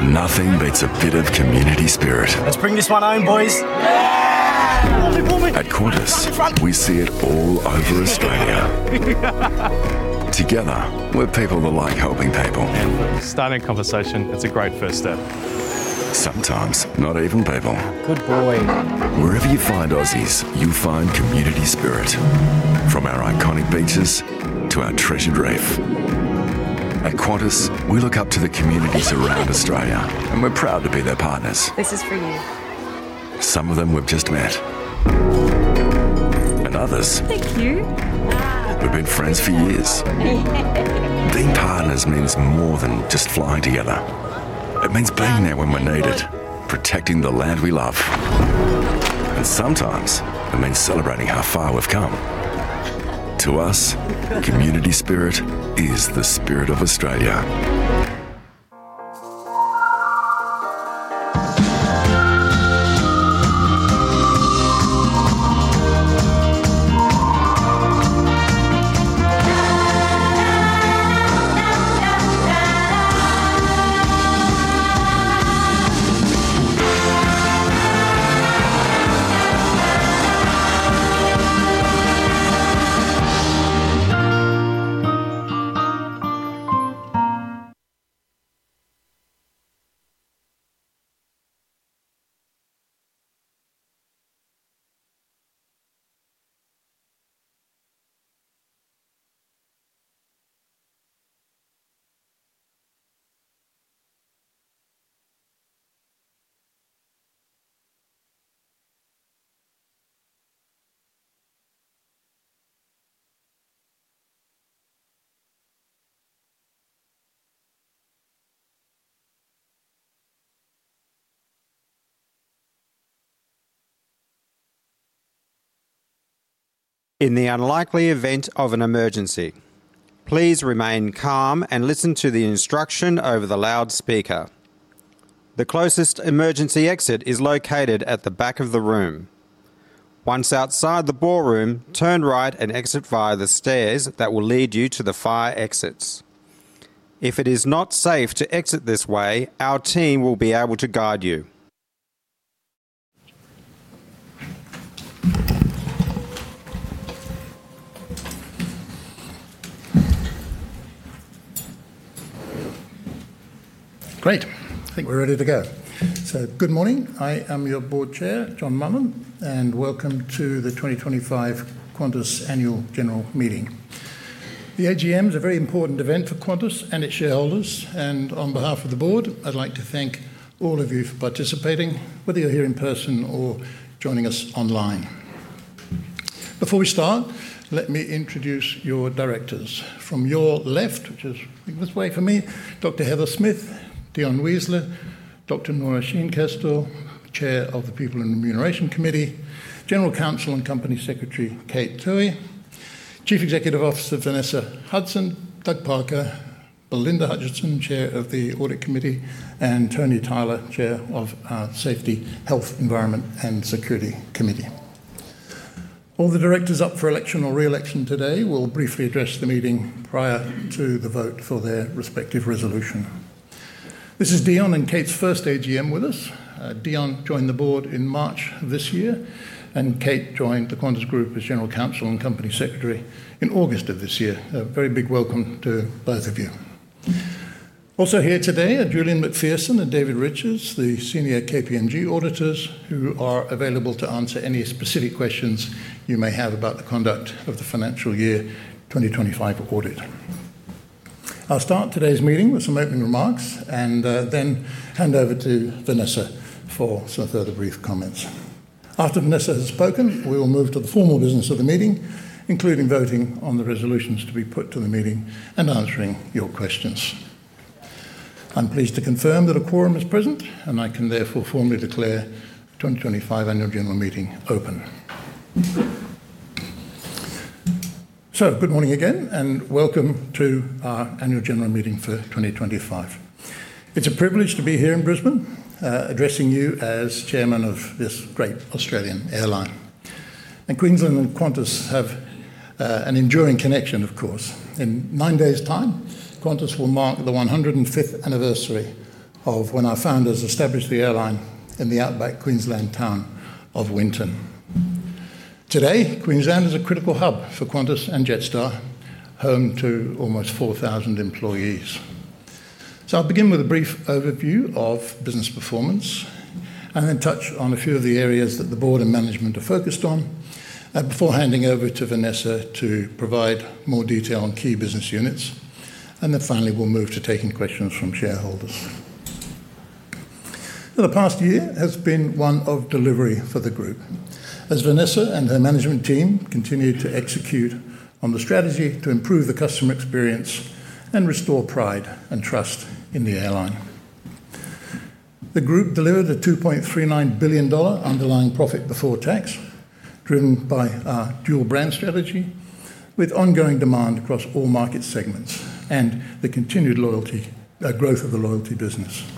Nothing beats a bit of community spirit. Let's bring this one home, boys. Yeah! At Qantas, we see it all over Australia. Together, we're people that like helping people. Stunning conversation. It's a great first step. Sometimes, not even people. Good boy. Wherever you find Aussies, you find community spirit. From our iconic beaches to our treasured reef. At Qantas, we look up to the communities around Australia, and we're proud to be their partners. This is for you. Some of them we've just met. Others... Thank you. We've been friends for years. Being partners means more than just flying together. It means being there when we're needed, protecting the land we love. Sometimes, it means celebrating how far we've come. To us, community spirit is the spirit of Australia. In the unlikely event of an emergency, please remain calm and listen to the instruction over the loudspeaker. The closest emergency exit is located at the back of the room. Once outside the ballroom, turn right and exit via the stairs that will lead you to the fire exits. If it is not safe to exit this way, our team will be able to guide you. Great. I think we're ready to go. Good morning. I am your Board Chair, John Mullen, and welcome to the 2025 Qantas Annual General Meeting. The AGM is a very important event for Qantas and its shareholders, and on behalf of the Board, I'd like to thank all of you for participating, whether you're here in person or joining us online. Before we start, let me introduce your directors. From your left, which is a bit of a way for me, Dr. Heather Smith, Dion Weisler, Dr. Nora Scheinkestel, Chair of the People and Remuneration Committee, General Counsel and Company Secretary Kate Tully, Chief Executive Officer Vanessa Hudson, Doug Parker, Belinda Hutchinson, Chair of the Audit Committee, and Tony Tyler, Chair of our Safety, Health, Environment, and Security Committee. All the directors up for election or re-election today will briefly address the meeting prior to the vote for their respective resolution. This is Dion and Kate's first AGM with us. Dion joined the board in March of this year, and Kate joined the Qantas Group as General Counsel and Company Secretary in August of this year. A very big welcome to both of you. Also here today are Julian McPherson and David Richards, the Senior KPMG Auditors, who are available to answer any specific questions you may have about the conduct of the financial year 2025 audit. I'll start today's meeting with some opening remarks, and then hand over to Vanessa for some further brief comments. After Vanessa has spoken, we will move to the formal business of the meeting, including voting on the resolutions to be put to the meeting and answering your questions. I'm pleased to confirm that a quorum is present, and I can therefore formally declare the 2025 Annual General Meeting open. Good morning again, and welcome to our Annual General Meeting for 2025. It's a privilege to be here in Brisbane, addressing you as Chairman of this great Australian airline. Queensland and Qantas have an enduring connection, of course. In nine days' time, Qantas will mark the 105th anniversary of when our founders established the airline in the outback Queensland town of Winton. Today, Queensland is a critical hub for Qantas and Jetstar, home to almost 4,000 employees. I'll begin with a brief overview of business performance, and then touch on a few of the areas that the board and management are focused on. Before handing over to Vanessa to provide more detail on key business units, and then finally we'll move to taking questions from shareholders. The past year has been one of delivery for the group, as Vanessa and her management team continued to execute on the strategy to improve the customer experience and restore pride and trust in the airline. The group delivered a $2.39 billion underlying profit before tax, driven by our dual brand strategy, with ongoing demand across all market segments and the continued growth of the loyalty business.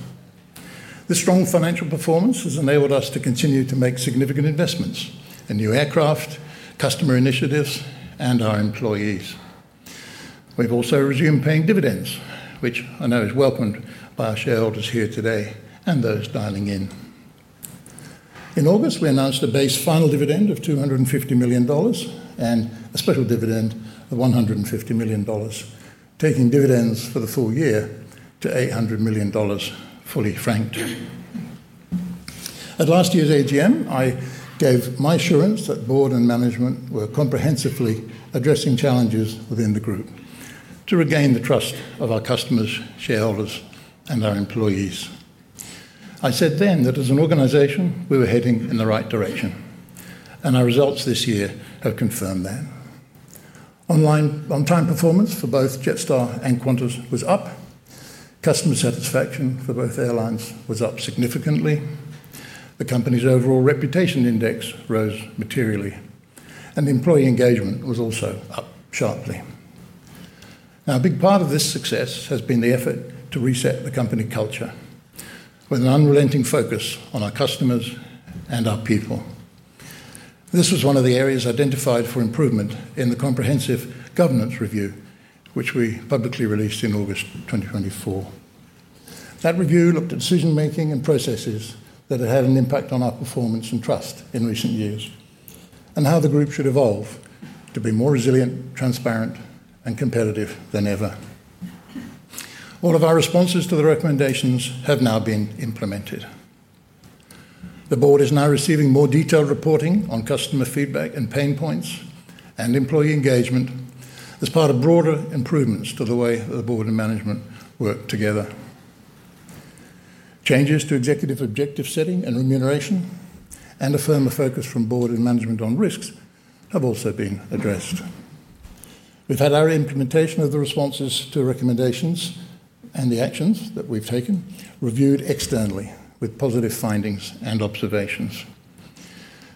The strong financial performance has enabled us to continue to make significant investments in new aircraft, customer initiatives, and our employees. We've also resumed paying dividends, which I know is welcomed by our shareholders here today and those dialing in. In August, we announced a base final dividend of 250 million dollars. A special dividend of 150 million dollars, taking dividends for the full year to $800 million, fully franked. At last year's AGM, I gave my assurance that board and management were comprehensively addressing challenges within the group to regain the trust of our customers, shareholders, and our employees. I said then that as an organization, we were heading in the right direction. Our results this year have confirmed that. Online on-time performance for both Jetstar and Qantas was up. Customer satisfaction for both airlines was up significantly. The company's overall reputation index rose materially, and employee engagement was also up sharply. A big part of this success has been the effort to reset the company culture, with an unrelenting focus on our customers and our people. This was one of the areas identified for improvement in the comprehensive governance review, which we publicly released in August 2024. That review looked at decision-making and processes that had had an impact on our performance and trust in recent years, and how the group should evolve to be more resilient, transparent, and competitive than ever. All of our responses to the recommendations have now been implemented. The board is now receiving more detailed reporting on customer feedback and pain points and employee engagement as part of broader improvements to the way that the board and management work together. Changes to executive objective setting and remuneration, and a firmer focus from board and management on risks, have also been addressed. We've had our implementation of the responses to recommendations and the actions that we've taken reviewed externally with positive findings and observations.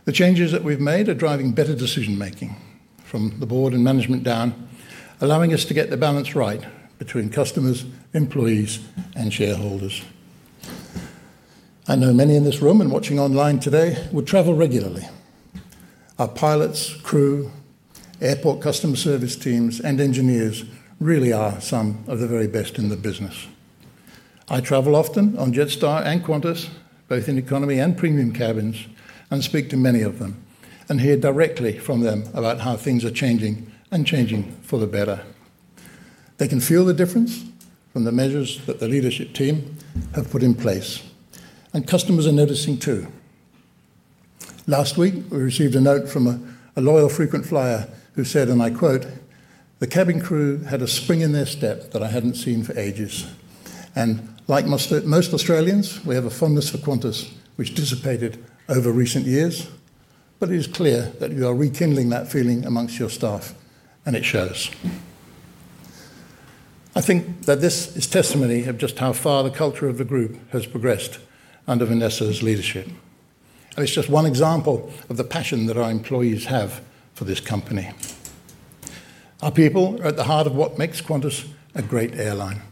The changes that we've made are driving better decision-making from the board and management down, allowing us to get the balance right between customers, employees, and shareholders. I know many in this room and watching online today would travel regularly. Our pilots, crew, airport customer service teams, and engineers really are some of the very best in the business. I travel often on Jetstar and Qantas, both in economy and premium cabins, and speak to many of them and hear directly from them about how things are changing and changing for the better. They can feel the difference from the measures that the leadership team have put in place, and customers are noticing too. Last week, we received a note from a loyal frequent flyer who said, I quote, "The cabin crew had a spring in their step that I hadn't seen for ages." Like most Australians, we have a fondness for Qantas, which dissipated over recent years, but it is clear that you are rekindling that feeling amongst your staff, and it shows. I think that this is testimony of just how far the culture of the group has progressed under Vanessa's leadership. It is just one example of the passion that our employees have for this company. Our people are at the heart of what makes Qantas a great airline,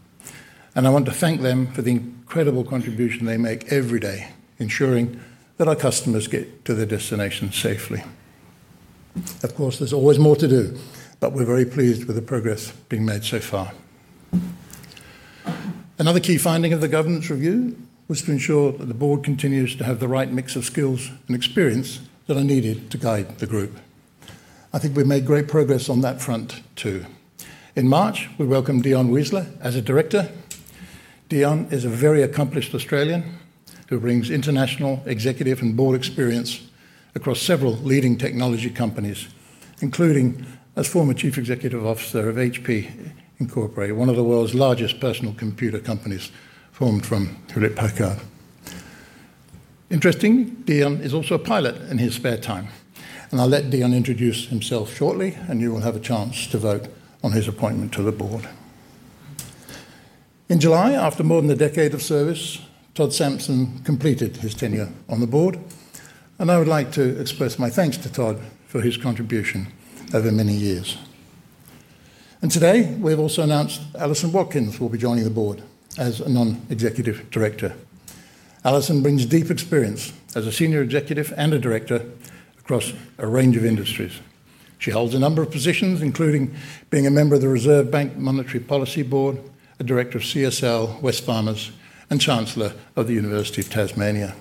and I want to thank them for the incredible contribution they make every day, ensuring that our customers get to their destination safely. Of course, there is always more to do, but we are very pleased with the progress being made so far. Another key finding of the governance review was to ensure that the board continues to have the right mix of skills and experience that are needed to guide the group. I think we have made great progress on that front too. In March, we welcomed Dion Weisler as a director. Dion is a very accomplished Australian who brings international, executive, and board experience across several leading technology companies, including. As former Chief Executive Officer of HP Incorporated, one of the world's largest personal computer companies formed from Hewlett-Packard. Interestingly, Dion is also a pilot in his spare time, and I'll let Dion introduce himself shortly, and you will have a chance to vote on his appointment to the board. In July, after more than a decade of service, Todd Sampson completed his tenure on the board, and I would like to express my thanks to Todd for his contribution over many years. Today, we've also announced Alison Watkins will be joining the board as a non-executive director. Alison brings deep experience as a senior executive and a director across a range of industries. She holds a number of positions, including being a member of the Reserve Bank Monetary Policy Board, a director of CSL, Wesfarmers, and Chancellor of the University of Tasmania.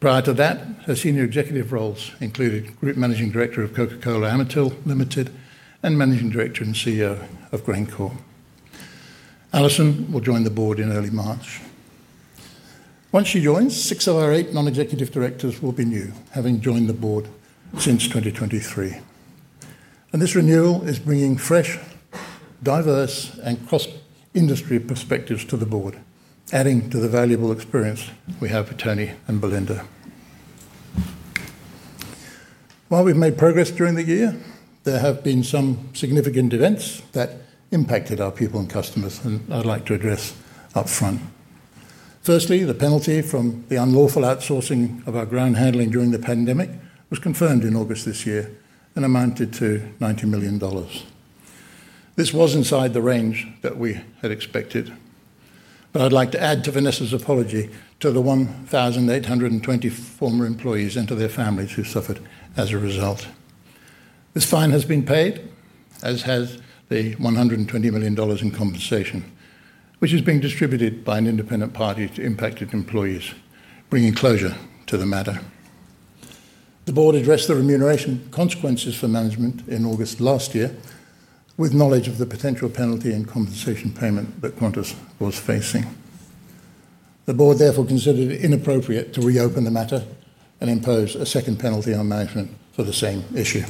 Prior to that, her senior executive roles included Group Managing Director of Coca-Cola Amatil Limited and Managing Director and CEO of GrainCorp. Alison will join the board in early March. Once she joins, six of our eight non-executive directors will be new, having joined the board since 2023. This renewal is bringing fresh, diverse, and cross-industry perspectives to the board, adding to the valuable experience we have with Tony and Belinda. While we've made progress during the year, there have been some significant events that impacted our people and customers, and I'd like to address upfront. Firstly, the penalty from the unlawful outsourcing of our ground handling during the pandemic was confirmed in August this year and amounted to 90 million dollars. This was inside the range that we had expected. I'd like to add to Vanessa's apology to the 1,820 former employees and to their families who suffered as a result. This fine has been paid, as has the 120 million dollars in compensation, which is being distributed by an independent party to impacted employees, bringing closure to the matter. The board addressed the remuneration consequences for management in August last year with knowledge of the potential penalty and compensation payment that Qantas was facing. The board therefore considered it inappropriate to reopen the matter and impose a second penalty on management for the same issue.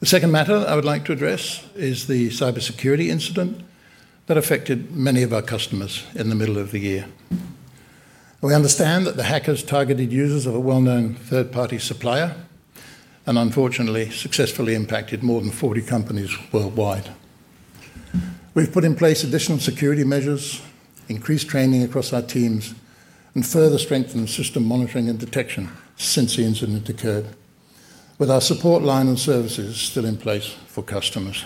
The second matter I would like to address is the cybersecurity incident that affected many of our customers in the middle of the year. We understand that the hackers targeted users of a well-known third-party supplier. Unfortunately, successfully impacted more than 40 companies worldwide. We've put in place additional security measures, increased training across our teams, and further strengthened system monitoring and detection since the incident occurred, with our support line and services still in place for customers.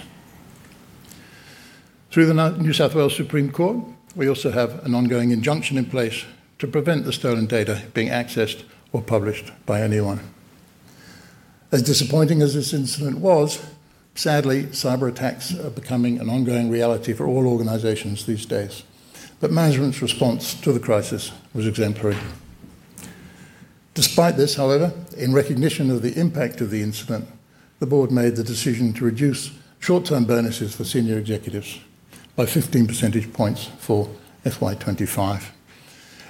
Through the New South Wales Supreme Court, we also have an ongoing injunction in place to prevent the stolen data being accessed or published by anyone. As disappointing as this incident was, sadly, cyberattacks are becoming an ongoing reality for all organizations these days. Management's response to the crisis was exemplary. Despite this, however, in recognition of the impact of the incident, the board made the decision to reduce short-term bonuses for senior executives by 15 percentage points for FY 2025.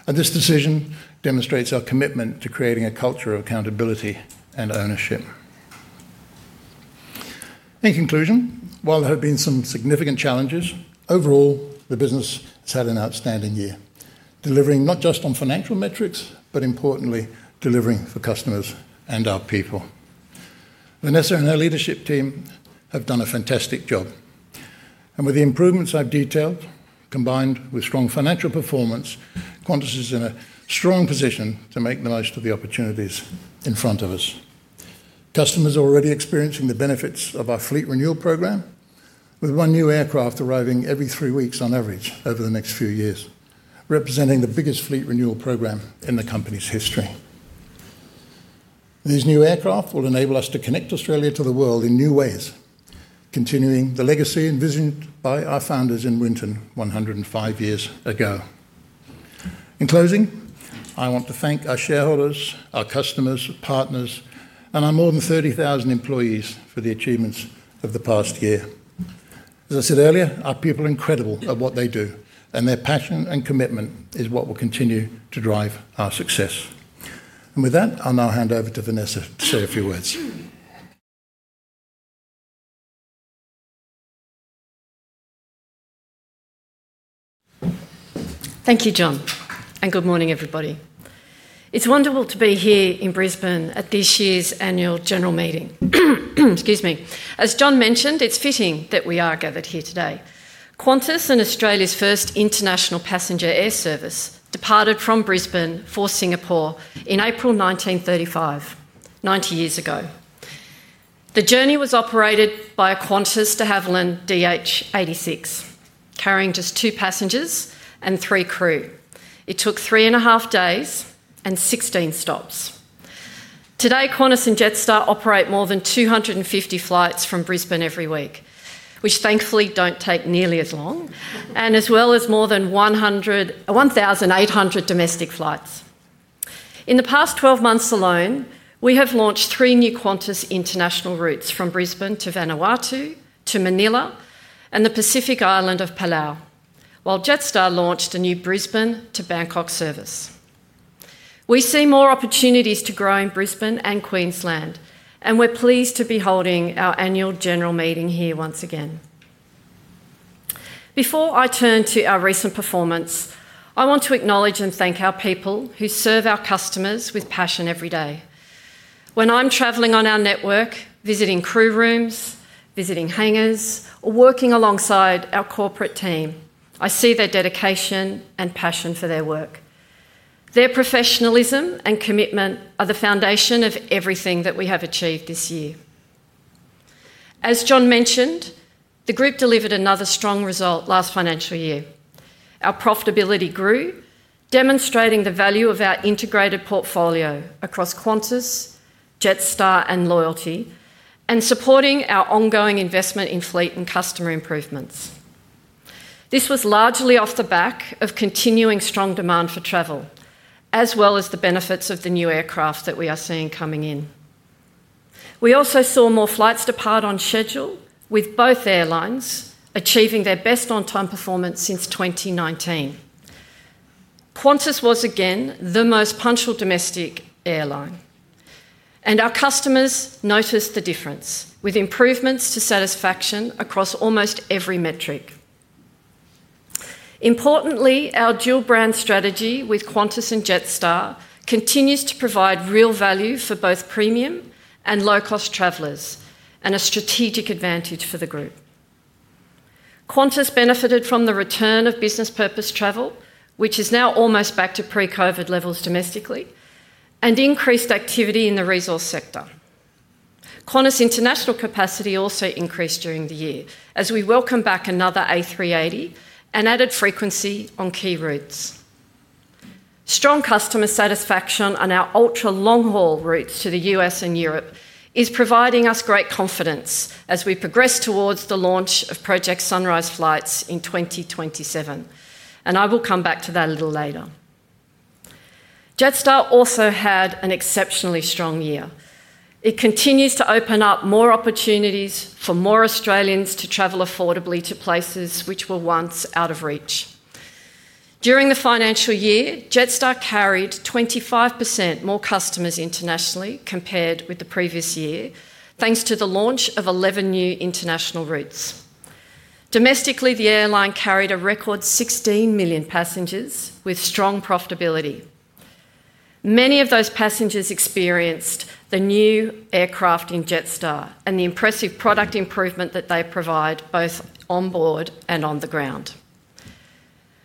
This decision demonstrates our commitment to creating a culture of accountability and ownership. In conclusion, while there have been some significant challenges, overall, the business has had an outstanding year, delivering not just on financial metrics, but importantly, delivering for customers and our people. Vanessa and her leadership team have done a fantastic job. With the improvements I've detailed, combined with strong financial performance, Qantas is in a strong position to make the most of the opportunities in front of us. Customers are already experiencing the benefits of our fleet renewal program. With one new aircraft arriving every three weeks on average over the next few years, representing the biggest fleet renewal program in the company's history. These new aircraft will enable us to connect Australia to the world in new ways, continuing the legacy envisioned by our founders in Winton 105 years ago. In closing, I want to thank our shareholders, our customers, partners, and our more than 30,000 employees for the achievements of the past year. As I said earlier, our people are incredible at what they do, and their passion and commitment is what will continue to drive our success. With that, I'll now hand over to Vanessa to say a few words. Thank you, John, and good morning, everybody. It's wonderful to be here in Brisbane at this year's annual general meeting. Excuse me. As John mentioned, it's fitting that we are gathered here today. Qantas, and Australia's first international passenger air service, departed from Brisbane for Singapore in April 1935, 90 years ago. The journey was operated by a Qantas de Havilland DH86, carrying just two passengers and three crew. It took three and a half days and 16 stops. Today, Qantas and Jetstar operate more than 250 flights from Brisbane every week, which thankfully do not take nearly as long, as well as more than 1,800 domestic flights. In the past 12 months alone, we have launched three new Qantas international routes from Brisbane to Vanuatu, to Manila, and the Pacific Island of Palau, while Jetstar launched a new Brisbane to Bangkok service. We see more opportunities to grow in Brisbane and Queensland, and we are pleased to be holding our annual general meeting here once again. Before I turn to our recent performance, I want to acknowledge and thank our people who serve our customers with passion every day. When I'm traveling on our network, visiting crew rooms, visiting hangars, or working alongside our corporate team, I see their dedication and passion for their work. Their professionalism and commitment are the foundation of everything that we have achieved this year. As John mentioned, the group delivered another strong result last financial year. Our profitability grew, demonstrating the value of our integrated portfolio across Qantas, Jetstar, and Loyalty, and supporting our ongoing investment in fleet and customer improvements. This was largely off the back of continuing strong demand for travel, as well as the benefits of the new aircraft that we are seeing coming in. We also saw more flights depart on schedule, with both airlines achieving their best on-time performance since 2019. Qantas was, again, the most punctual domestic airline. Our customers noticed the difference, with improvements to satisfaction across almost every metric. Importantly, our dual-brand strategy with Qantas and Jetstar continues to provide real value for both premium and low-cost travelers and a strategic advantage for the group. Qantas benefited from the return of business purpose travel, which is now almost back to pre-COVID levels domestically, and increased activity in the resource sector. Qantas' international capacity also increased during the year as we welcomed back another A380 and added frequency on key routes. Strong customer satisfaction on our ultra long-haul routes to the U.S. and Europe is providing us great confidence as we progress towards the launch of Project Sunrise flights in 2027, and I will come back to that a little later. Jetstar also had an exceptionally strong year. It continues to open up more opportunities for more Australians to travel affordably to places which were once out of reach. During the financial year, Jetstar carried 25% more customers internationally compared with the previous year, thanks to the launch of 11 new international routes. Domestically, the airline carried a record 16 million passengers with strong profitability. Many of those passengers experienced the new aircraft in Jetstar and the impressive product improvement that they provide both onboard and on the ground.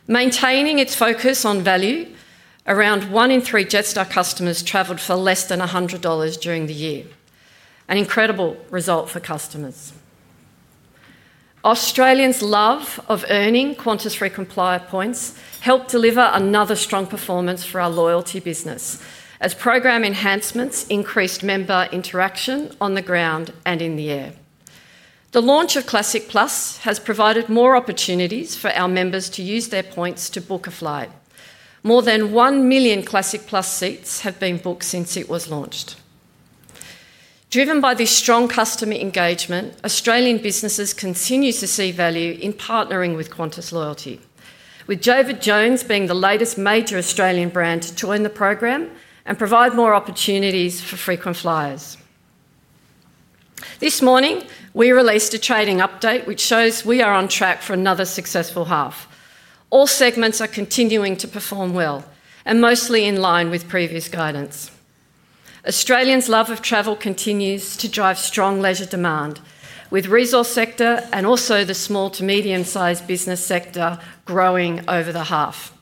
Maintaining its focus on value, around one in three Jetstar customers traveled for less than 100 dollars during the year, an incredible result for customers. Australians' love of earning Qantas Frequent Flyer points helped deliver another strong performance for our loyalty business as program enhancements increased member interaction on the ground and in the air. The launch of Classic Plus has provided more opportunities for our members to use their points to book a flight. More than 1 million Classic Plus seats have been booked since it was launched. Driven by this strong customer engagement, Australian businesses continue to see value in partnering with Qantas Loyalty, with David Jones being the latest major Australian brand to join the program and provide more opportunities for frequent flyers. This morning, we released a trading update which shows we are on track for another successful half. All segments are continuing to perform well and mostly in line with previous guidance. Australians' love of travel continues to drive strong leisure demand, with the resource sector and also the small to medium-sized business sector growing over the half.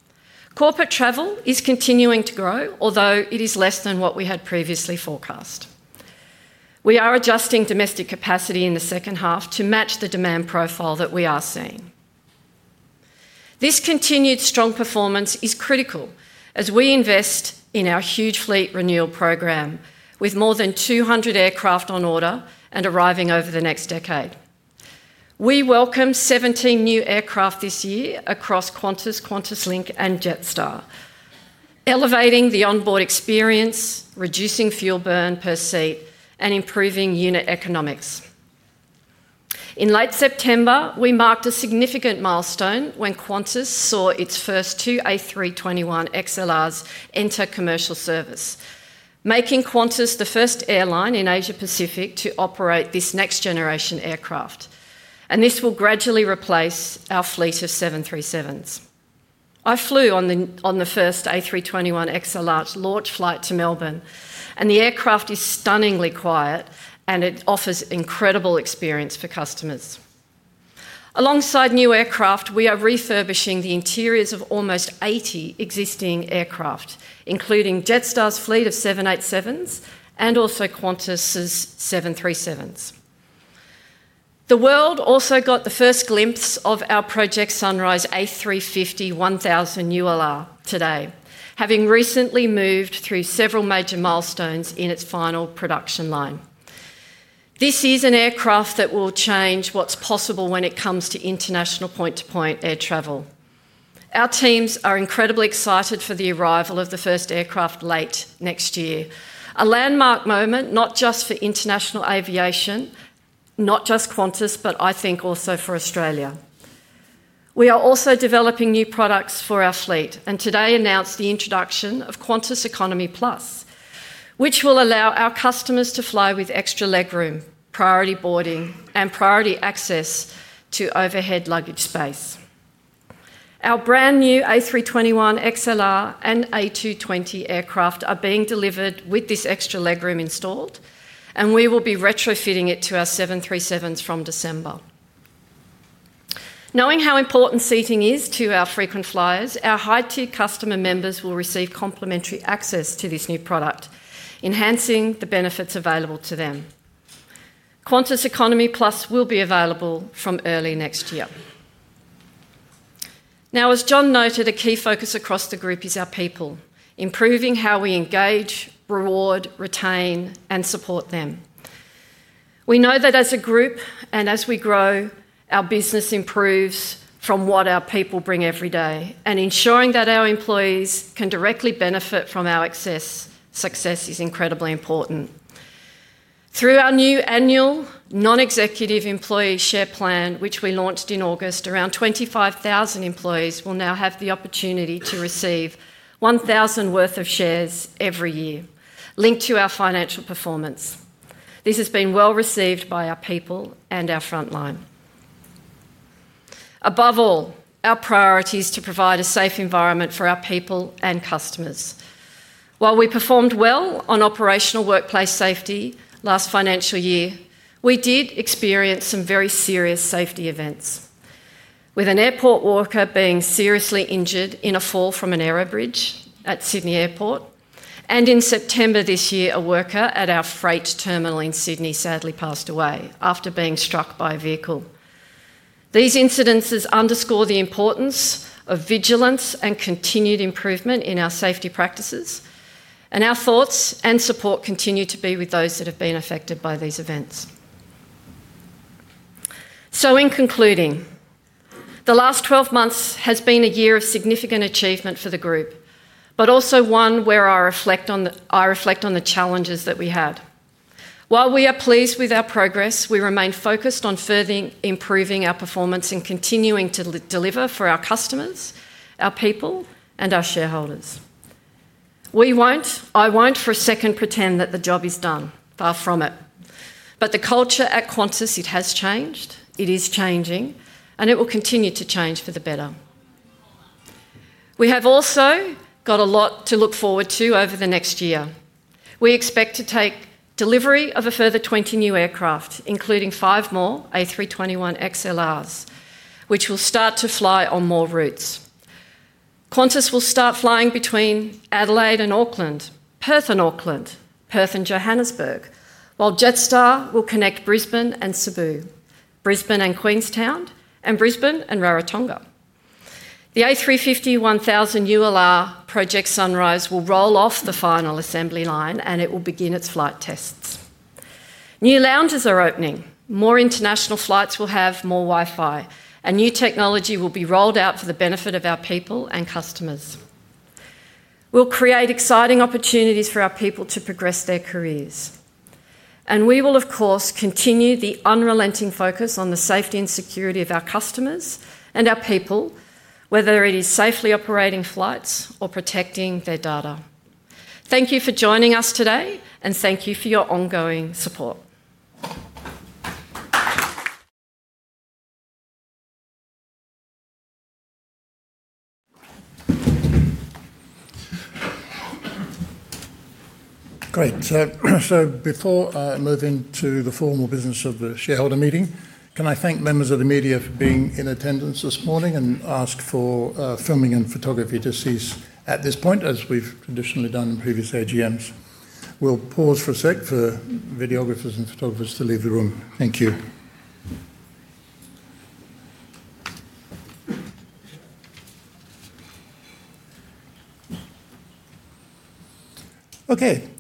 Corporate travel is continuing to grow, although it is less than what we had previously forecast. We are adjusting domestic capacity in the second half to match the demand profile that we are seeing. This continued strong performance is critical as we invest in our huge fleet renewal program, with more than 200 aircraft on order and arriving over the next decade. We welcome 17 new aircraft this year across Qantas, QantasLink, and Jetstar. Elevating the onboard experience, reducing fuel burn per seat, and improving unit economics. In late September, we marked a significant milestone when Qantas saw its first two A321XLRs enter commercial service, making Qantas the first airline in Asia-Pacific to operate this next-generation aircraft. This will gradually replace our fleet of 737s. I flew on the first A321XLR launch flight to Melbourne, and the aircraft is stunningly quiet, and it offers incredible experience for customers. Alongside new aircraft, we are refurbishing the interiors of almost 80 existing aircraft, including Jetstar's fleet of 787s and also Qantas' 737s. The world also got the first glimpse of our Project Sunrise A350-1000 ULR today, having recently moved through several major milestones in its final production line. This is an aircraft that will change what's possible when it comes to international point-to-point air travel. Our teams are incredibly excited for the arrival of the first aircraft late next year, a landmark moment not just for international aviation, not just Qantas, but I think also for Australia. We are also developing new products for our fleet and today announced the introduction of Qantas Economy Plus, which will allow our customers to fly with extra leg room, priority boarding, and priority access to overhead luggage space. Our brand new A321XLR and A220 aircraft are being delivered with this extra leg room installed, and we will be retrofitting it to our 737s from December. Knowing how important seating is to our frequent flyers, our high-tier customer members will receive complimentary access to this new product, enhancing the benefits available to them. Qantas Economy Plus will be available from early next year. Now, as John noted, a key focus across the group is our people, improving how we engage, reward, retain, and support them. We know that as a group and as we grow, our business improves from what our people bring every day. Ensuring that our employees can directly benefit from our success is incredibly important. Through our new annual non-executive employee share plan, which we launched in August, around 25,000 employees will now have the opportunity to receive 1,000 worth of shares every year linked to our financial performance. This has been well received by our people and our frontline. Above all, our priority is to provide a safe environment for our people and customers. While we performed well on operational workplace safety last financial year, we did experience some very serious safety events, with an airport worker being seriously injured in a fall from an aerobridge at Sydney Airport. In September this year, a worker at our freight terminal in Sydney sadly passed away after being struck by a vehicle. These incidents underscore the importance of vigilance and continued improvement in our safety practices, and our thoughts and support continue to be with those that have been affected by these events. In concluding, the last 12 months has been a year of significant achievement for the group, but also one where I reflect on the challenges that we had. While we are pleased with our progress, we remain focused on further improving our performance and continuing to deliver for our customers, our people, and our shareholders. I won't for a second pretend that the job is done, far from it. The culture at Qantas, it has changed, it is changing, and it will continue to change for the better. We have also got a lot to look forward to over the next year. We expect to take delivery of a further 20 new aircraft, including five more A321XLRs, which will start to fly on more routes. Qantas will start flying between Adelaide and Auckland, Perth and Auckland, Perth and Johannesburg, while Jetstar will connect Brisbane and Cebu, Brisbane and Queenstown, and Brisbane and Rarotonga. The A350-1000 ULR Project Sunrise will roll off the final assembly line, and it will begin its flight tests. New lounges are opening. More international flights will have more Wi-Fi, and new technology will be rolled out for the benefit of our people and customers. We'll create exciting opportunities for our people to progress their careers. We will, of course, continue the unrelenting focus on the safety and security of our customers and our people, whether it is safely operating flights or protecting their data. Thank you for joining us today, and thank you for your ongoing support. Great. Before I move into the formal business of the shareholder meeting, can I thank members of the media for being in attendance this morning and ask for filming and photography to cease at this point, as we've traditionally done in previous AGMs? We'll pause for a sec for videographers and photographers to leave the room. Thank you.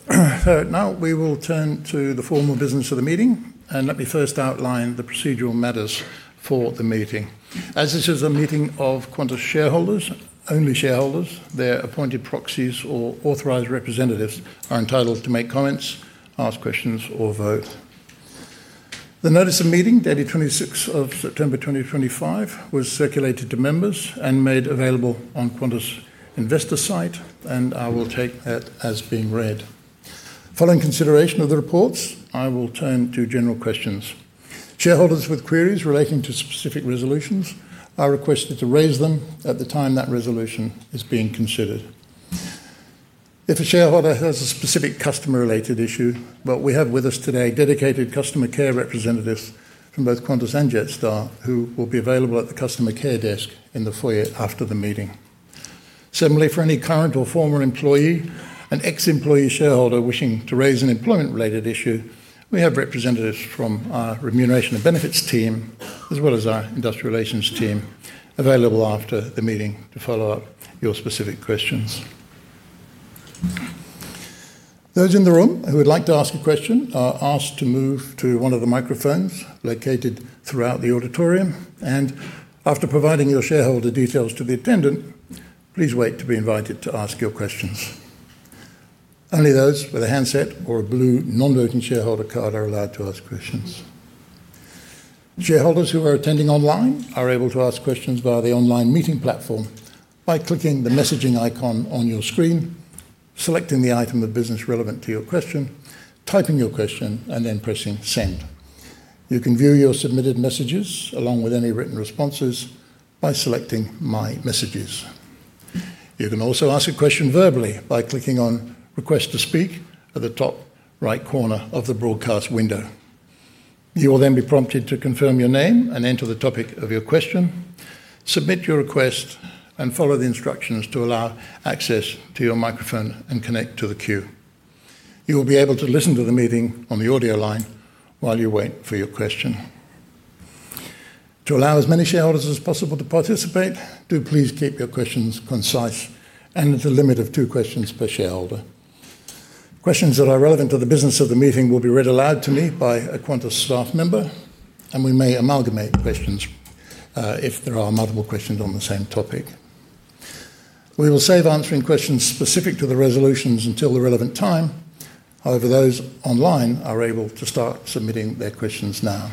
Okay. Now we will turn to the formal business of the meeting, and let me first outline the procedural matters for the meeting. As this is a meeting of Qantas shareholders, only shareholders, their appointed proxies or authorized representatives are entitled to make comments, ask questions, or vote. The notice of meeting, dated 26th of September 2025, was circulated to members and made available on Qantas' investor site, and I will take that as being read. Following consideration of the reports, I will turn to general questions. Shareholders with queries relating to specific resolutions are requested to raise them at the time that resolution is being considered. If a shareholder has a specific customer-related issue, we have with us today dedicated customer care representatives from both Qantas and Jetstar who will be available at the customer care desk in the foyer after the meeting. Similarly, for any current or former employee and ex-employee shareholder wishing to raise an employment-related issue, we have representatives from our remuneration and benefits team, as well as our industrial relations team, available after the meeting to follow up your specific questions. Those in the room who would like to ask a question are asked to move to one of the microphones located throughout the auditorium. After providing your shareholder details to the attendant, please wait to be invited to ask your questions. Only those with a handset or a blue non-voting shareholder card are allowed to ask questions. Shareholders who are attending online are able to ask questions via the online meeting platform by clicking the messaging icon on your screen, selecting the item of business relevant to your question, typing your question, and then pressing send. You can view your submitted messages along with any written responses by selecting my messages. You can also ask a question verbally by clicking on request to speak at the top right corner of the broadcast window. You will then be prompted to confirm your name and enter the topic of your question, submit your request, and follow the instructions to allow access to your microphone and connect to the queue. You will be able to listen to the meeting on the audio line while you wait for your question. To allow as many shareholders as possible to participate, do please keep your questions concise and at the limit of two questions per shareholder. Questions that are relevant to the business of the meeting will be read aloud to me by a Qantas staff member, and we may amalgamate questions if there are multiple questions on the same topic. We will save answering questions specific to the resolutions until the relevant time. However, those online are able to start submitting their questions now.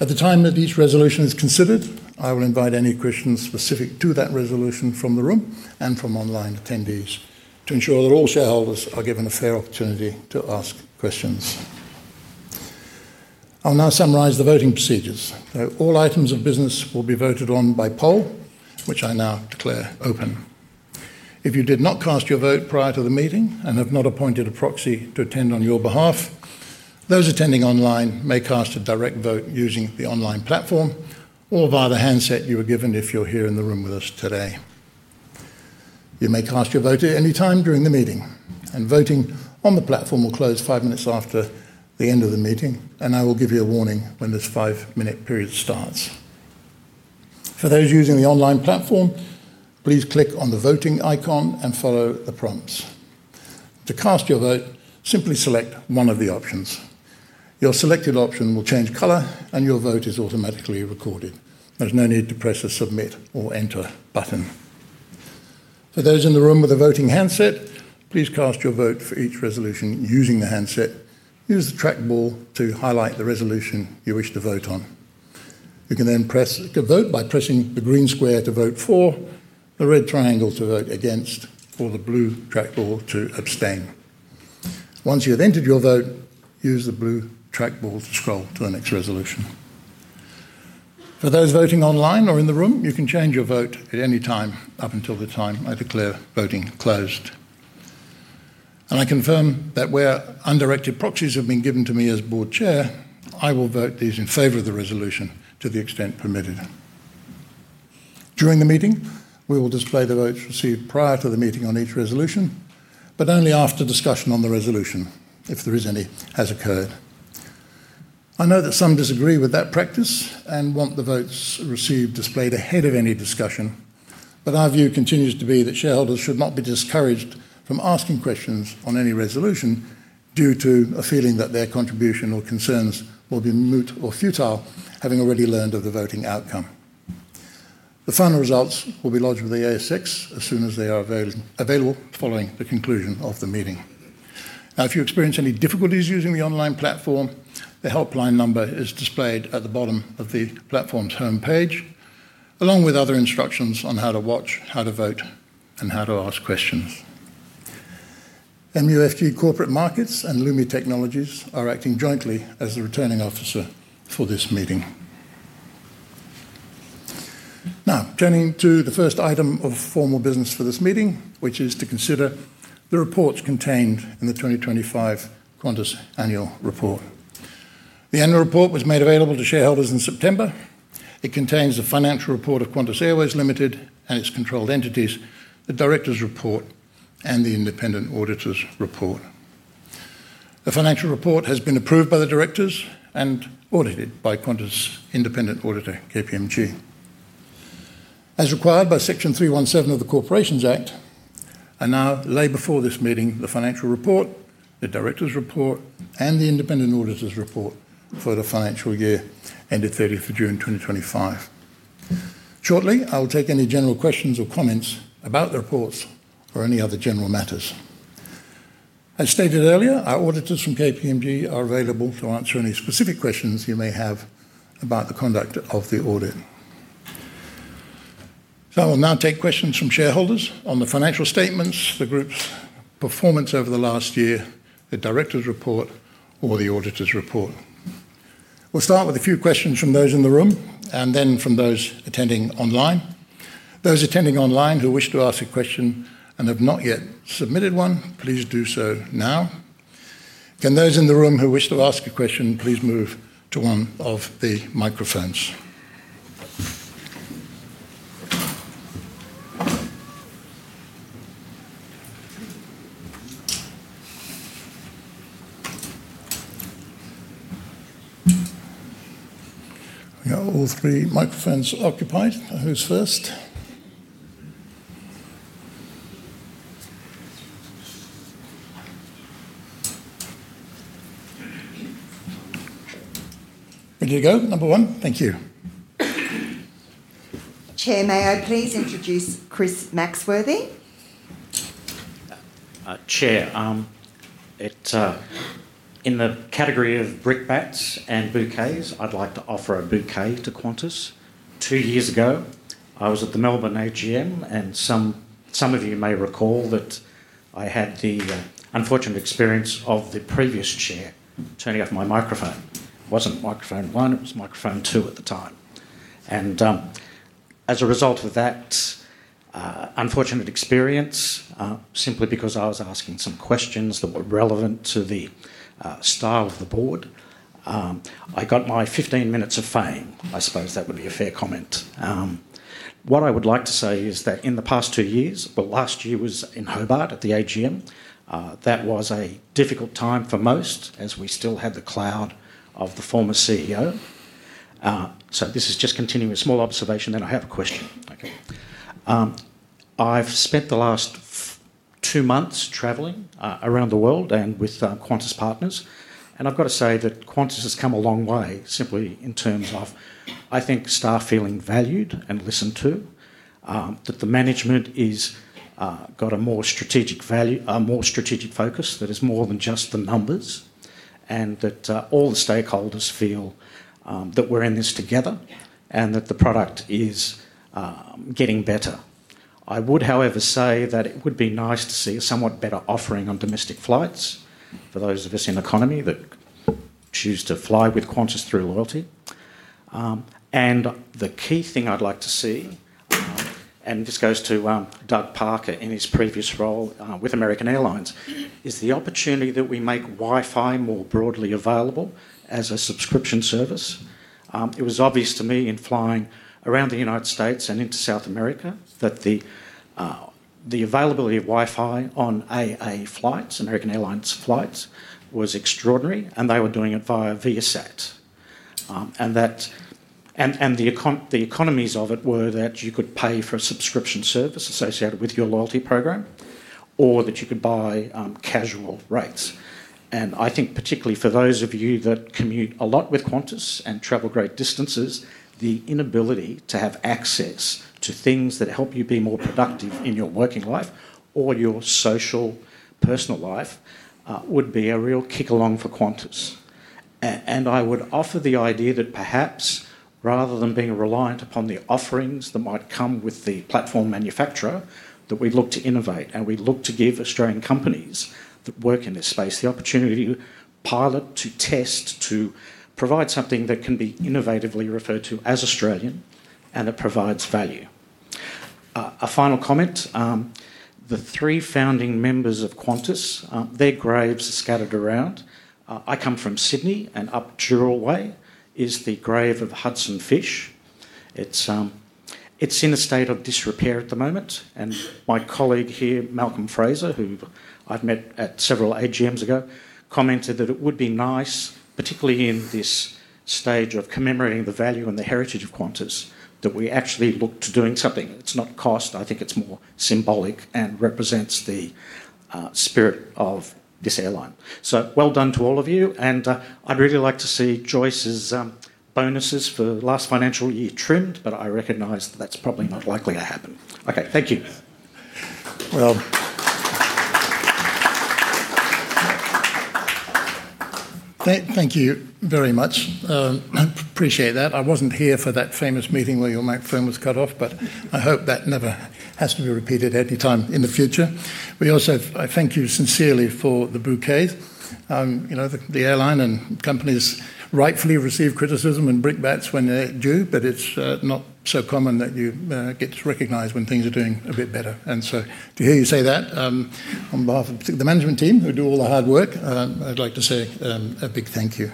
At the time that each resolution is considered, I will invite any questions specific to that resolution from the room and from online attendees to ensure that all shareholders are given a fair opportunity to ask questions. I'll now summarize the voting procedures. All items of business will be voted on by poll, which I now declare open. If you did not cast your vote prior to the meeting and have not appointed a proxy to attend on your behalf, those attending online may cast a direct vote using the online platform or via the handset you were given if you're here in the room with us today. You may cast your vote at any time during the meeting, and voting on the platform will close five minutes after the end of the meeting. I will give you a warning when this five-minute period starts. For those using the online platform, please click on the voting icon and follow the prompts. To cast your vote, simply select one of the options. Your selected option will change color, and your vote is automatically recorded. There's no need to press the submit or enter button. For those in the room with a voting handset, please cast your vote for each resolution using the handset. Use the trackball to highlight the resolution you wish to vote on. You can then vote by pressing the green square to vote for, the red triangle to vote against, or the blue trackball to abstain. Once you have entered your vote, use the blue trackball to scroll to the next resolution. For those voting online or in the room, you can change your vote at any time up until the time I declare voting closed. I confirm that where undirected proxies have been given to me as board chair, I will vote these in favor of the resolution to the extent permitted. During the meeting, we will display the votes received prior to the meeting on each resolution, but only after discussion on the resolution if there is any has occurred. I know that some disagree with that practice and want the votes received displayed ahead of any discussion, but our view continues to be that shareholders should not be discouraged from asking questions on any resolution due to a feeling that their contribution or concerns will be moot or futile, having already learned of the voting outcome. The final results will be lodged with the ASX as soon as they are available following the conclusion of the meeting. Now, if you experience any difficulties using the online platform, the helpline number is displayed at the bottom of the platform's homepage, along with other instructions on how to watch, how to vote, and how to ask questions. MUFG Corporate Markets and Lumi Technologies are acting jointly as the returning officer for this meeting. Now, turning to the first item of formal business for this meeting, which is to consider the reports contained in the 2025 Qantas annual report. The annual report was made available to shareholders in September. It contains the financial report of Qantas Airways Limited and its controlled entities, the director's report, and the independent auditor's report. The financial report has been approved by the directors and audited by Qantas' independent auditor, KPMG. As required by Section 317 of the Corporations Act, I now lay before this meeting the financial report, the director's report, and the independent auditor's report for the financial year ended 30th of June 2025. Shortly, I will take any general questions or comments about the reports or any other general matters. As stated earlier, our auditors from KPMG are available to answer any specific questions you may have about the conduct of the audit. I will now take questions from shareholders on the financial statements, the group's performance over the last year, the director's report, or the auditor's report. We'll start with a few questions from those in the room and then from those attending online. Those attending online who wish to ask a question and have not yet submitted one, please do so now. Can those in the room who wish to ask a question please move to one of the microphones? We got all three microphones occupied. Who's first? Ready to go, number one? Thank you. Chair, may I please introduce Chris Maxworthy? Chair. In the category of brick bats and bouquets, I'd like to offer a bouquet to Qantas. Two years ago, I was at the Melbourne AGM, and some of you may recall that I had the unfortunate experience of the previous chair turning off my microphone. It was not microphone one; it was microphone two at the time. As a result of that unfortunate experience, simply because I was asking some questions that were relevant to the style of the board, I got my 15 minutes of fame. I suppose that would be a fair comment. What I would like to say is that in the past two years, last year was in Hobart at the AGM. That was a difficult time for most, as we still had the clout of the former CEO. This is just continuing a small observation, then I have a question. I have spent the last two months traveling around the world and with Qantas partners, and I have got to say that Qantas has come a long way simply in terms of, I think, staff feeling valued and listened to. That the management has. Got a more strategic focus that is more than just the numbers, and that all the stakeholders feel that we're in this together and that the product is getting better. I would, however, say that it would be nice to see a somewhat better offering on domestic flights for those of us in economy that choose to fly with Qantas through loyalty. The key thing I'd like to see, and this goes to Doug Parker in his previous role with American Airlines, is the opportunity that we make Wi-Fi more broadly available as a subscription service. It was obvious to me in flying around the United States and into South America that the availability of Wi-Fi on AA Flights, American Airlines flights was extraordinary, and they were doing it via Viasat. The economies of it were that you could pay for a subscription service associated with your loyalty program. Or that you could buy casual rates. I think, particularly for those of you that commute a lot with Qantas and travel great distances, the inability to have access to things that help you be more productive in your working life or your social, personal life would be a real kick-along for Qantas. I would offer the idea that perhaps, rather than being reliant upon the offerings that might come with the platform manufacturer, we look to innovate and we look to give Australian companies that work in this space the opportunity to pilot, to test, to provide something that can be innovatively referred to as Australian and that provides value. A final comment. The three founding members of Qantas, their graves are scattered around. I come from Sydney, and up Jurral Way is the grave of Hudson Fysh. It's in a state of disrepair at the moment, and my colleague here, Malcolm Fraser, who I've met at several AGMs ago, commented that it would be nice, particularly in this stage of commemorating the value and the heritage of Qantas, that we actually look to doing something. It's not cost. I think it's more symbolic and represents the spirit of this airline. So well done to all of you, and I'd really like to see Joyce's bonuses for last financial year trimmed, but I recognize that that's probably not likely to happen. Thank you. Thank you very much. I appreciate that. I wasn't here for that famous meeting where your microphone was cut off, but I hope that never has to be repeated anytime in the future. I thank you sincerely for the bouquets. The airline and companies rightfully receive criticism and brick bats when they're due, but it's not so common that you get to recognize when things are doing a bit better. To hear you say that. On behalf of the management team who do all the hard work, I'd like to say a big thank you.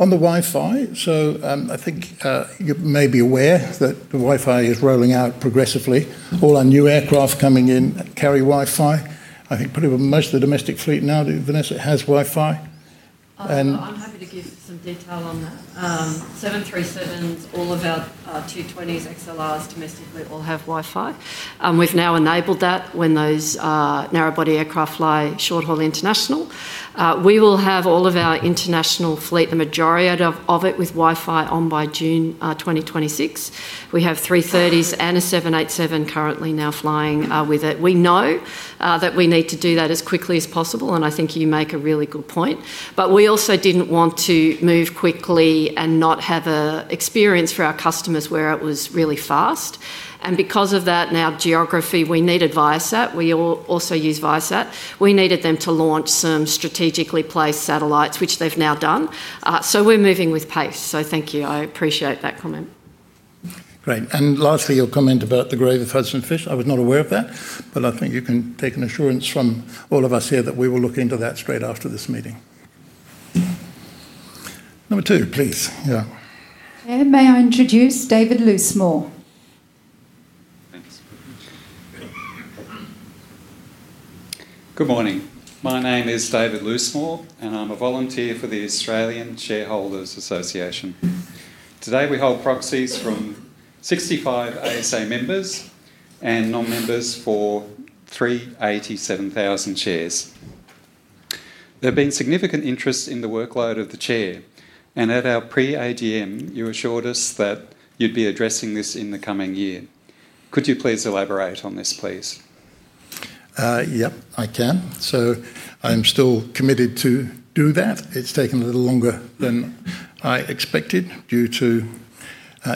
On the Wi-Fi, I think you may be aware that the Wi-Fi is rolling out progressively. All our new aircraft coming in carry Wi-Fi. I think pretty much most of the domestic fleet now, Vanessa, has Wi-Fi. I'm happy to give some detail on that. 737s, all of our 220s, XLRs domestically all have Wi-Fi. We've now enabled that when those narrowbody aircraft fly short-haul international. We will have all of our international fleet, the majority of it, with Wi-Fi on by June 2026. We have 330s and a 787 currently now flying with it. We know that we need to do that as quickly as possible, and I think you make a really good point. We also did not want to move quickly and not have an experience for our customers where it was really fast. Because of that, now geography, we needed Viasat. We also use Viasat. We needed them to launch some strategically placed satellites, which they have now done. We are moving with pace. Thank you. I appreciate that comment. Great. Lastly, your comment about the grave of Hudson Fysh. I was not aware of that, but I think you can take an assurance from all of us here that we will look into that straight after this meeting. Number two, please. May I introduce David Losemoore. Thanks. Good morning. My name is David Loosemore, and I'm a volunteer for the Australian Shareholders' Association. Today, we hold proxies from 65 ASA members and non-members for 387,000 shares. There's been significant interest in the workload of the chair, and at our pre-AGM, you assured us that you'd be addressing this in the coming year. Could you please elaborate on this, please? Yep, I can. So I am still committed to do that. It's taken a little longer than I expected due to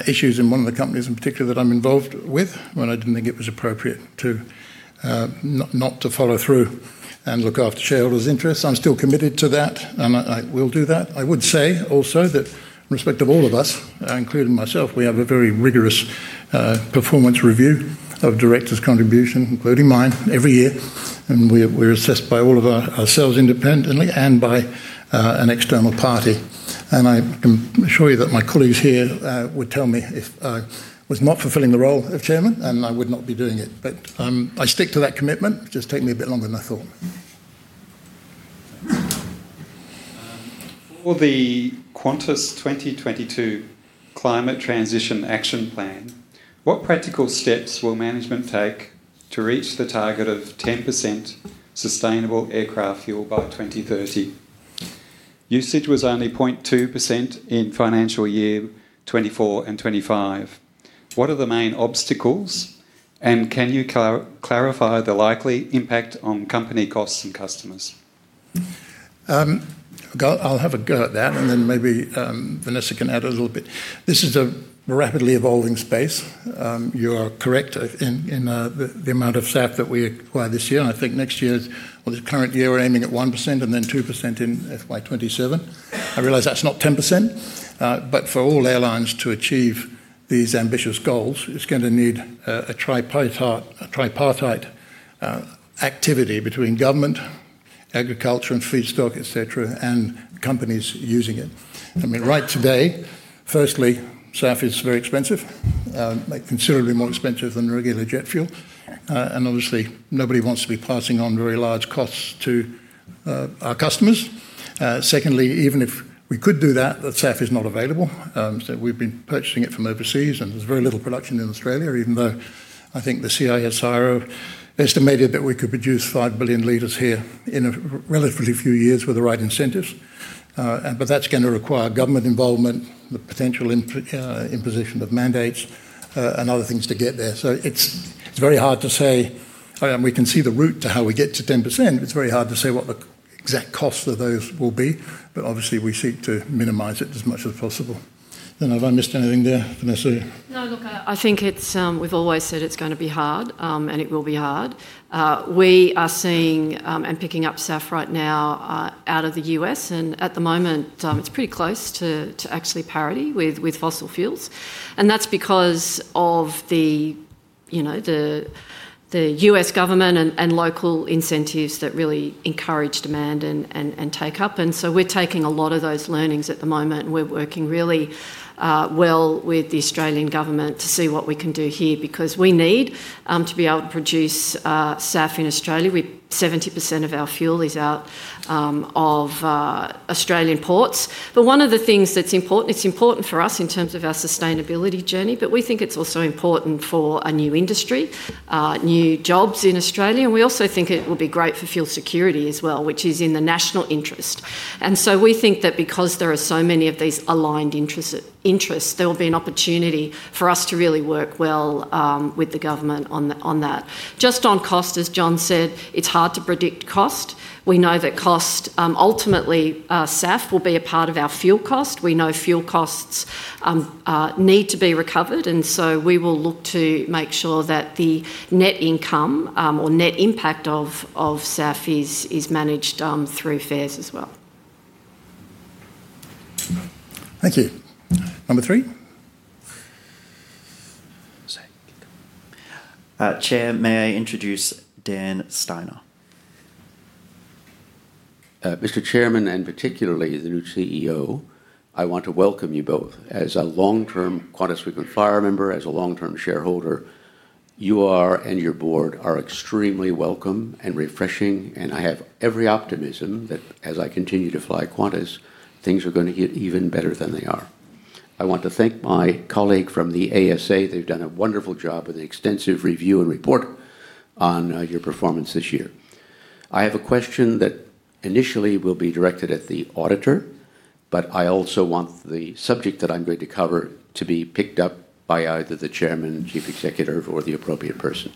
issues in one of the companies in particular that I'm involved with when I didn't think it was appropriate to not to follow through and look after shareholders' interests. I'm still committed to that, and I will do that. I would say also that, in respect of all of us, including myself, we have a very rigorous. Performance review of directors' contribution, including mine, every year, and we're assessed by all of ourselves independently and by an external party. I can assure you that my colleagues here would tell me if I was not fulfilling the role of chairman, and I would not be doing it. I stick to that commitment. It just took me a bit longer than I thought. For the Qantas 2022 Climate Transition Action Plan, what practical steps will management take to reach the target of 10% sustainable aircraft fuel by 2030? Usage was only 0.2% in financial year 2024 and 2025. What are the main obstacles, and can you clarify the likely impact on company costs and customers? I'll have a go at that, and then maybe Vanessa can add a little bit. This is a rapidly evolving space. You are correct in the amount of SAF that we acquire this year. I think next year, or this current year, we're aiming at 1% and then 2% in FY 2027. I realize that's not 10%, but for all airlines to achieve these ambitious goals, it's going to need a tripartite activity between government, agriculture and feedstock, etc., and companies using it. I mean, right today, firstly, SAF is very expensive, considerably more expensive than regular jet fuel. Obviously, nobody wants to be passing on very large costs to our customers. Secondly, even if we could do that, the SAF is not available. We've been purchasing it from overseas, and there's very little production in Australia, even though I think the CSIRO estimated that we could produce 5 billion liters here in a relatively few years with the right incentives. That's going to require government involvement, the potential. Imposition of mandates, and other things to get there. It is very hard to say. We can see the route to how we get to 10%. It is very hard to say what the exact costs of those will be, but obviously, we seek to minimize it as much as possible. Have I missed anything there, Vanessa? No, look, I think we have always said it is going to be hard, and it will be hard. We are seeing and picking up SAF right now out of the U.S., and at the moment, it is pretty close to actually parity with fossil fuels. That is because of the U.S. government and local incentives that really encourage demand and take up. We are taking a lot of those learnings at the moment, and we are working really. With the Australian government to see what we can do here because we need to be able to produce SAF in Australia. 70% of our fuel is out of Australian ports. One of the things that's important, it's important for us in terms of our sustainability journey, but we think it's also important for a new industry, new jobs in Australia. We also think it would be great for fuel security as well, which is in the national interest. We think that because there are so many of these aligned interests, there will be an opportunity for us to really work well with the government on that. Just on cost, as John said, it's hard to predict cost. We know that cost, ultimately, SAF will be a part of our fuel cost. We know fuel costs. Need to be recovered, and so we will look to make sure that the net income or net impact of SAP is managed through fares as well. Thank you. Number three. Chair, may I introduce Dan Steiner. Mr. Chairman, and particularly the new CEO, I want to welcome you both. As a long-term Qantas frequent flyer member, as a long-term shareholder, you and your board are extremely welcome and refreshing, and I have every optimism that as I continue to fly Qantas, things are going to get even better than they are. I want to thank my colleague from the ASA. They've done a wonderful job with the extensive review and report on your performance this year. I have a question that initially will be directed at the auditor, but I also want the subject that I'm going to cover to be picked up by either the Chairman, Chief Executive, or the appropriate person.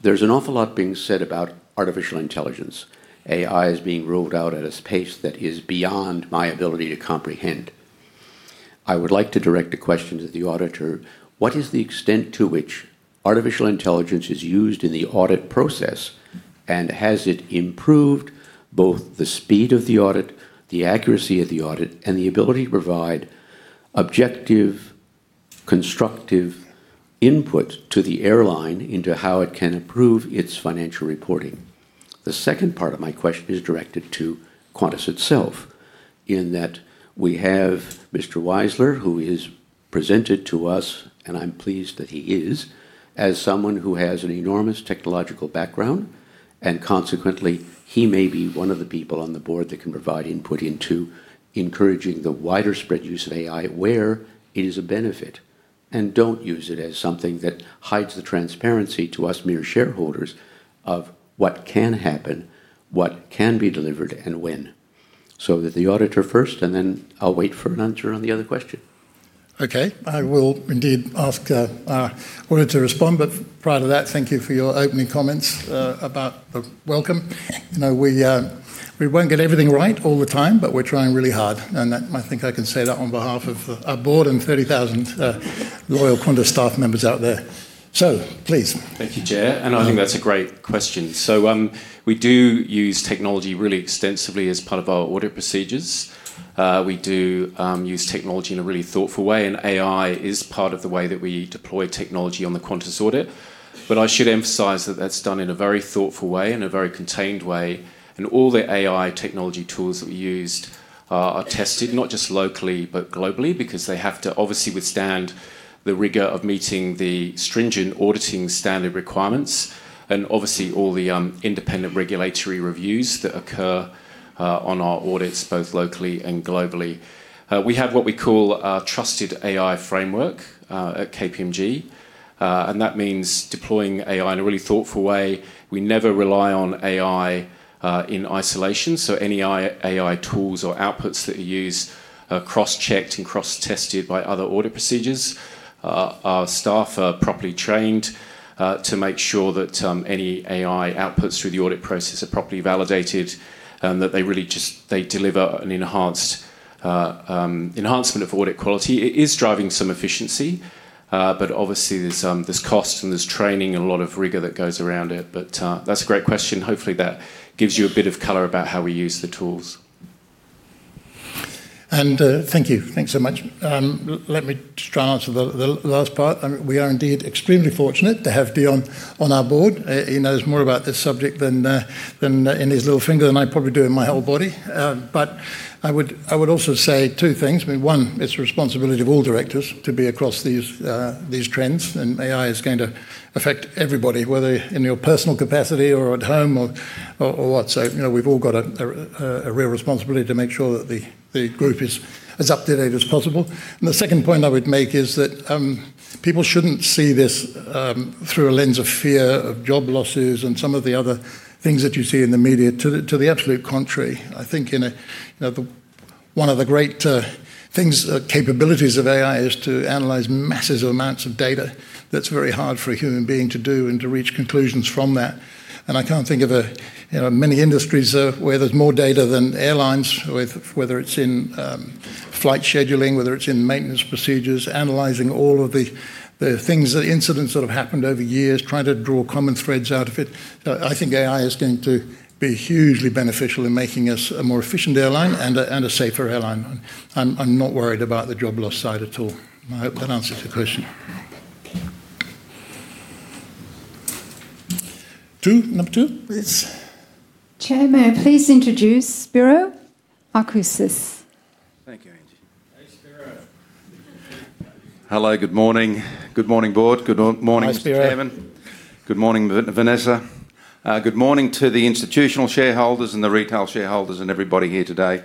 There's an awful lot being said about artificial intelligence. AI is being rolled out at a pace that is beyond my ability to comprehend. I would like to direct a question to the auditor. What is the extent to which artificial intelligence is used in the audit process? Has it improved both the speed of the audit, the accuracy of the audit, and the ability to provide objective, constructive input to the airline into how it can improve its financial reporting? The second part of my question is directed to Qantas itself in that we have Mr. Weisler, who is presented to us, and I'm pleased that he is, as someone who has an enormous technological background, and consequently, he may be one of the people on the board that can provide input into encouraging the widespread use of AI where it is a benefit and don't use it as something that hides the transparency to us mere shareholders of what can happen, what can be delivered, and when. The auditor first, and then I'll wait for an answer on the other question. Okay. I will indeed ask the auditor to respond, but prior to that, thank you for your opening comments about the welcome. We won't get everything right all the time, but we're trying really hard. I think I can say that on behalf of our board and 30,000 loyal Qantas staff members out there. Please. Thank you, Chair. I think that's a great question. We do use technology really extensively as part of our audit procedures. We do use technology in a really thoughtful way, and AI is part of the way that we deploy technology on the Qantas audit. I should emphasize that that's done in a very thoughtful way, in a very contained way. All the AI technology tools that we used are tested, not just locally, but globally, because they have to obviously withstand the rigor of meeting the stringent auditing standard requirements and obviously all the independent regulatory reviews that occur on our audits, both locally and globally. We have what we call a trusted AI framework at KPMG. That means deploying AI in a really thoughtful way. We never rely on AI in isolation. Any AI tools or outputs that are used are cross-checked and cross-tested by other audit procedures. Our staff are properly trained to make sure that any AI outputs through the audit process are properly validated and that they really just deliver an enhanced enhancement of audit quality. It is driving some efficiency, but obviously, there's cost and there's training and a lot of rigor that goes around it. That's a great question. Hopefully, that gives you a bit of color about how we use the tools. Thank you. Thanks so much. Let me just try and answer the last part. We are indeed extremely fortunate to have Dion on our board. He knows more about this subject in his little finger than I probably do in my whole body. I would also say two things. One, it's the responsibility of all directors to be across these trends, and AI is going to affect everybody, whether in your personal capacity or at home or what. We have all got a real responsibility to make sure that the group is as up-to-date as possible. The second point I would make is that people should not see this through a lens of fear, of job losses, and some of the other things that you see in the media. To the absolute contrary. I think one of the great things, capabilities of AI, is to analyze masses of amounts of data that is very hard for a human being to do and to reach conclusions from that. I cannot think of many industries where there is more data than airlines, whether it is in. I cannot think of many industries where there is more data than airlines, whether it is in flight scheduling, whether it's in maintenance procedures, analyzing all of the incidents that have happened over years, trying to draw common threads out of it. I think AI is going to be hugely beneficial in making us a more efficient airline and a safer airline. I'm not worried about the job loss side at all. I hope that answers your question. Number two, please. Chairman, please introduce Spiro Agoutsis. Thank you, Angie. Hello, good morning. Good morning, board. Good morning, Chairman. Good morning, Vanessa. Good morning to the institutional shareholders and the retail shareholders and everybody here today. I'd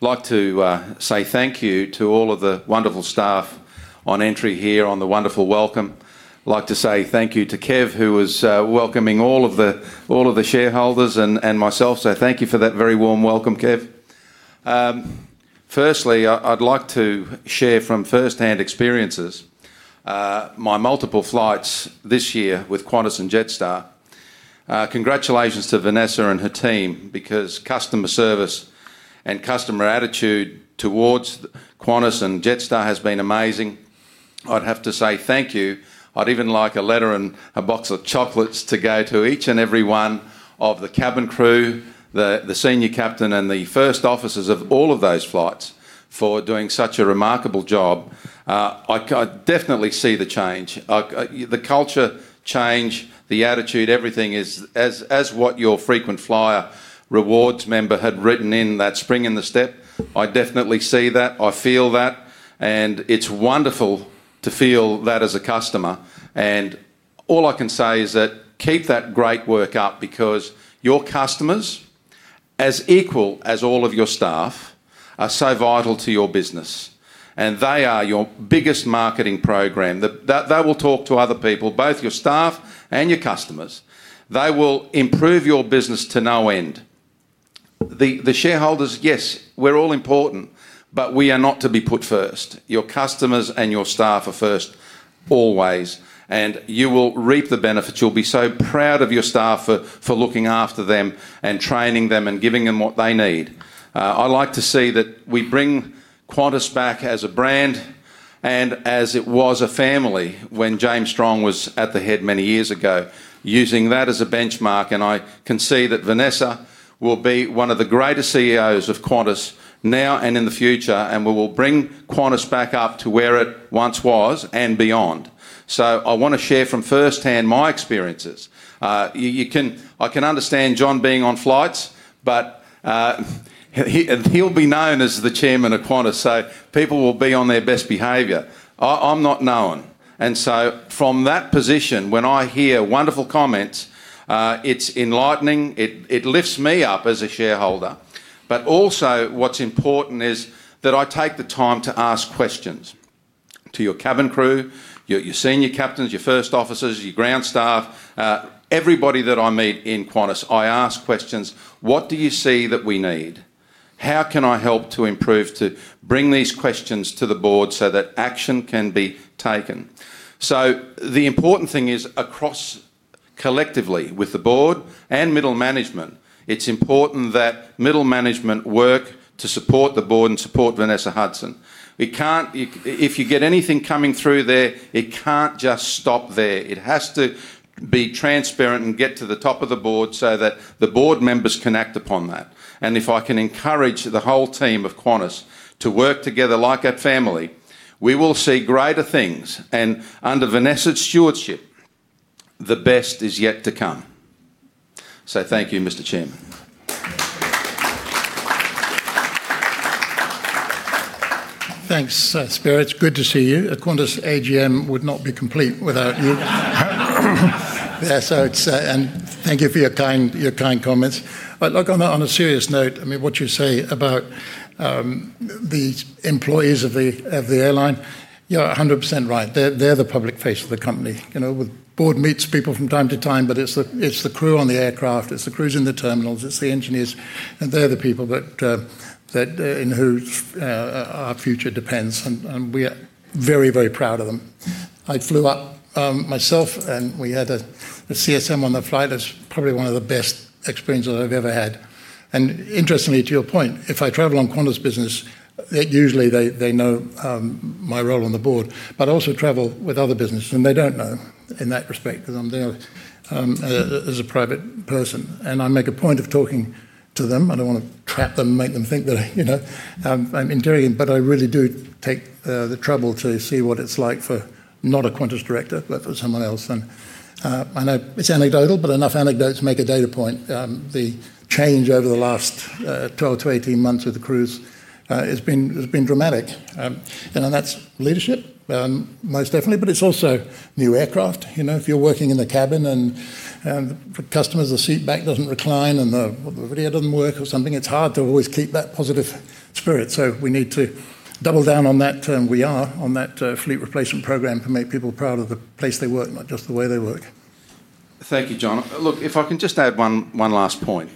like to say thank you to all of the wonderful staff on entry here, on the wonderful welcome. I'd like to say thank you to Kev, who is welcoming all of the shareholders and myself. So thank you for that very warm welcome, Kev. Firstly, I'd like to share from first-hand experiences. My multiple flights this year with Qantas and Jetstar. Congratulations to Vanessa and her team because customer service and customer attitude towards Qantas and Jetstar has been amazing. I'd have to say thank you. I'd even like a letter and a box of chocolates to go to each and every one of the cabin crew, the senior captain, and the first officers of all of those flights for doing such a remarkable job. I definitely see the change. The culture change, the attitude, everything is as what your frequent flyer rewards member had written in that spring in the step. I definitely see that. I feel that. And it's wonderful to feel that as a customer. All I can say is that keep that great work up because your customers, as equal as all of your staff, are so vital to your business. They are your biggest marketing program. They will talk to other people, both your staff and your customers. They will improve your business to no end. The shareholders, yes, we're all important, but we are not to be put first. Your customers and your staff are first always. You will reap the benefits. You'll be so proud of your staff for looking after them and training them and giving them what they need. I like to see that we bring Qantas back as a brand and as it was a family when James Strong was at the head many years ago, using that as a benchmark. I can see that Vanessa will be one of the greatest CEOs of Qantas now and in the future, and we will bring Qantas back up to where it once was and beyond. I want to share from first-hand my experiences. I can understand John being on flights, but he'll be known as the Chairman of Qantas, so people will be on their best behavior. I'm not known. From that position, when I hear wonderful comments, it's enlightening. It lifts me up as a shareholder. Also, what's important is that I take the time to ask questions to your cabin crew, your senior captains, your first officers, your ground staff, everybody that I meet in Qantas. I ask questions. What do you see that we need? How can I help to improve, to bring these questions to the board so that action can be taken? The important thing is, across collectively with the board and middle management, it's important that middle management work to support the board and support Vanessa Hudson. If you get anything coming through there, it can't just stop there. It has to be transparent and get to the top of the board so that the board members can act upon that. If I can encourage the whole team of Qantas to work together like a family, we will see greater things. Under Vanessa's stewardship, the best is yet to come. Thank you, Mr. Chairman. Thanks, Spiro. It's good to see you. A Qantas AGM would not be complete without you. Thank you for your kind comments. On a serious note, what you say about the employees of the airline, you're 100% right. They're the public face of the company. The board meets people from time to time, but it's the crew on the aircraft. It's the crews in the terminals. It's the engineers. And they're the people in whose our future depends. We are very, very proud of them. I flew up myself, and we had a CSM on the flight. It's probably one of the best experiences I've ever had. Interestingly, to your point, if I travel on Qantas business, usually they know my role on the board, but I also travel with other businesses, and they don't know in that respect because I'm there as a private person. I make a point of talking to them. I don't want to trap them and make them think that I'm interrogating, but I really do take the trouble to see what it's like for not a Qantas director, but for someone else. I know it's anecdotal, but enough anecdotes make a data point. The change over the last 12-18 months with the crews has been dramatic. That's leadership, most definitely, but it's also new aircraft. If you're working in the cabin and the customer's seat back doesn't recline and the video doesn't work or something, it's hard to always keep that positive spirit. We need to double down on that, and we are on that fleet replacement program to make people proud of the place they work, not just the way they work. Thank you, John. Look, if I can just add one last point.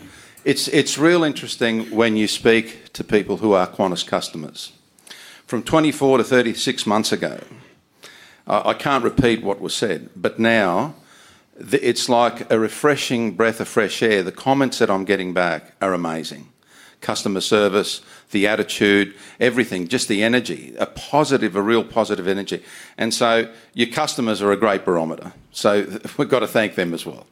It's real interesting when you speak to people who are Qantas customers. From 24-36 months ago, I can't repeat what was said, but now it's like a refreshing breath of fresh air. The comments that I'm getting back are amazing. Customer service, the attitude, everything, just the energy, a positive, a real positive energy. Your customers are a great barometer. We have to thank them as well.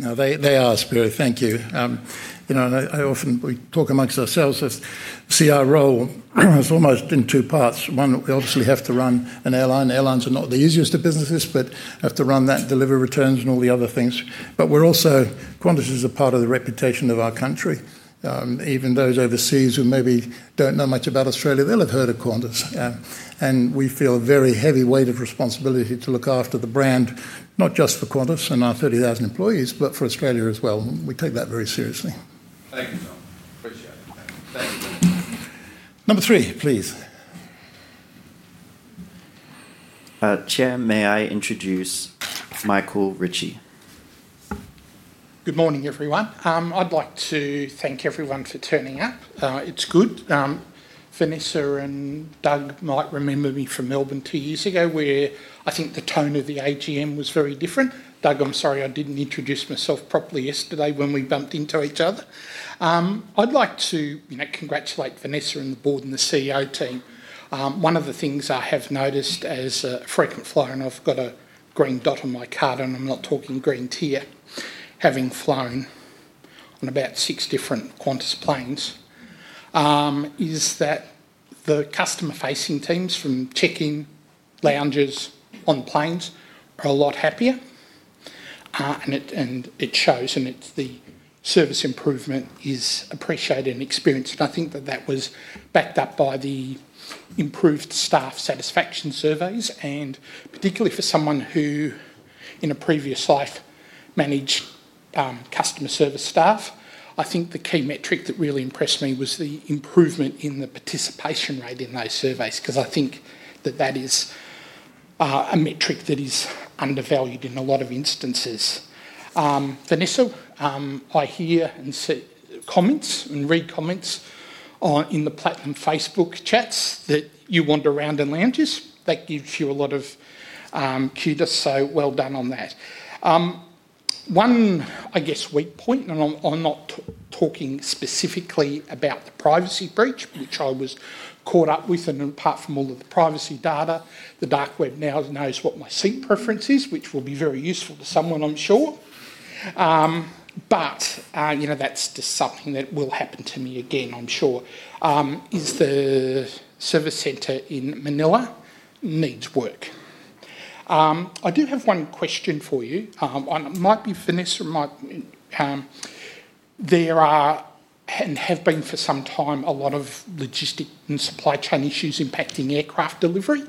No, they are, Spiro. Thank you. I often talk amongst ourselves as CRO, it is almost in two parts. One, we obviously have to run an airline. Airlines are not the easiest of businesses, but have to run that, deliver returns, and all the other things. We are also, Qantas is a part of the reputation of our country. Even those overseas who maybe do not know much about Australia, they will have heard of Qantas. We feel a very heavy weight of responsibility to look after the brand, not just for Qantas and our 30,000 employees, but for Australia as well. We take that very seriously. Thank you, John. Appreciate it. Thank you. Number three, please. Chair, may I introduce Michael Ritchie? Good morning, everyone. I'd like to thank everyone for turning up. It's good. Vanessa and Doug might remember me from Melbourne two years ago, where I think the tone of the AGM was very different. Doug, I'm sorry, I didn't introduce myself properly yesterday when we bumped into each other. I'd like to congratulate Vanessa and the board and the CEO team. One of the things I have noticed as a frequent flyer, and I've got a green dot on my card and I'm not talking green tier, having flown on about six different Qantas planes, is that the customer-facing teams from check-in, lounges, on planes are a lot happier. It shows, and the service improvement is appreciated and experienced. I think that was backed up by the improved staff satisfaction surveys. Particularly for someone who. In a previous life managed customer service staff, I think the key metric that really impressed me was the improvement in the participation rate in those surveys because I think that that is a metric that is undervalued in a lot of instances. Vanessa, I hear and see comments and read comments. In the platinum Facebook chats that you wander around in lounges. That gives you a lot of kudos, so well done on that. One, I guess, weak point, and I'm not talking specifically about the privacy breach, which I was caught up with. And apart from all of the privacy data, the dark web now knows what my seat preference is, which will be very useful to someone, I'm sure. But that's just something that will happen to me again, I'm sure. Is the service center in Manila needs work. I do have one question for you. It might be Vanessa might. There are, and have been for some time, a lot of logistic and supply chain issues impacting aircraft delivery.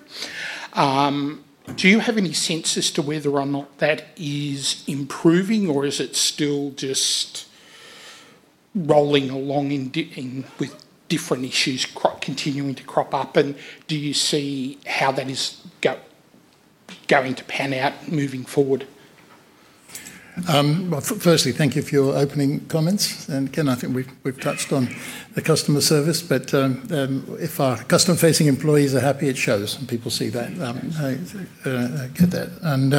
Do you have any senses to whether or not that is improving, or is it still just rolling along with different issues continuing to crop up? Do you see how that is going to pan out moving forward? Firstly, thank you for your opening comments. Again, I think we've touched on the customer service, but if our customer-facing employees are happy, it shows, and people see that. Get that. I'm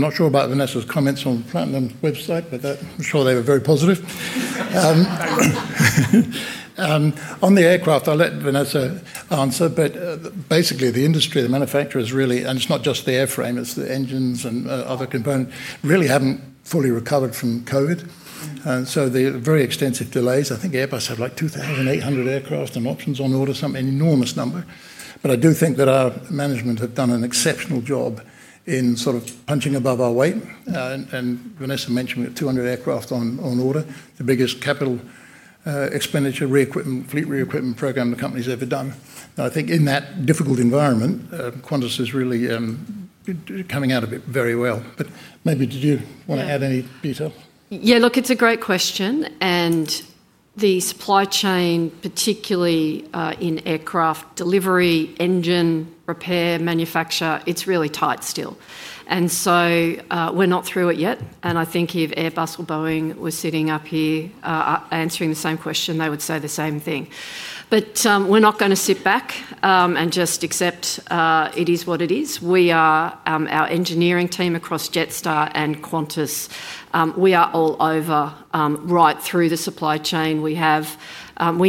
not sure about Vanessa's comments on the platinum website, but I'm sure they were very positive. On the aircraft, I'll let Vanessa answer, but basically, the industry, the manufacturers really, and it's not just the airframe, it's the engines and other components, really haven't fully recovered from COVID. They are very extensive delays. I think Airbus have like 2,800 aircraft and options on order, something an enormous number. I do think that our management have done an exceptional job in sort of punching above our weight. Vanessa mentioned we have 200 aircraft on order, the biggest capital expenditure, fleet re-equipment program the company's ever done. I think in that difficult environment, Qantas is really coming out of it very well. Maybe did you want to add any detail? Yeah, look, it's a great question. The supply chain, particularly in aircraft delivery, engine repair, manufacture, it's really tight still. We're not through it yet. I think if Airbus or Boeing were sitting up here answering the same question, they would say the same thing. We're not going to sit back and just accept it is what it is. Our engineering team across Jetstar and Qantas, we are all over. Right through the supply chain. We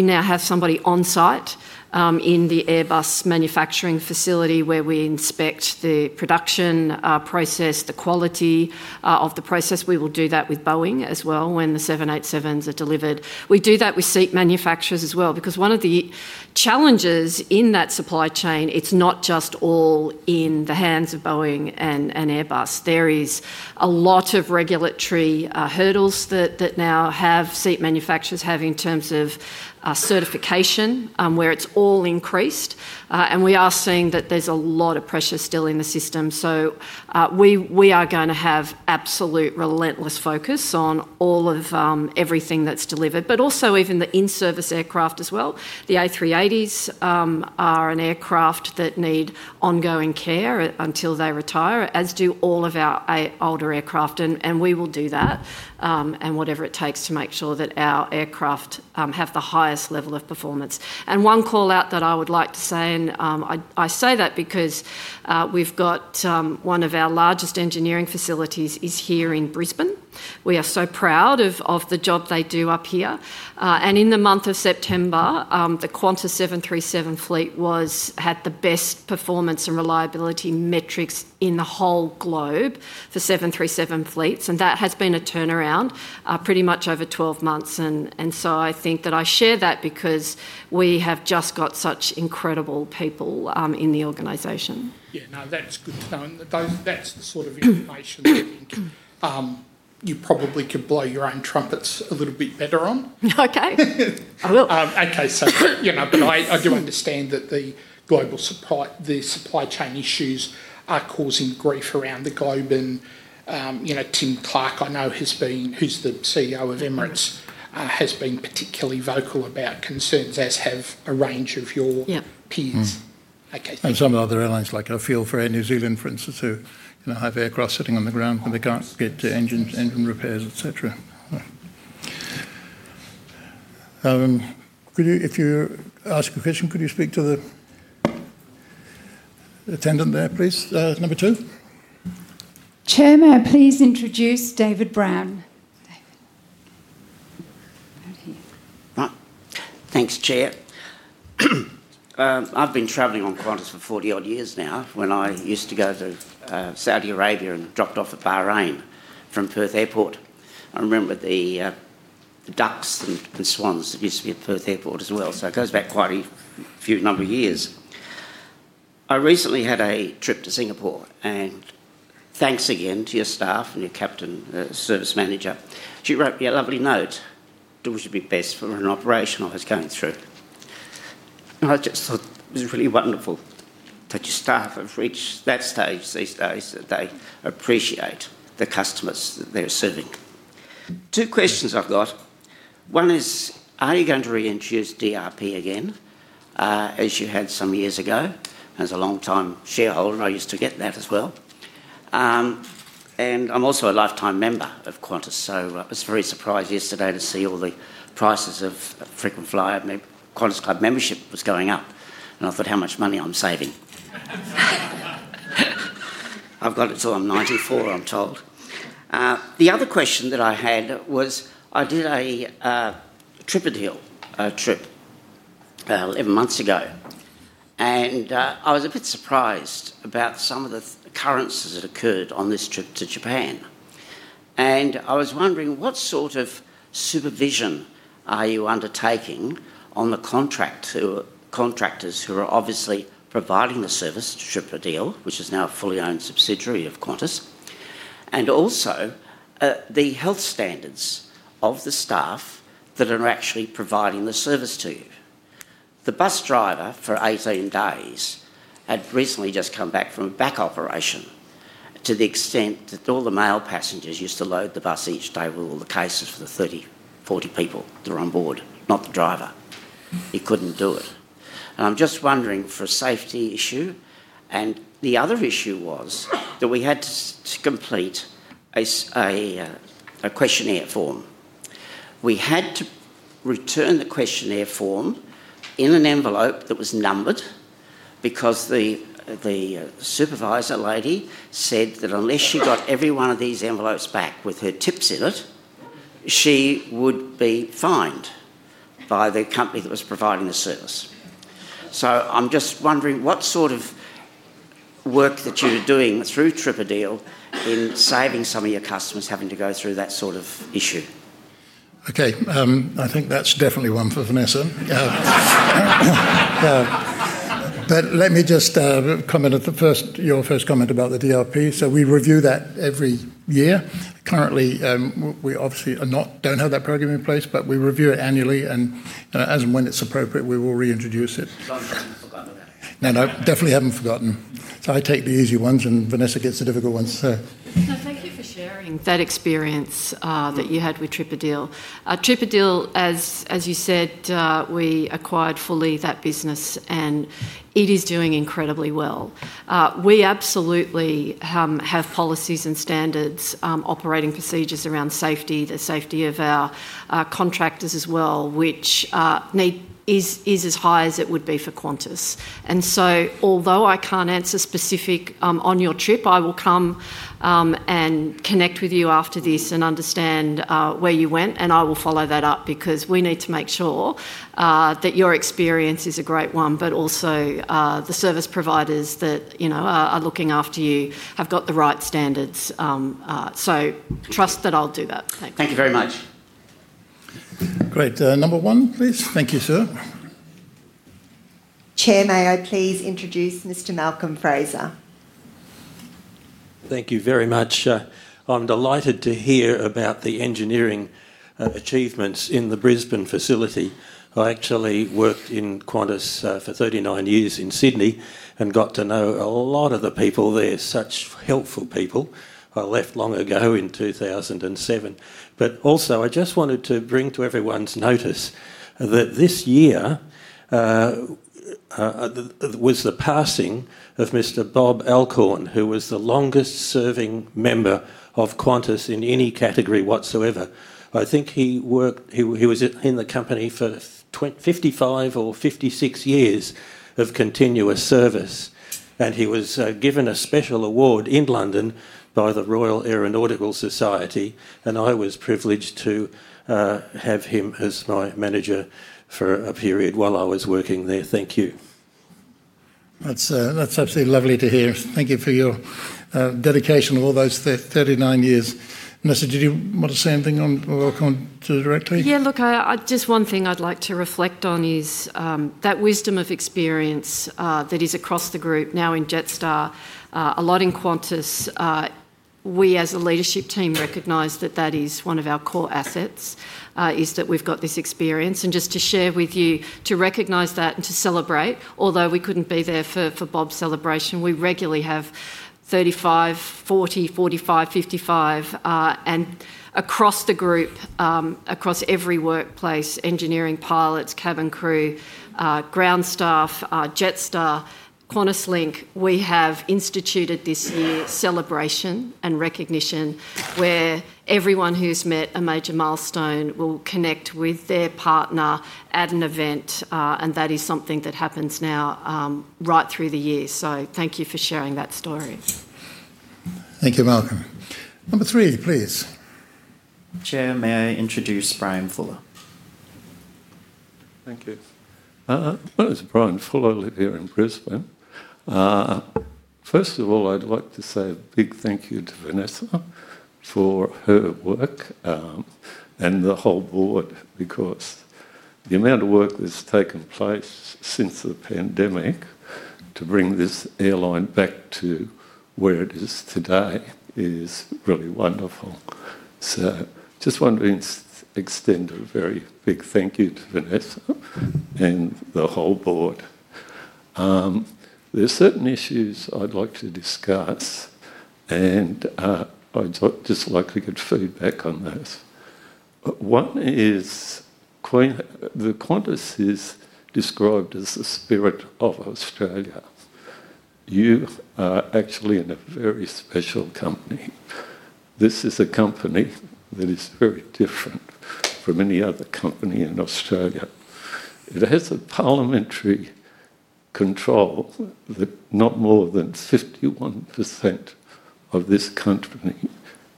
now have somebody on site in the Airbus manufacturing facility where we inspect the production process, the quality of the process. We will do that with Boeing as well when the 787s are delivered. We do that with seat manufacturers as well because one of the challenges in that supply chain, it's not just all in the hands of Boeing and Airbus. There is a lot of regulatory hurdles that now have seat manufacturers have in terms of certification, where it's all increased. We are seeing that there's a lot of pressure still in the system. We are going to have absolute relentless focus on all of everything that's delivered, but also even the in-service aircraft as well. The A380s are an aircraft that need ongoing care until they retire, as do all of our older aircraft. We will do that, and whatever it takes to make sure that our aircraft have the highest level of performance. One call-out that I would like to say, and I say that because we've got one of our largest engineering facilities here in Brisbane. We are so proud of the job they do up here. In the month of September, the Qantas 737 fleet had the best performance and reliability metrics in the whole globe for 737 fleets. That has been a turnaround pretty much over 12 months. I think that I share that because we have just got such incredible people in the organization. Yeah, no, that's good to know. That's the sort of information I think. You probably could blow your own trumpets a little bit better on. Okay. I do understand that the global supply chain issues are causing grief around the globe. Tim Clark, I know, who's the CEO of Emirates, has been particularly vocal about concerns, as have a range of your peers. Some of the other airlines, like I feel for Air New Zealand, for instance, who have aircraft sitting on the ground, but they cannot get engine repairs, etc. If you ask a question, could you speak to the attendant there, please? Number two. Chairman, please introduce David Brown. Thanks, Chair. I have been traveling on Qantas for 40-odd years now when I used to go to Saudi Arabia and dropped off at Bahrain from Perth Airport. I remember the ducks and swans that used to be at Perth Airport as well.It goes back quite a few number of years. I recently had a trip to Singapore. Thanks again to your staff and your captain service manager. She wrote me a lovely note. It would be best for an operational that's going through. I just thought it was really wonderful that your staff have reached that stage these days that they appreciate the customers that they're serving. Two questions I've got. One is, are you going to reintroduce DRP again, as you had some years ago as a long-time shareholder? I used to get that as well. I'm also a lifetime member of Qantas. I was very surprised yesterday to see all the prices of frequent flyer Qantas Club membership was going up. I thought, how much money I'm saving. It's all I'm 94, I'm told. The other question that I had was, I did a TripADeal trip. Eleven months ago. I was a bit surprised about some of the occurrences that occurred on this trip to Japan. I was wondering, what sort of supervision are you undertaking on the contractors who are obviously providing the service to TripADeal, which is now a fully owned subsidiary of Qantas? Also, the health standards of the staff that are actually providing the service to you. The bus driver for 18 days had recently just come back from a back operation to the extent that all the male passengers used to load the bus each day with all the cases for the 30-40 people that are on board, not the driver. He could not do it. I am just wondering for a safety issue. The other issue was that we had to complete a questionnaire form. We had to return the questionnaire form in an envelope that was numbered because the supervisor lady said that unless she got every one of these envelopes back with her tips in it, she would be fined by the company that was providing the service. So I'm just wondering what sort of work that you were doing through TripADeal in saving some of your customers having to go through that sort of issue. Okay. I think that's definitely one for Vanessa. Let me just comment on your first comment about the DRP. We review that every year. Currently, we obviously don't have that program in place, but we review it annually. As and when it's appropriate, we will reintroduce it. No, no, definitely haven't forgotten. I take the easy ones and Vanessa gets the difficult ones. Thank you for sharing that experience that you had with TripADeal. TripADeal, as you said, we acquired fully that business and it is doing incredibly well. We absolutely have policies and standards, operating procedures around safety, the safety of our contractors as well, which is as high as it would be for Qantas. Although I cannot answer specific on your trip, I will come and connect with you after this and understand where you went. I will follow that up because we need to make sure that your experience is a great one, but also the service providers that are looking after you have got the right standards. Trust that I will do that. Thank you. Thank you very much. Great. Number one, please. Thank you, sir. Chair, may I please introduce Mr. Malcolm Fraser? Thank you very much. I'm delighted to hear about the engineering achievements in the Brisbane facility. I actually worked in Qantas for 39 years in Sydney and got to know a lot of the people there. Such helpful people. I left long ago in 2007. I just wanted to bring to everyone's notice that this year was the passing of Mr. Bob Alcorn, who was the longest-serving member of Qantas in any category whatsoever. I think he was in the company for 55 or 56 years of continuous service. He was given a special award in London by the Royal Aeronautical Society. I was privileged to have him as my manager for a period while I was working there. Thank you. That's absolutely lovely to hear. Thank you for your dedication of all those 39 years. Vanessa, did you want to say anything on directly? Yeah, look, just one thing I'd like to reflect on is that wisdom of experience that is across the group now in Jetstar, a lot in Qantas. We as a leadership team recognize that that is one of our core assets, is that we've got this experience. And just to share with you, to recognize that and to celebrate, although we couldn't be there for Bob's celebration, we regularly have 35, 40, 45, 55. And across the group. Across every workplace, engineering pilots, cabin crew, ground staff, Jetstar, QantasLink, we have instituted this year celebration and recognition where everyone who's met a major milestone will connect with their partner at an event. And that is something that happens now. Right through the year. So thank you for sharing that story. Thank you, Malcolm. Number three, please. Chair, may I introduce Brian Fuller? Thank you. My name is Brian Fuller.I live here in Brisbane. First of all, I'd like to say a big thank you to Vanessa for her work. And the whole board, because the amount of work that's taken place since the pandemic to bring this airline back to where it is today is really wonderful. Just wanted to extend a very big thank you to Vanessa and the whole board. There are certain issues I'd like to discuss, and I'd just like to get feedback on this. One is, Qantas is described as the spirit of Australia. You are actually in a very special company. This is a company that is very different from any other company in Australia. It has a parliamentary control that not more than 51% of this company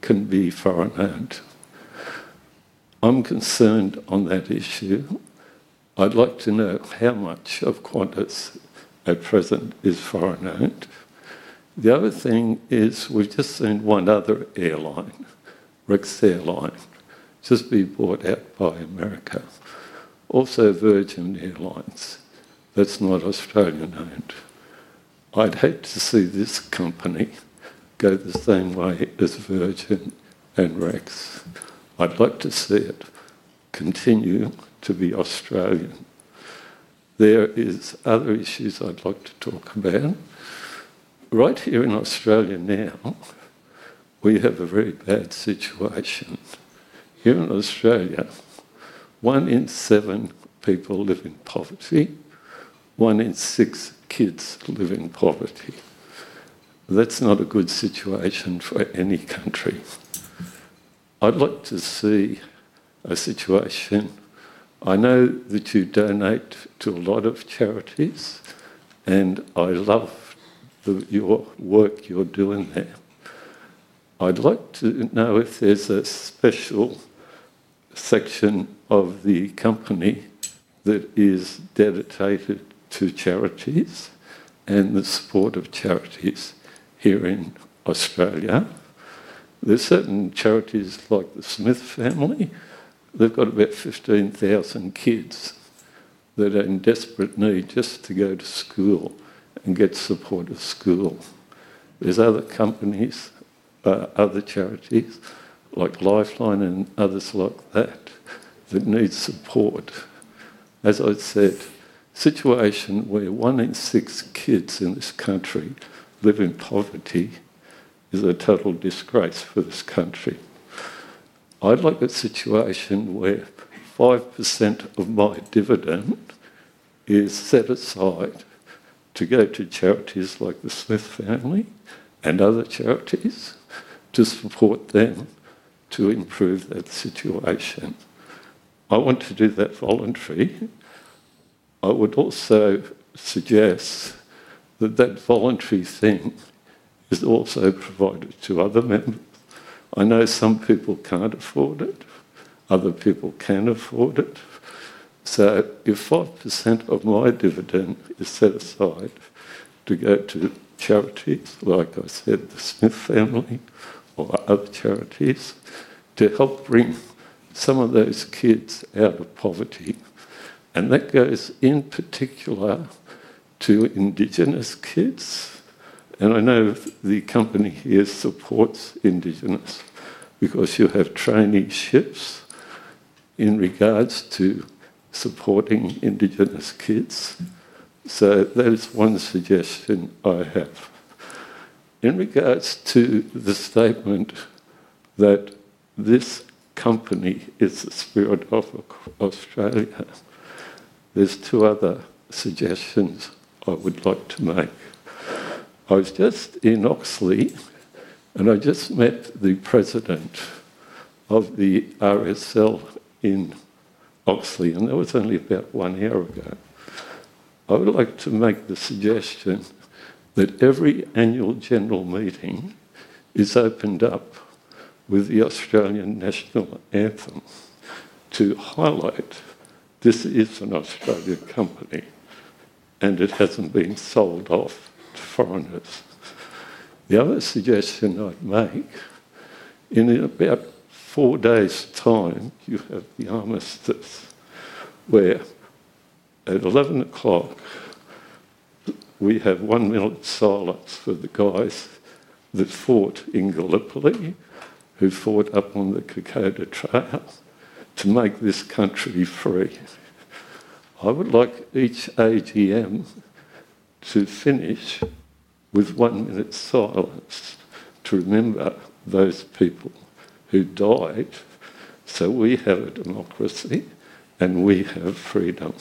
can be foreign owned. I'm concerned on that issue. I'd like to know how much of Qantas at present is foreign owned. The other thing is we've just seen one other airline, Rex Airlines, just be bought out by America. Also Virgin Airlines. That's not Australian owned. I'd hate to see this company go the same way as Virgin and Rex. I'd like to see it continue to be Australian. There are other issues I'd like to talk about. Right here in Australia now, we have a very bad situation. Here in Australia, one in seven people live in poverty. One in six kids live in poverty. That's not a good situation for any country. I'd like to see a situation. I know that you donate to a lot of charities, and I love your work you're doing there. I'd like to know if there's a special section of the company that is dedicated to charities and the support of charities here in Australia. There are certain charities like The Smith Family. They've got about 15,000 kids that are in desperate need just to go to school and get support of school. There are other companies, other charities like Lifeline and others like that that need support. As I said, a situation where one in six kids in this country live in poverty is a total disgrace for this country. I'd like a situation where 5% of my dividend is set aside to go to charities like The Smith Family and other charities to support them to improve that situation. I want to do that voluntary. I would also suggest that that voluntary thing is also provided to other members. I know some people can't afford it. Other people can afford it. If 5% of my dividend is set aside to go to charities, like I said, The Smith Family or other charities to help bring some of those kids out of poverty, and that goes in particular to Indigenous kids. I know the company here supports Indigenous because you have traineeships in regards to supporting Indigenous kids. That is one suggestion I have. In regards to the statement that this company is the spirit of Australia, there are two other suggestions I would like to make. I was just in Oxley, and I just met the president of the RSL in Oxley, and that was only about one year ago. I would like to make the suggestion that every annual general meeting is opened up with the Australian National Anthem to highlight this is an Australian company, and it has not been sold off to foreigners. The other suggestion I'd make. In about four days' time, you have the armistice. Where, at 11:00 A.M., we have one minute silence for the guys that fought in Gallipoli, who fought up on the Kokoda Trail to make this country free. I would like each AGM to finish with one minute silence to remember those people who died, so we have a democracy and we have freedom.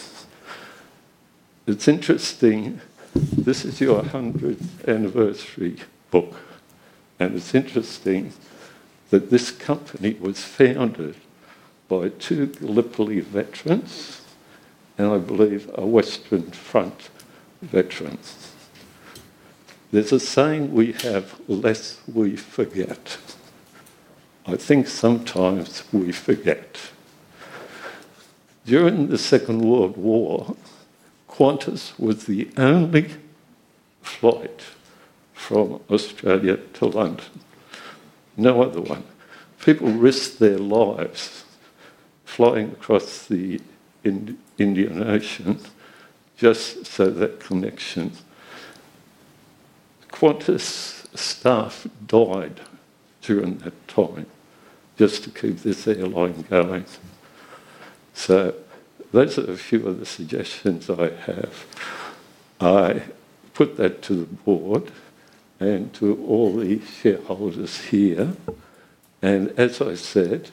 It's interesting. This is your 100th anniversary book, and it's interesting that this company was founded by two Gallipoli veterans, and I believe a Western Front veteran. There's a saying, "We have less we forget." I think sometimes we forget. During the Second World War, Qantas was the only flight from Australia to London. No other one. People risked their lives flying across the Indian Ocean just so that connection. Qantas staff died during that time just to keep this airline going. Those are a few of the suggestions I have. I put that to the board and to all the shareholders here. As I said,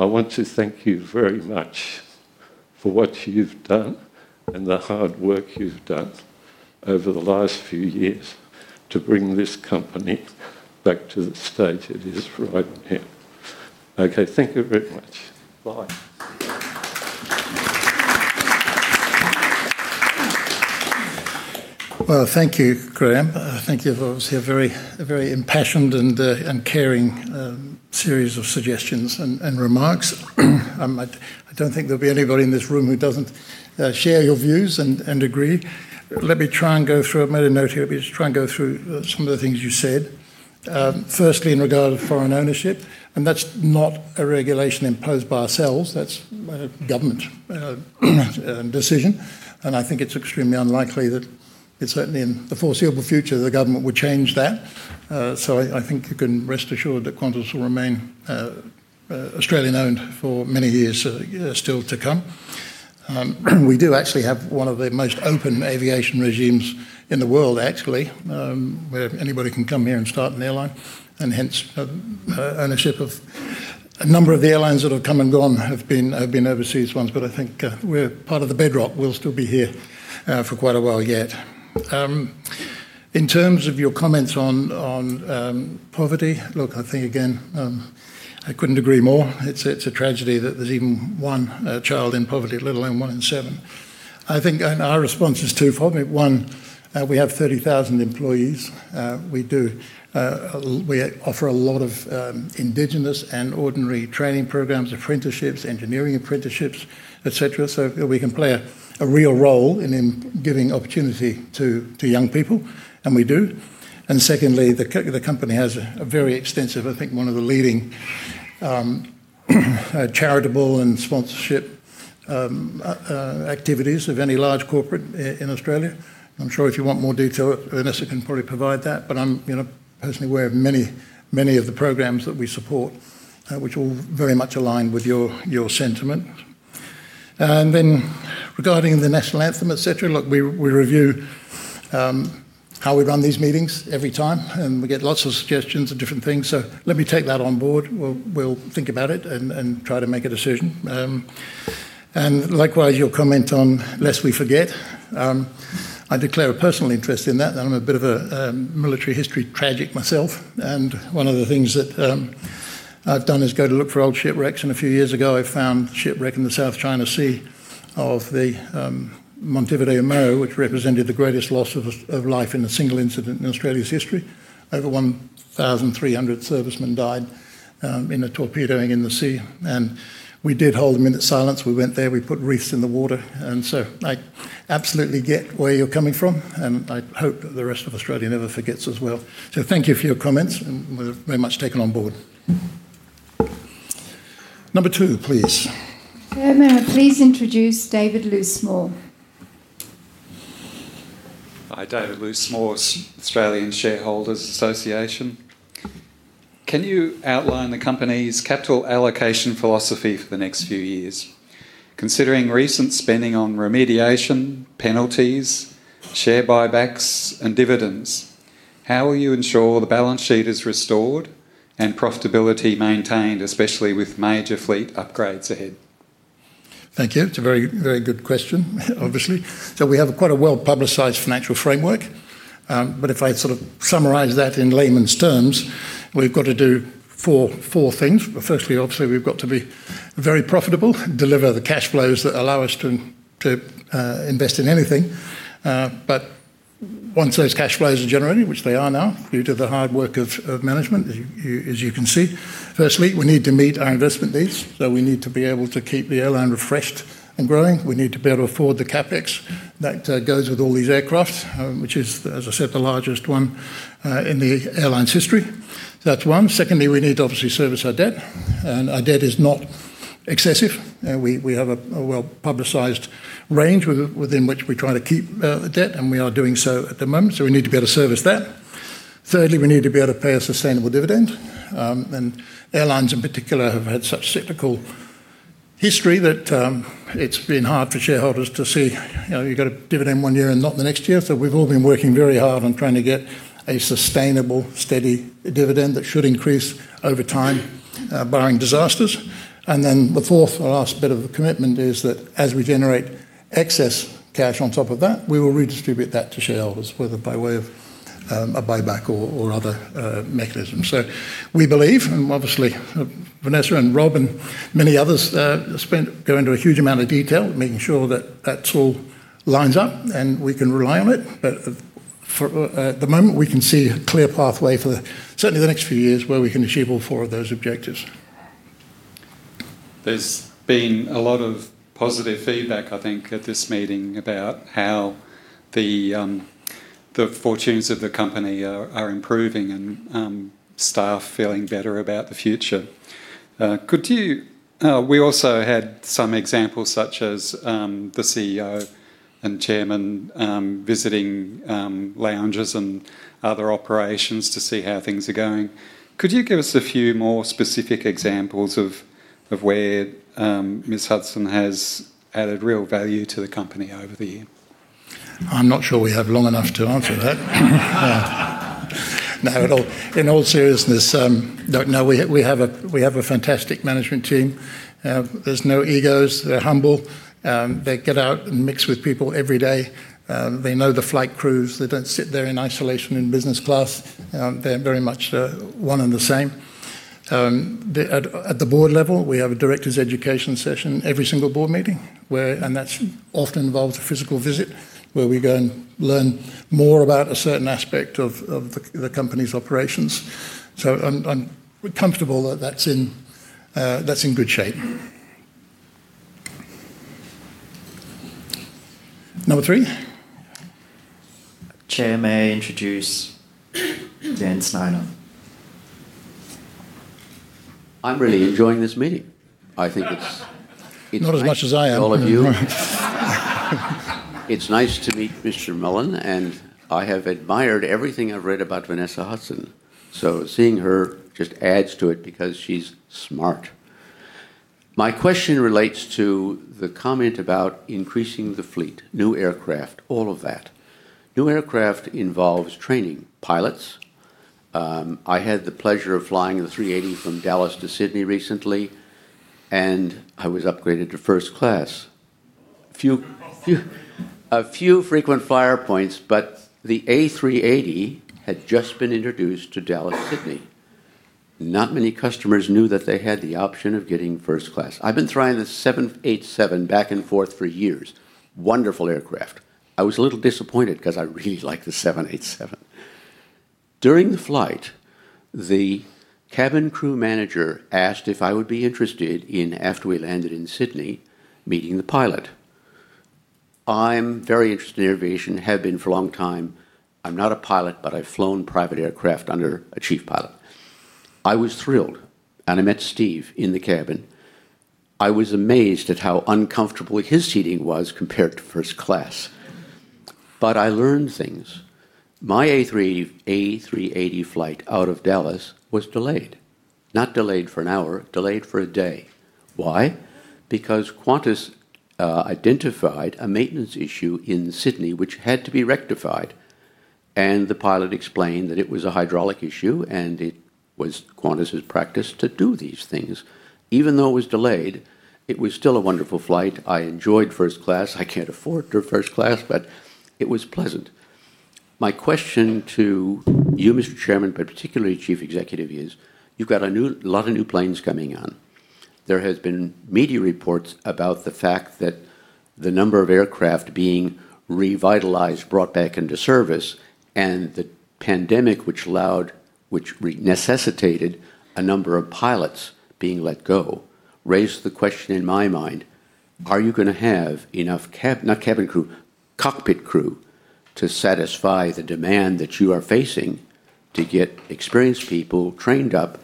I want to thank you very much for what you've done and the hard work you've done over the last few years to bring this company back to the state it is right now. Thank you very much. Bye. Thank you, Graham. I think you've obviously had a very impassioned and caring series of suggestions and remarks. I don't think there'll be anybody in this room who doesn't share your views and agree. Let me try and go through—I made a note here—let me just try and go through some of the things you said. Firstly, in regard to foreign ownership, and that's not a regulation imposed by ourselves. That's a government decision. I think it's extremely unlikely that certainly in the foreseeable future the government would change that. I think you can rest assured that Qantas will remain Australian owned for many years still to come. We do actually have one of the most open aviation regimes in the world, actually, where anybody can come here and start an airline. Hence, ownership of a number of the airlines that have come and gone have been overseas ones. I think we're part of the bedrock. We'll still be here for quite a while yet. In terms of your comments on poverty, look, I think, again, I couldn't agree more. It's a tragedy that there's even one child in poverty, let alone one in seven. I think our response is twofold. One, we have 30,000 employees. We offer a lot of Indigenous and ordinary training programs, apprenticeships, engineering apprenticeships, etc. We can play a real role in giving opportunity to young people, and we do. The company has a very extensive, I think, one of the leading charitable and sponsorship activities of any large corporate in Australia. I'm sure if you want more detail, Vanessa can probably provide that. I'm personally aware of many of the programs that we support, which are very much aligned with your sentiment. Regarding the National Anthem, etc., we review how we run these meetings every time, and we get lots of suggestions of different things. Let me take that on board. We'll think about it and try to make a decision. Likewise, your comment on "Lest We Forget." I declare a personal interest in that. I'm a bit of a military history tragic myself. One of the things that I've done is go to look for old shipwrecks. A few years ago, I found the shipwreck in the South China Sea of the Montevideo Maru, which represented the greatest loss of life in a single incident in Australia's history. Over 1,300 servicemen died in a torpedoing in the sea. We did hold a minute's silence. We went there. We put wreaths in the water. I absolutely get where you're coming from. I hope that the rest of Australia never forgets as well. Thank you for your comments and very much taken on board. Number two, please. Chairman, please introduce David Lewis Moore. Hi, David Lewis Moore, Australian Shareholders' Association. Can you outline the company's capital allocation philosophy for the next few years? Considering recent spending on remediation, penalties, share buybacks, and dividends, how will you ensure the balance sheet is restored and profitability maintained, especially with major fleet upgrades ahead? Thank you. It's a very good question, obviously. We have quite a well-publicized financial framework. If I sort of summarize that in layman's terms, we've got to do four things. Firstly, obviously, we've got to be very profitable, deliver the cash flows that allow us to invest in anything. Once those cash flows are generated, which they are now due to the hard work of management, as you can see, firstly, we need to meet our investment needs. We need to be able to keep the airline refreshed and growing. We need to be able to afford the CapEx that goes with all these aircraft, which is, as I said, the largest one in the airline's history. That's one. Secondly, we need to obviously service our debt. Our debt is not excessive. We have a well-publicized range within which we try to keep debt, and we are doing so at the moment. We need to be able to service that. Thirdly, we need to be able to pay a sustainable dividend. Airlines in particular have had such cyclical history that it's been hard for shareholders to see you've got a dividend one year and not the next year. We've all been working very hard on trying to get a sustainable, steady dividend that should increase over time barring disasters. The fourth and last bit of commitment is that as we generate excess cash on top of that, we will redistribute that to shareholders, whether by way of a buyback or other mechanisms. We believe, and obviously, Vanessa and Rob and many others go into a huge amount of detail, making sure that that all lines up and we can rely on it. At the moment, we can see a clear pathway for certainly the next few years where we can achieve all four of those objectives. There has been a lot of positive feedback, I think, at this meeting about how the fortunes of the company are improving and staff feeling better about the future. We also had some examples such as the CEO and chairman visiting lounges and other operations to see how things are going. Could you give us a few more specific examples of where Ms. Hudson has added real value to the company over the year? I'm not sure we have long enough to answer that. No. In all seriousness, no, we have a fantastic management team. There's no egos. They're humble. They get out and mix with people every day. They know the flight crews. They don't sit there in isolation in business class. They're very much one and the same. At the board level, we have a director's education session every single board meeting, and that often involves a physical visit where we go and learn more about a certain aspect of the company's operations. I'm comfortable that that's in good shape. Number three. Chair may introduce Dan Snyder. I'm really enjoying this meeting. I think it's. Not as much as I am. All of you. It's nice to meet Mr. Mullen, and I have admired everything I've read about Vanessa Hudson. Seeing her just adds to it because she's smart. My question relates to the comment about increasing the fleet, new aircraft, all of that. New aircraft involves training pilots. I had the pleasure of flying the A380 from Dallas to Sydney recently. I was upgraded to first class. A few frequent flyer points, but the A380 had just been introduced to Dallas Sydney. Not many customers knew that they had the option of getting first class. I've been flying the 787 back and forth for years. Wonderful aircraft. I was a little disappointed because I really like the 787. During the flight, the cabin crew manager asked if I would be interested in, after we landed in Sydney, meeting the pilot. I'm very interested in aviation, have been for a long time. I'm not a pilot, but I've flown private aircraft under a chief pilot. I was thrilled, and I met Steve in the cabin. I was amazed at how uncomfortable his seating was compared to first class. I learned things. My A380 flight out of Dallas was delayed. Not delayed for an hour, delayed for a day. Why? Because Qantas identified a maintenance issue in Sydney which had to be rectified. The pilot explained that it was a hydraulic issue, and it was Qantas' practice to do these things. Even though it was delayed, it was still a wonderful flight. I enjoyed first class. I can't afford first class, but it was pleasant. My question to you, Mr. Chairman, but particularly Chief Executive, is you've got a lot of new planes coming on. There have been media reports about the fact that the number of aircraft being revitalized, brought back into service, and the pandemic, which necessitated a number of pilots being let go, raised the question in my mind, are you going to have enough cabin crew, cockpit crew, to satisfy the demand that you are facing to get experienced people trained up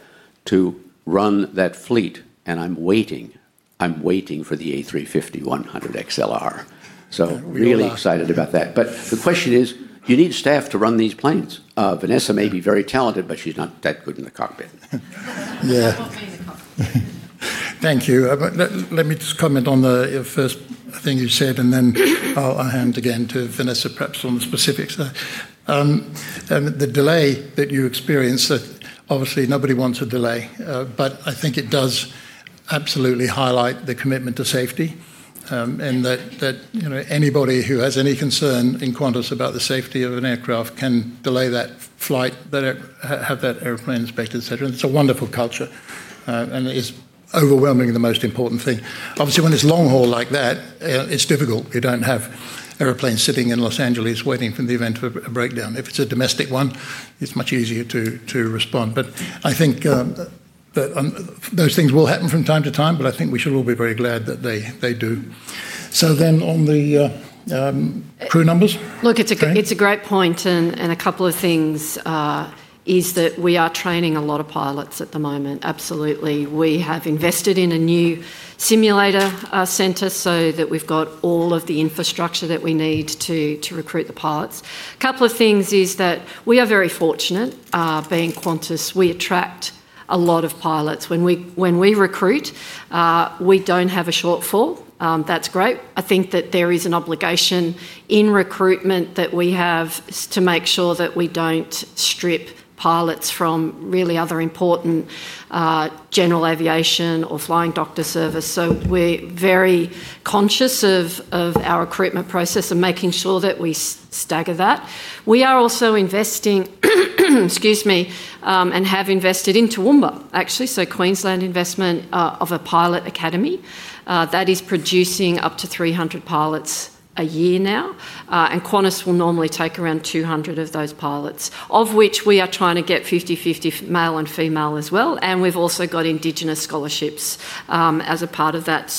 to run that fleet? And I'm waiting. I'm waiting for the A350-1000 XLR. So really excited about that. The question is, you need staff to run these planes. Vanessa may be very talented, but she's not that good in the cockpit. Yeah. Thank you. Let me just comment on the first thing you said, and then I'll hand again to Vanessa, perhaps on the specifics. The delay that you experienced, obviously, nobody wants a delay, but I think it does absolutely highlight the commitment to safety and that anybody who has any concern in Qantas about the safety of an aircraft can delay that flight, have that airplane inspected, etc. It's a wonderful culture, and it's overwhelmingly the most important thing. Obviously, when it's long haul like that, it's difficult. You don't have airplanes sitting in Los Angeles waiting for the event of a breakdown. If it's a domestic one, it's much easier to respond. I think those things will happen from time to time, but I think we should all be very glad that they do. On the crew numbers. Look, it's a great point. A couple of things. We are training a lot of pilots at the moment. Absolutely. We have invested in a new simulator center so that we've got all of the infrastructure that we need to recruit the pilots. A couple of things is that we are very fortunate being Qantas. We attract a lot of pilots. When we recruit, we don't have a shortfall. That's great. I think that there is an obligation in recruitment that we have to make sure that we don't strip pilots from really other important general aviation or flying doctor service. We are very conscious of our recruitment process and making sure that we stagger that. We are also investing and have invested in Toowoomba, actually, so Queensland investment of a pilot academy that is producing up to 300 pilots a year now. Qantas will normally take around 200 of those pilots, of which we are trying to get 50-50 male and female as well. We've also got indigenous scholarships as a part of that.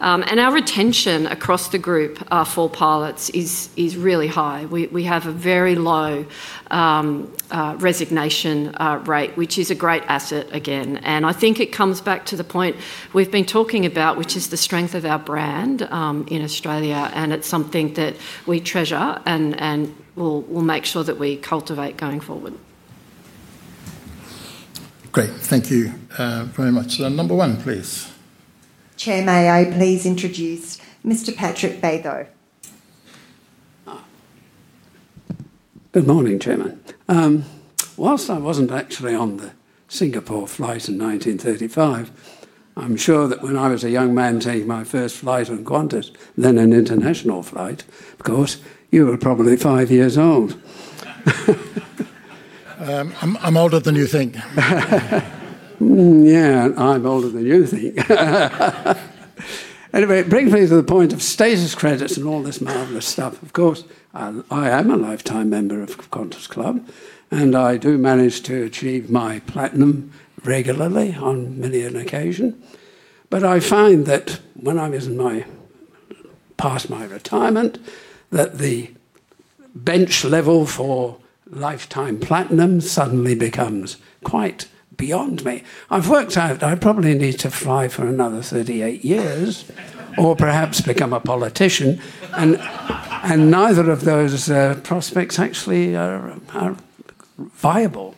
Our retention across the group for pilots is really high. We have a very low resignation rate, which is a great asset, again. I think it comes back to the point we've been talking about, which is the strength of our brand in Australia. It is something that we treasure and will make sure that we cultivate going forward. Great. Thank you very much. Number one, please. Chair, may I please introduce Mr. Patrick Bathor? Good morning, Chairman. Whilst I wasn't actually on the Singapore flight in 1935, I'm sure that when I was a young man taking my first flight on Qantas, then an international flight, of course, you were probably five years old. I'm older than you think. Yeah, I'm older than you think. Anyway, bringing things to the point of status credits and all this marvelous stuff, of course, I am a lifetime member of Qantas Club, and I do manage to achieve my platinum regularly on many an occasion. I find that when I was past my retirement, that the bench level for lifetime Platinum suddenly becomes quite beyond me. I've worked out I probably need to fly for another 38 years or perhaps become a politician. Neither of those prospects actually are viable.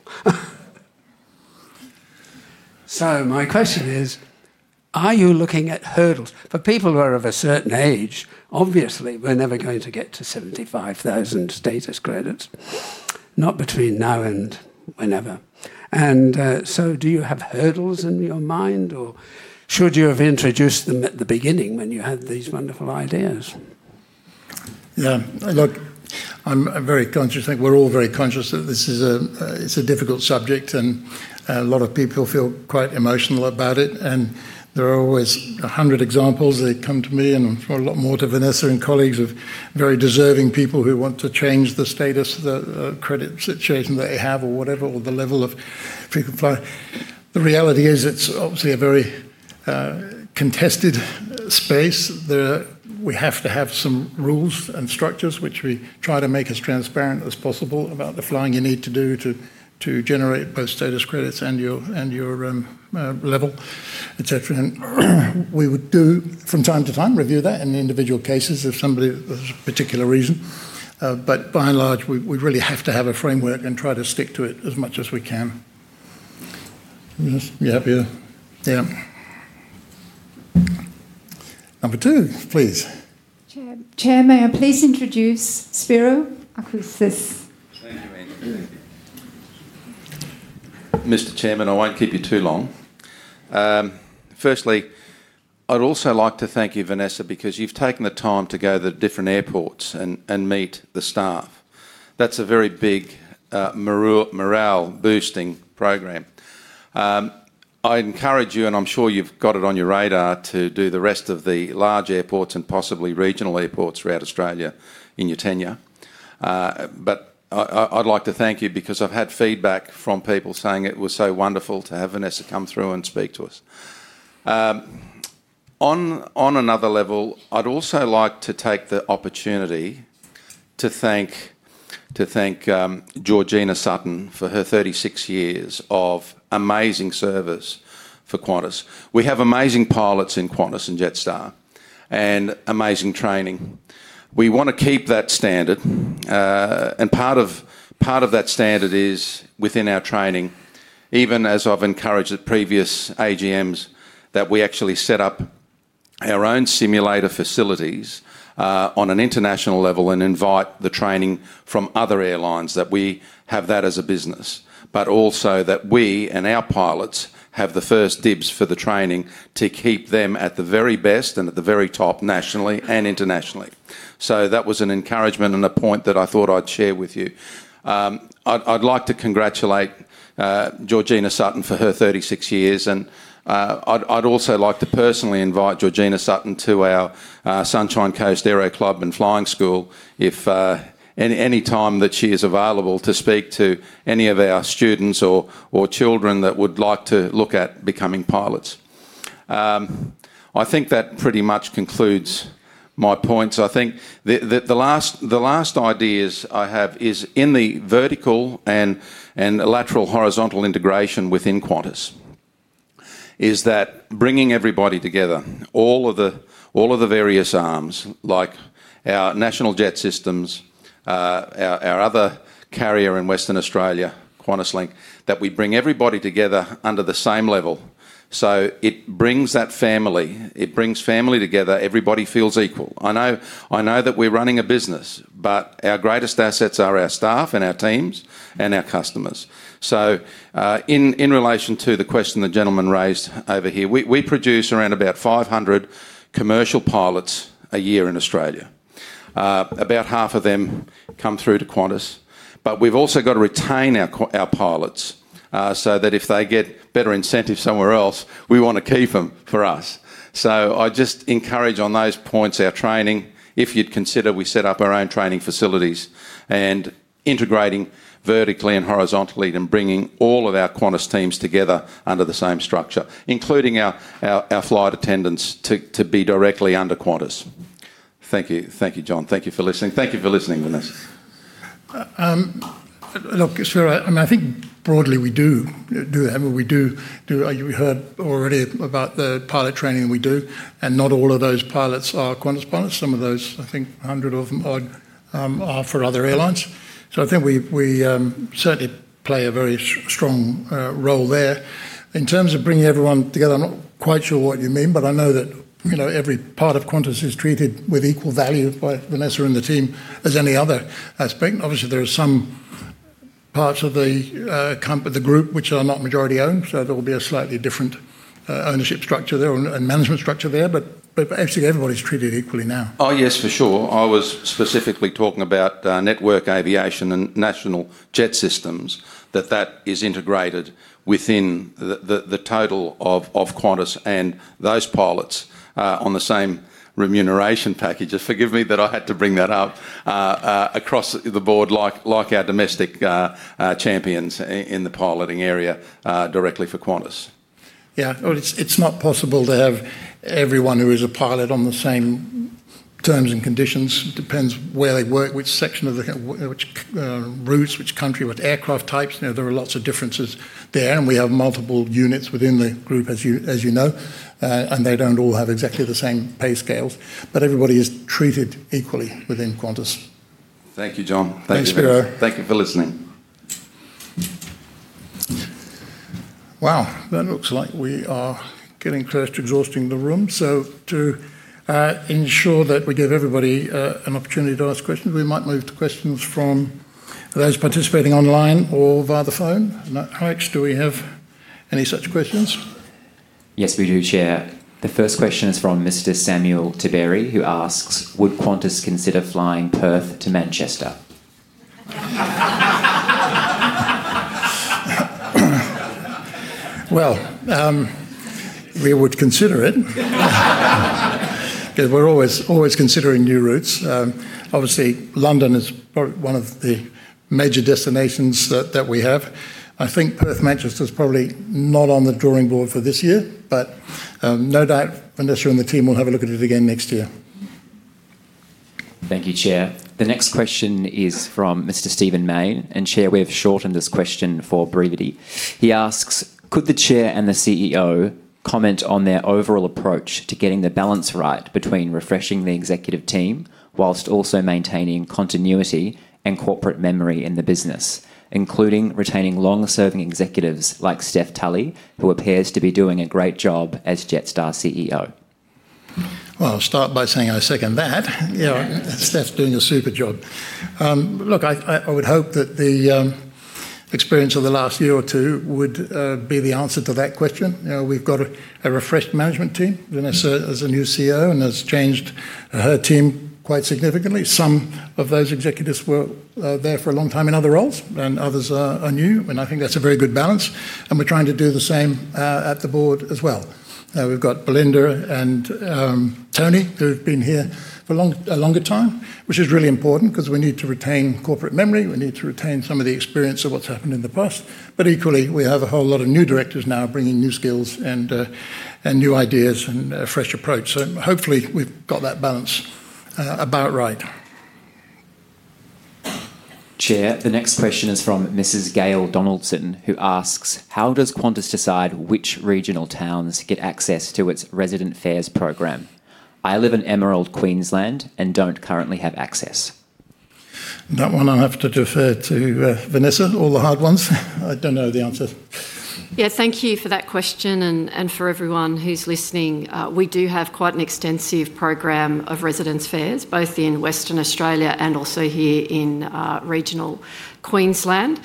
My question is, are you looking at hurdles for people who are of a certain age? Obviously, we're never going to get to 75,000 status credits, not between now and whenever. Do you have hurdles in your mind, or should you have introduced them at the beginning when you had these wonderful ideas? Yeah. Look, I'm very conscious. I think we're all very conscious that this is a difficult subject, and a lot of people feel quite emotional about it. There are always 100 examples that come to me, and a lot more to Vanessa and colleagues of very deserving people who want to change the status credit situation that they have or whatever, or the level of frequent flying. The reality is it's obviously a very contested space. We have to have some rules and structures, which we try to make as transparent as possible about the flying you need to do to generate both status credits and your level, etc. We would, from time to time, review that in individual cases if somebody has a particular reason. By and large, we really have to have a framework and try to stick to it as much as we can. You happy to? Yeah. Number two, please. Chair, may I please introduce Spiro Agoutsis? Thank you, Andrew. Mr. Chairman, I won't keep you too long. Firstly, I'd also like to thank you, Vanessa, because you've taken the time to go to the different airports and meet the staff. That's a very big morale-boosting program. I encourage you, and I'm sure you've got it on your radar, to do the rest of the large airports and possibly regional airports throughout Australia in your tenure. I'd like to thank you because I've had feedback from people saying it was so wonderful to have Vanessa come through and speak to us. On another level, I'd also like to take the opportunity to thank Georgina Sutton for her 36 years of amazing service for Qantas. We have amazing pilots in Qantas and Jetstar and amazing training. We want to keep that standard. Part of that standard is within our training, even as I've encouraged at previous AGMs, that we actually set up. Our own simulator facilities on an international level and invite the training from other airlines, that we have that as a business, but also that we and our pilots have the first dibs for the training to keep them at the very best and at the very top nationally and internationally. That was an encouragement and a point that I thought I would share with you. I would like to congratulate Georgina Sutton for her 36 years. I would also like to personally invite Georgina Sutton to our Sunshine Coast Aero Club and Flying School anytime that she is available to speak to any of our students or children that would like to look at becoming pilots. I think that pretty much concludes my points. I think the last ideas I have is in the vertical and lateral horizontal integration within Qantas. Is that bringing everybody together, all of the. Various arms, like our National Jet Systems. Our other carrier in Western Australia, QantasLink, that we bring everybody together under the same level. It brings that family. It brings family together. Everybody feels equal. I know that we're running a business, but our greatest assets are our staff and our teams and our customers. In relation to the question the gentleman raised over here, we produce around about 500 commercial pilots a year in Australia. About half of them come through to Qantas. We have also got to retain our pilots so that if they get better incentive somewhere else, we want to keep them for us. I just encourage on those points our training, if you'd consider we set up our own training facilities and integrating vertically and horizontally and bringing all of our Qantas teams together under the same structure, including our flight attendants to be directly under Qantas. Thank you. Thank you, John. Thank you for listening. Thank you for listening, Vanessa. Look, Spiro, I mean, I think broadly we do have what we do. You heard already about the pilot training we do, and not all of those pilots are Qantas pilots. Some of those, I think a hundred of them, are for other airlines. I think we certainly play a very strong role there. In terms of bringing everyone together, I'm not quite sure what you mean, but I know that every part of Qantas is treated with equal value by Vanessa and the team as any other aspect. Obviously, there are some parts of the group which are not majority-owned, so there will be a slightly different ownership structure there and management structure there. Actually, everybody's treated equally now. Oh, yes, for sure. I was specifically talking about Network Aviation and National Jet Systems, that that is integrated within the total of Qantas and those pilots on the same remuneration packages. Forgive me that I had to bring that up. Across the board, like our domestic champions in the piloting area directly for Qantas. Yeah. It's not possible to have everyone who is a pilot on the same terms and conditions. It depends where they work, which section of the routes, which country, what aircraft types. There are lots of differences there, and we have multiple units within the group, as you know, and they don't all have exactly the same pay scales but everybody is treated equally within Qantas. Thank you, John. Thanks very much. Thank you for listening. Wow, that looks like we are getting close to exhausting the room. To ensure that we give everybody an opportunity to ask questions, we might move to questions from those participating online or via the phone. Alex, do we have any such questions? Yes, we do, Chair. The first question is from Mr. Samuel Tiberi, who asks, "Would Qantas consider flying Perth to Manchester?" We would consider it, because we're always considering new routes. Obviously, London is probably one of the major destinations that we have. I think Perth, Manchester is probably not on the drawing board for this year, but no doubt Vanessa and the team will have a look at it again next year. Thank you, Chair. The next question is from Mr. Stephen Mayne. Chair, we have shortened this question for brevity. He asks, "Could the Chair and the CEO comment on their overall approach to getting the balance right between refreshing the executive team whilst also maintaining continuity and corporate memory in the business, including retaining long-serving executives like Steph Tully, who appears to be doing a great job as Jetstar CEO?" I will start by saying I second that. Steph's doing a super job. I would hope that the experience of the last year or two would be the answer to that question. We have got a refreshed management team. Vanessa is a new CEO, and has changed her team quite significantly. Some of those executives were there for a long time in other roles, and others are new. I think that is a very good balance. We are trying to do the same at the board as well. We've got Belinda and Tony, who've been here for a longer time, which is really important because we need to retain corporate memory. We need to retain some of the experience of what's happened in the past. Equally, we have a whole lot of new directors now bringing new skills and new ideas and a fresh approach. Hopefully, we've got that balance about right. Chair, the next question is from Mrs. Gail Donaldson, who asks, "How does Qantas decide which regional towns get access to its resident fares program? I live in Emerald, Queensland and don't currently have access." That one I have to defer to Vanessa, all the hard ones. I don't know the answer. Yeah, thank you for that question and for everyone who's listening. We do have quite an extensive program of residents' fares, both in Western Australia and also here in regional Queensland.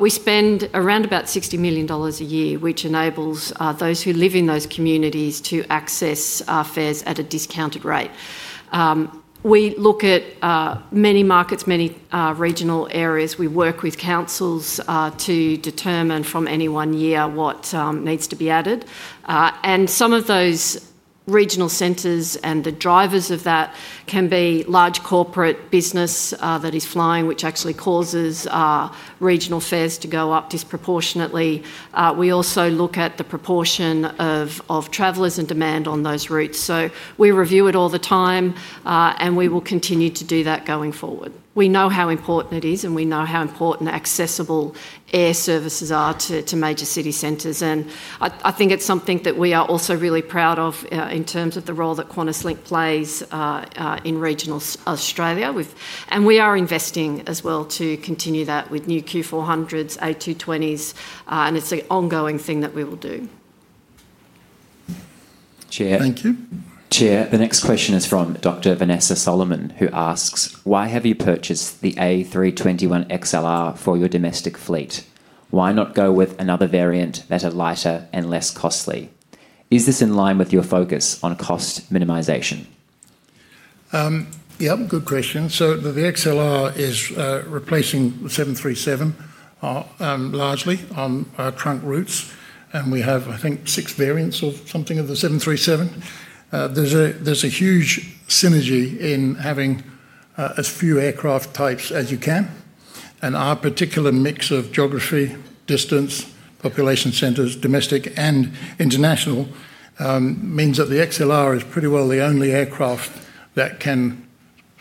We spend around about 60 million dollars a year, which enables those who live in those communities to access our fares at a discounted rate. We look at many markets, many regional areas. We work with councils to determine from any one year what needs to be added. Some of those regional centers and the drivers of that can be large corporate business that is flying, which actually causes regional fares to go up disproportionately. We also look at the proportion of travelers and demand on those routes. We review it all the time, and we will continue to do that going forward. We know how important it is, and we know how important accessible air services are to major city centers. I think it is something that we are also really proud of in terms of the role that QantasLink plays in regional Australia. We are investing as well to continue that with new Q400s, A220s, and it's an ongoing thing that we will do. Thank you. Chair, the next question is from Dr. Vanessa Solomon, who asks, "Why have you purchased the A321XLR for your domestic fleet? Why not go with another variant that are lighter and less costly? Is this in line with your focus on cost minimization?" Yeah, good question. The XLR is replacing the 737, largely on trunk routes. We have, I think, six variants of something of the 737. There is a huge synergy in having as few aircraft types as you can. Our particular mix of geography, distance, population centers, domestic and international, means that the XLR is pretty well the only aircraft that can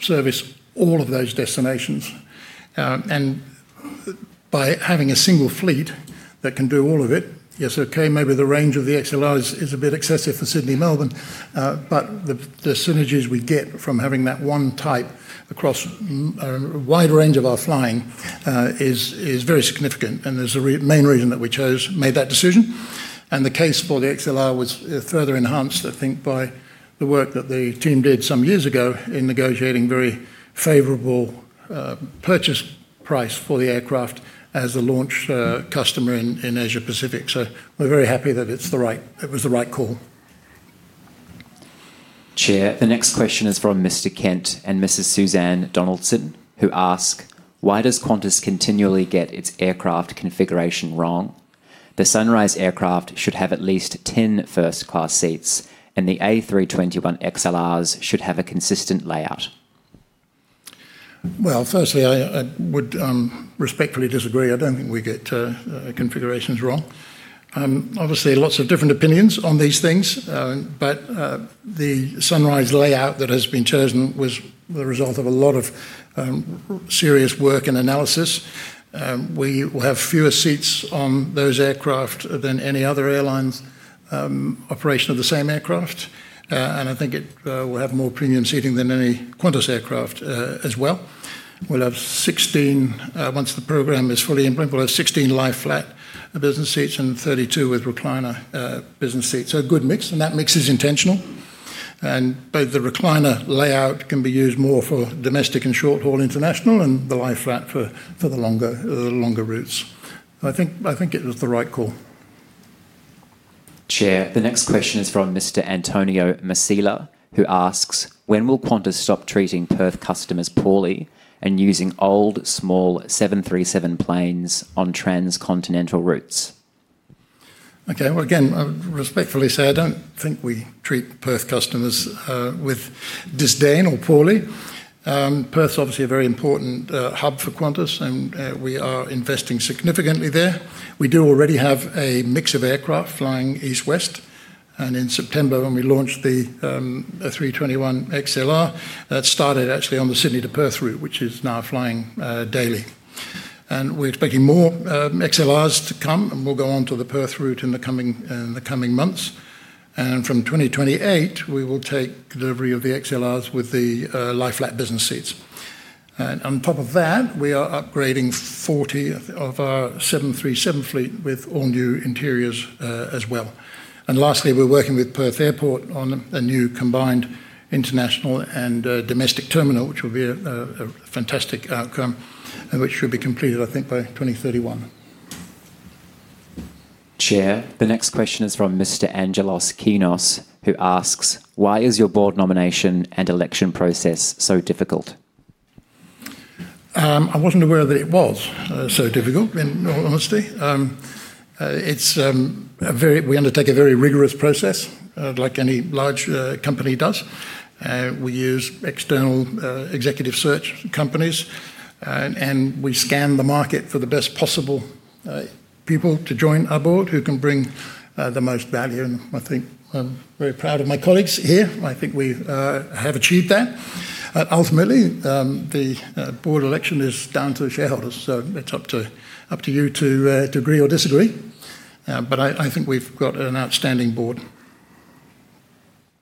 service all of those destinations. By having a single fleet that can do all of it, yes, okay, maybe the range of the XLR is a bit excessive for Sydney, Melbourne, but the synergies we get from having that one type across a wide range of our flying is very significant. There's a main reason that we made that decision. The case for the XLR was further enhanced, I think, by the work that the team did some years ago in negotiating a very favorable purchase price for the aircraft as a launch customer in Asia-Pacific. We're very happy that it was the right call. Chair, the next question is from Mr. Kent and Mrs. Suzanne Donaldson, who ask, "Why does Qantas continually get its aircraft configuration wrong? The Sunrise aircraft should have at least 10 first-class seats, and the A321XLRs should have a consistent layout. Firstly, I would respectfully disagree. I do not think we get configurations wrong. Obviously, lots of different opinions on these things, but the Sunrise layout that has been chosen was the result of a lot of serious work and analysis. We will have fewer seats on those aircraft than any other airline's operation of the same aircraft. I think it will have more premium seating than any Qantas aircraft as well. We will have 16, once the program is fully implemented, we will have 16 lie-flat business seats and 32 with recliner business seats. A good mix. That mix is intentional. Both the recliner layout can be used more for domestic and short-haul international, and the lie-flat for the longer routes. I think it was the right call. Chair, the next question is from Mr. Antonio Masila, who asks, "When will Qantas stop treating Perth customers poorly and using old small 737 planes on transcontinental routes?" Okay, I would respectfully say I don't think we treat Perth customers with disdain or poorly. Perth is obviously a very important hub for Qantas, and we are investing significantly there. We do already have a mix of aircraft flying east-west. In September, when we launched the A321XLR, that started actually on the Sydney to Perth route, which is now flying daily. We are expecting more XLRs to come, and they will go on to the Perth route in the coming months. From 2028, we will take delivery of the XLRs with the lie-flat business seats. On top of that, we are upgrading 40 of our 737 fleet with all new interiors as well. Lastly, we're working with Perth Airport on a new combined international and domestic terminal, which will be a fantastic outcome and which should be completed, I think, by 2031. Chair, the next question is from Mr. Angelos Kinos, who asks, "Why is your board nomination and election process so difficult?" I wasn't aware that it was so difficult, in all honesty. We undertake a very rigorous process like any large company does. We use external executive search companies, and we scan the market for the best possible people to join our board who can bring the most value. I think I'm very proud of my colleagues here. I think we have achieved that. Ultimately, the board election is down to the shareholders. So it's up to you to agree or disagree. I think we've got an outstanding board.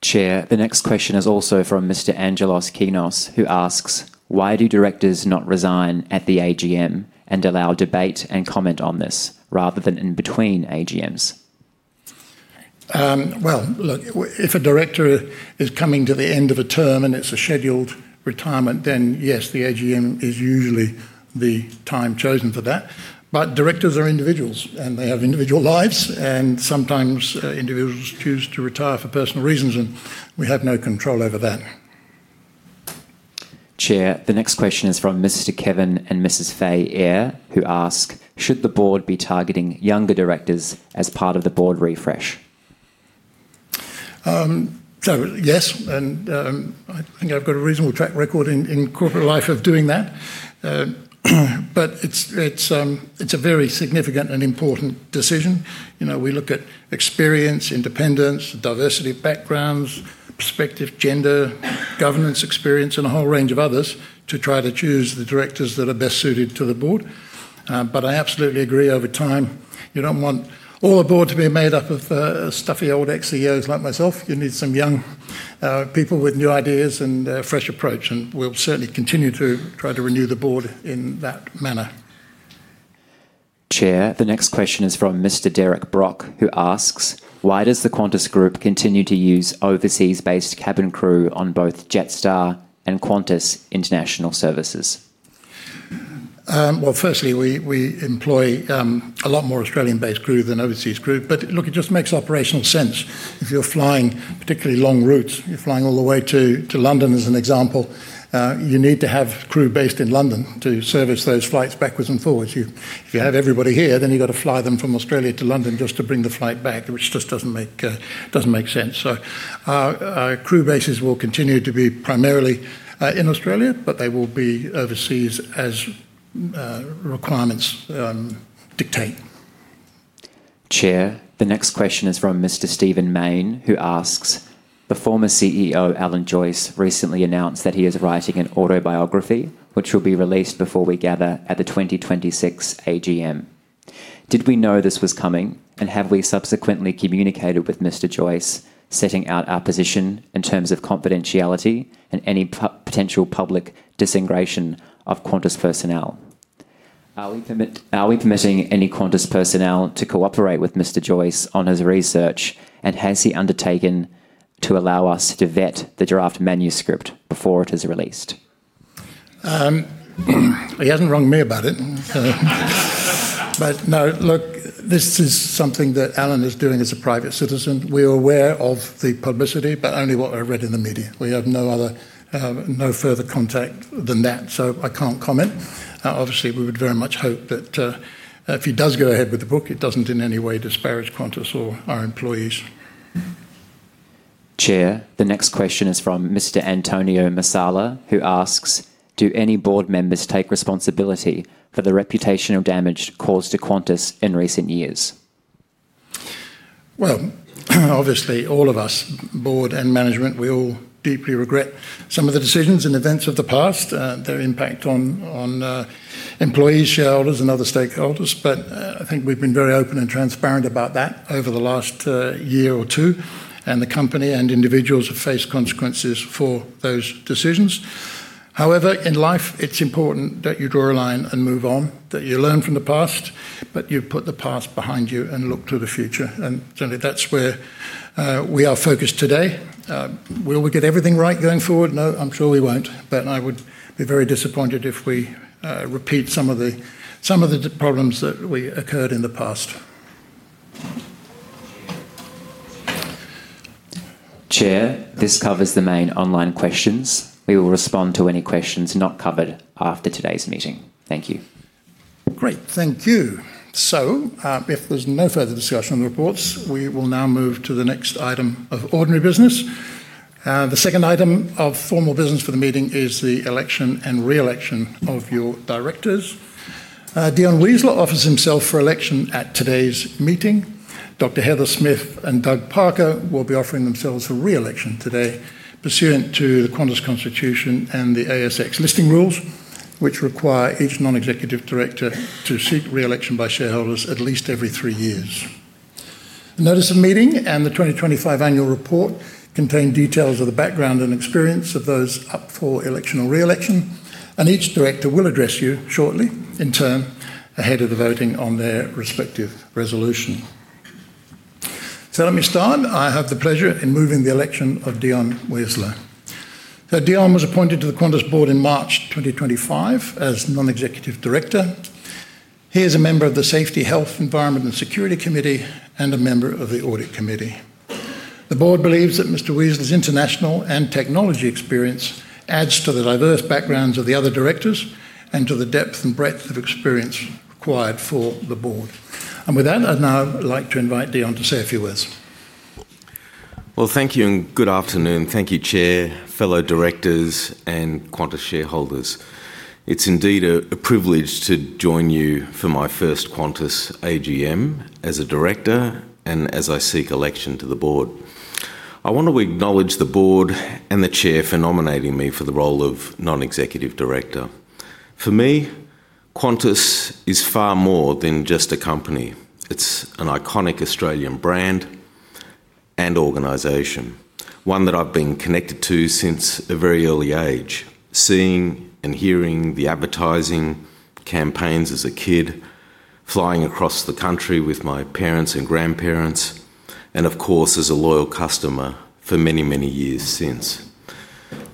Chair, the next question is also from Mr. Angelos Kinos, who asks, "Why do directors not resign at the AGM and allow debate and comment on this rather than in between AGMs?" If a director is coming to the end of a term and it is a scheduled retirement, then yes, the AGM is usually the time chosen for that. Directors are individuals, and they have individual lives. Sometimes individuals choose to retire for personal reasons, and we have no control over that. Chair, the next question is from Mr. Kevin and Mrs. Fay Eyre, who ask, "Should the board be targeting younger directors as part of the board refresh?" Yes, and I think I have got a reasonable track record in corporate life of doing that. It is a very significant and important decision. We look at experience, independence, diversity of backgrounds, perspective, gender, governance experience, and a whole range of others to try to choose the directors that are best suited to the board. I absolutely agree over time. You do not want all the board to be made up of stuffy old ex-CEOs like myself. You need some young people with new ideas and a fresh approach. We will certainly continue to try to renew the board in that manner. Chair, the next question is from Mr. Derek Brock, who asks, "Why does the Qantas Group continue to use overseas-based cabin crew on both Jetstar and Qantas international services?" Firstly, we employ a lot more Australian-based crew than overseas crew. It just makes operational sense. If you're flying particularly long routes, you're flying all the way to London, as an example, you need to have crew based in London to service those flights backwards and forwards. If you have everybody here, then you've got to fly them from Australia to London just to bring the flight back, which just doesn't make sense. So crew bases will continue to be primarily in Australia, but they will be overseas as requirements dictate. Chair, the next question is from Mr. Stephen Mayne, who asks, "The former CEO Alan Joyce recently announced that he is writing an autobiography, which will be released before we gather at the 2026 AGM. Did we know this was coming, and have we subsequently communicated with Mr. Joyce setting out our position in terms of confidentiality and any potential public disintegration of Qantas personnel? Are we permitting any Qantas personnel to cooperate with Mr. Joyce on his research, and has he undertaken to allow us to vet the draft manuscript before it is released?" He hasn't wronged me about it. No, look, this is something that Alan is doing as a private citizen. We are aware of the publicity, but only what I've read in the media. We have no further contact than that, so I can't comment. Obviously, we would very much hope that if he does go ahead with the book, it doesn't in any way disparage Qantas or our employees. Chair, the next question is from Mr. Antonio Masala, who asks, "Do any board members take responsibility for the reputational damage caused to Qantas in recent years?" Obviously, all of us, board and management, we all deeply regret some of the decisions and events of the past, their impact on employees, shareholders, and other stakeholders. I think we've been very open and transparent about that over the last year or two. The company and individuals have faced consequences for those decisions. However, in life, it's important that you draw a line and move on, that you learn from the past, but you put the past behind you and look to the future. Certainly, that's where we are focused today. Will we get everything right going forward? No, I'm sure we won't. I would be very disappointed if we repeat some of the problems that occurred in the past. Chair, this covers the main online questions. We will respond to any questions not covered after today's meeting. Thank you. Great. Thank you. If there's no further discussion on the reports, we will now move to the next item of ordinary business. The second item of formal business for the meeting is the election and re-election of your directors. Dion Weisler offers himself for election at today's meeting. Dr. Heather Smith and Doug Parker will be offering themselves for re-election today, pursuant to the Qantas Constitution and the ASX listing rules, which require each non-executive director to seek re-election by shareholders at least every three years. The notice of meeting and the 2025 annual report contain details of the background and experience of those up for election or re-election. Each director will address you shortly in turn, ahead of the voting on their respective resolution. Let me start. I have the pleasure in moving the election of Dion Weisler. Dion was appointed to the Qantas board in March 2025 as non-executive director. He is a member of the Safety, Health, Environment, and Security Committee and a member of the Audit Committee. The board believes that Mr. Weisler's international and technology experience adds to the diverse backgrounds of the other directors and to the depth and breadth of experience required for the board. I would now like to invite Dion to say a few words. Thank you and good afternoon. Thank you, Chair, fellow directors, and Qantas shareholders. It's indeed a privilege to join you for my first Qantas AGM as a director and as I seek election to the board. I want to acknowledge the board and the Chair for nominating me for the role of non-executive director. For me, Qantas is far more than just a company. It's an iconic Australian brand. Organization, one that I've been connected to since a very early age, seeing and hearing the advertising campaigns as a kid, flying across the country with my parents and grandparents, and of course, as a loyal customer for many, many years since.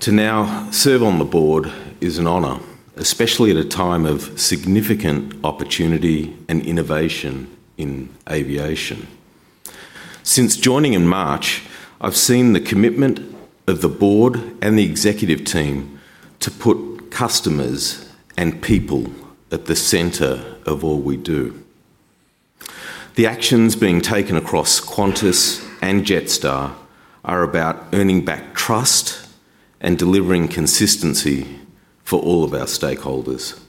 To now serve on the board is an honor, especially at a time of significant opportunity and innovation in aviation. Since joining in March, I've seen the commitment of the board and the executive team to put customers and people at the center of all we do. The actions being taken across Qantas and Jetstar are about earning back trust and delivering consistency for all of our stakeholders.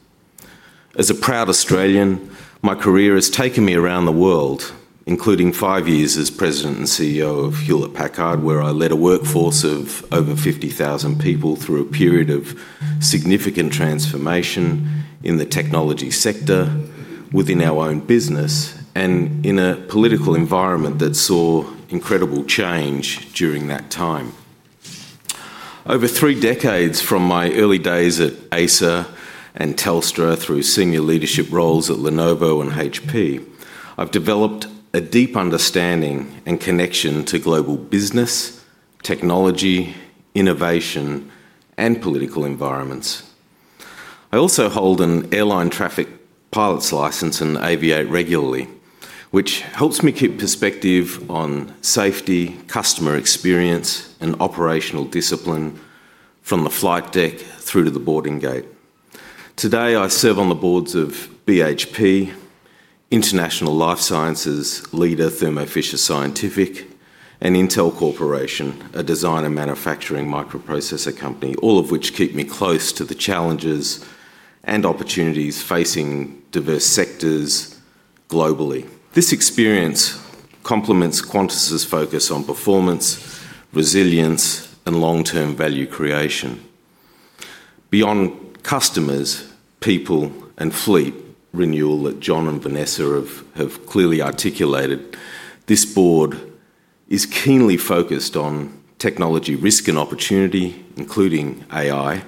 As a proud Australian, my career has taken me around the world, including five years as President and CEO of Hewlett-Packard, where I led a workforce of over 50,000 people through a period of significant transformation in the technology sector, within our own business, and in a political environment that saw incredible change during that time. Over three decades from my early days at ASA and Telstra through senior leadership roles at Lenovo and HP, I've developed a deep understanding and connection to global business. Technology, innovation, and political environments. I also hold an airline traffic pilot's license and aviate regularly, which helps me keep perspective on safety, customer experience, and operational discipline from the flight deck through to the boarding gate. Today, I serve on the boards of BHP. International Life Sciences, LEADR, Thermo Fisher Scientific, and Intel Corporation, a design and manufacturing microprocessor company, all of which keep me close to the challenges and opportunities facing diverse sectors globally. This experience complements Qantas's focus on performance, resilience, and long-term value creation. Beyond customers, people, and fleet renewal that John and Vanessa have clearly articulated, this board is keenly focused on technology, risk, and opportunity, including AI.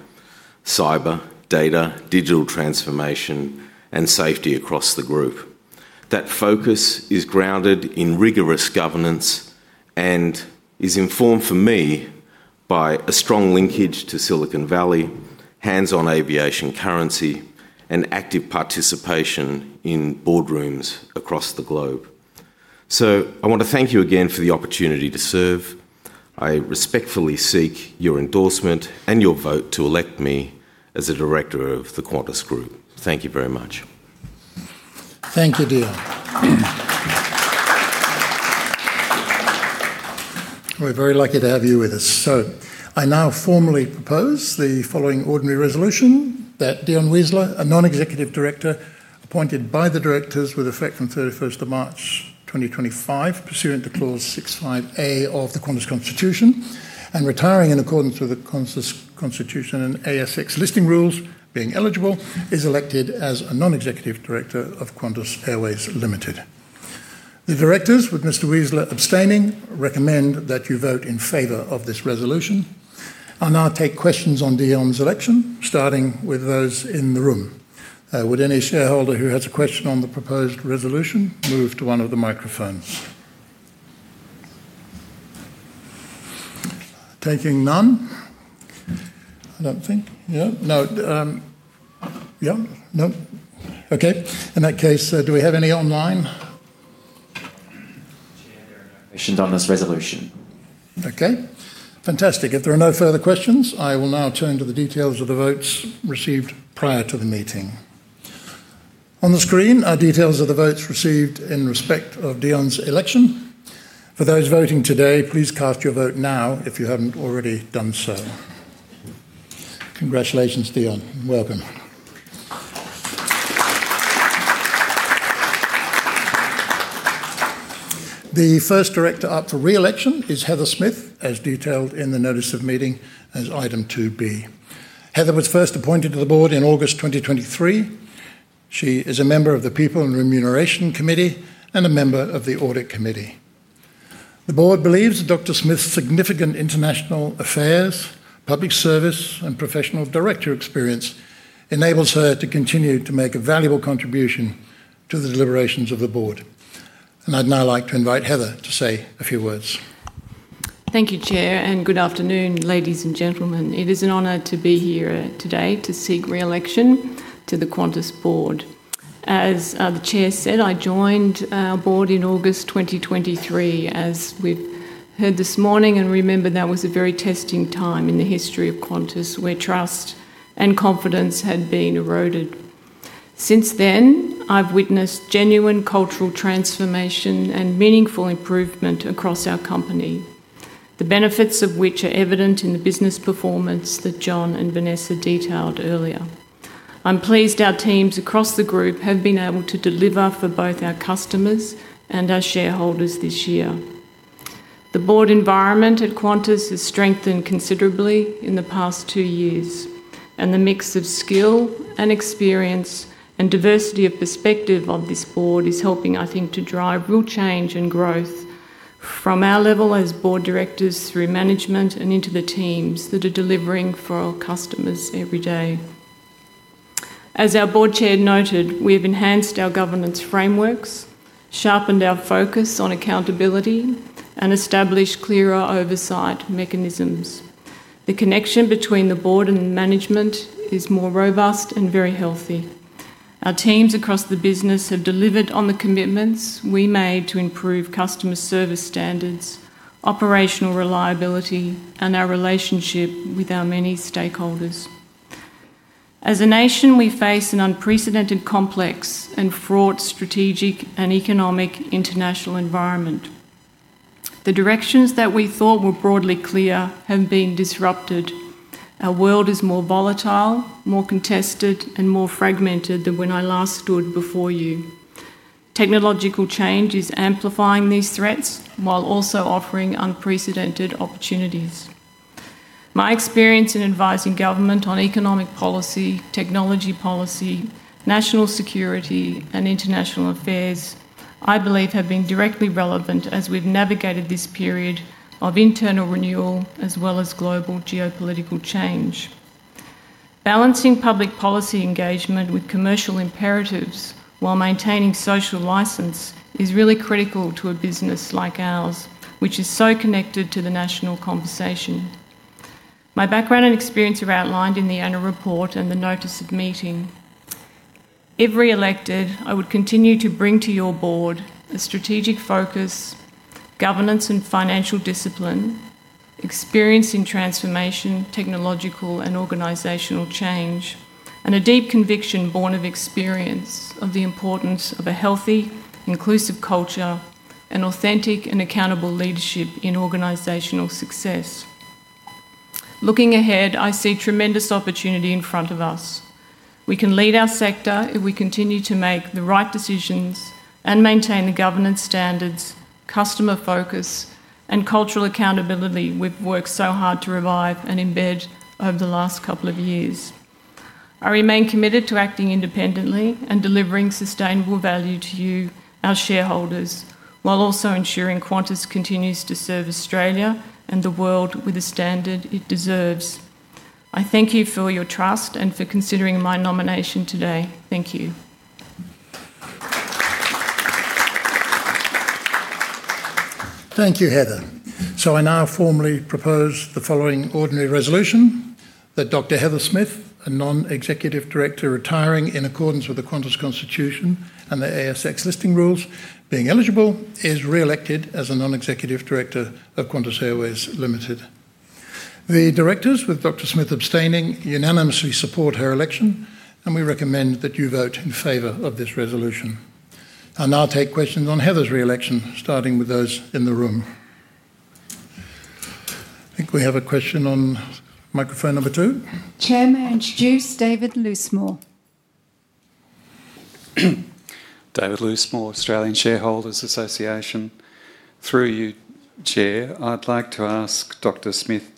Cyber, data, digital transformation, and safety across the group. That focus is grounded in rigorous governance and is informed for me by a strong linkage to Silicon Valley, hands-on aviation currency, and active participation in boardrooms across the globe. I want to thank you again for the opportunity to serve. I respectfully seek your endorsement and your vote to elect me as a director of the Qantas Group. Thank you very much. Thank you, Dion. We're very lucky to have you with us. I now formally propose the following ordinary resolution that Dion Weisler, a non-executive director appointed by the directors with effect on 31st of March 2025, pursuant to Clause 65A of the Qantas Constitution and retiring in accordance with the Qantas Constitution and ASX listing rules, being eligible, is elected as a non-executive director of Qantas Airways Limited. The directors, with Mr. Weisler abstaining, recommend that you vote in favor of this resolution. I'll now take questions on Dion's election, starting with those in the room. Would any shareholder who has a question on the proposed resolution move to one of the microphones? Taking none. I don't think. Yeah? No. Yeah? No. Okay. In that case, do we have any online? Chair, there are no questions on this resolution. Okay. Fantastic. If there are no further questions, I will now turn to the details of the votes received prior to the meeting. On the screen are details of the votes received in respect of Dion's election. For those voting today, please cast your vote now if you haven't already done so. Congratulations, Dion. Welcome. The first director up for re-election is Heather Smith, as detailed in the notice of meeting as item 2B. Heather was first appointed to the board in August 2023. She is a member of the People and Remuneration Committee and a member of the Audit Committee. The board believes that Dr. Smith's significant international affairs, public service, and professional director experience enables her to continue to make a valuable contribution to the deliberations of the board. I would now like to invite Heather to say a few words. Thank you, Chair, and good afternoon, ladies and gentlemen. It is an honor to be here today to seek re-election to the Qantas board. As the Chair said, I joined our board in August 2023, as we've heard this morning, and remember that was a very testing time in the history of Qantas where trust and confidence had been eroded. Since then, I've witnessed genuine cultural transformation and meaningful improvement across our company, the benefits of which are evident in the business performance that John and Vanessa detailed earlier. I'm pleased our teams across the group have been able to deliver for both our customers and our shareholders this year. The board environment at Qantas has strengthened considerably in the past two years, and the mix of skill and experience and diversity of perspective of this board is helping, I think, to drive real change and growth from our level as board directors through management and into the teams that are delivering for our customers every day. As our board chair noted, we have enhanced our governance frameworks, sharpened our focus on accountability, and established clearer oversight mechanisms. The connection between the board and management is more robust and very healthy. Our teams across the business have delivered on the commitments we made to improve customer service standards, operational reliability, and our relationship with our many stakeholders. As a nation, we face an unprecedented complex and fraught strategic and economic international environment. The directions that we thought were broadly clear have been disrupted. Our world is more volatile, more contested, and more fragmented than when I last stood before you. Technological change is amplifying these threats while also offering unprecedented opportunities. My experience in advising government on economic policy, technology policy, national security, and international affairs, I believe, have been directly relevant as we've navigated this period of internal renewal as well as global geopolitical change. Balancing public policy engagement with commercial imperatives while maintaining social license is really critical to a business like ours, which is so connected to the national conversation. My background and experience are outlined in the annual report and the notice of meeting. If re-elected, I would continue to bring to your board a strategic focus, governance and financial discipline, experience in transformation, technological and organizational change, and a deep conviction born of experience of the importance of a healthy, inclusive culture and authentic and accountable leadership in organizational success. Looking ahead, I see tremendous opportunity in front of us. We can lead our sector if we continue to make the right decisions and maintain the governance standards, customer focus, and cultural accountability we've worked so hard to revive and embed over the last couple of years. I remain committed to acting independently and delivering sustainable value to you, our shareholders, while also ensuring Qantas continues to serve Australia and the world with the standard it deserves. I thank you for your trust and for considering my nomination today. Thank you. Thank you, Heather. I now formally propose the following ordinary resolution that Dr. Heather Smith, a non-executive director retiring in accordance with the Qantas Constitution and the ASX listing rules, being eligible, is re-elected as a non-executive director of Qantas Airways Limited. The directors, with Dr. Smith abstaining, unanimously support her election, and we recommend that you vote in favor of this resolution. I'll now take questions on Heather's re-election, starting with those in the room. I think we have a question on microphone number two. Chairman introduced David Losemoore. David Losemoore, Australian Shareholders Association. Through you, Chair, I'd like to ask Dr. Smith,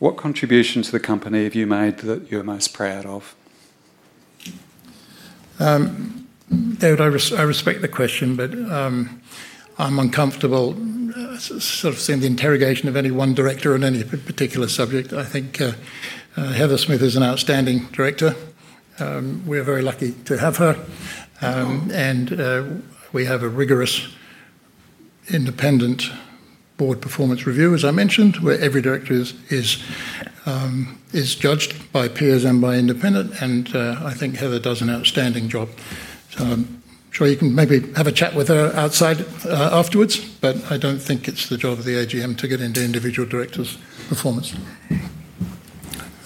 what contribution to the company have you made that you're most proud of? David, I respect the question, but I'm uncomfortable. Sort of seeing the interrogation of any one director on any particular subject. I think Heather Smith is an outstanding director. We are very lucky to have her. We have a rigorous, independent board performance review, as I mentioned, where every director is judged by peers and by independent. I think Heather does an outstanding job. I'm sure you can maybe have a chat with her outside afterwards, but I don't think it's the job of the AGM to get into individual directors' performance.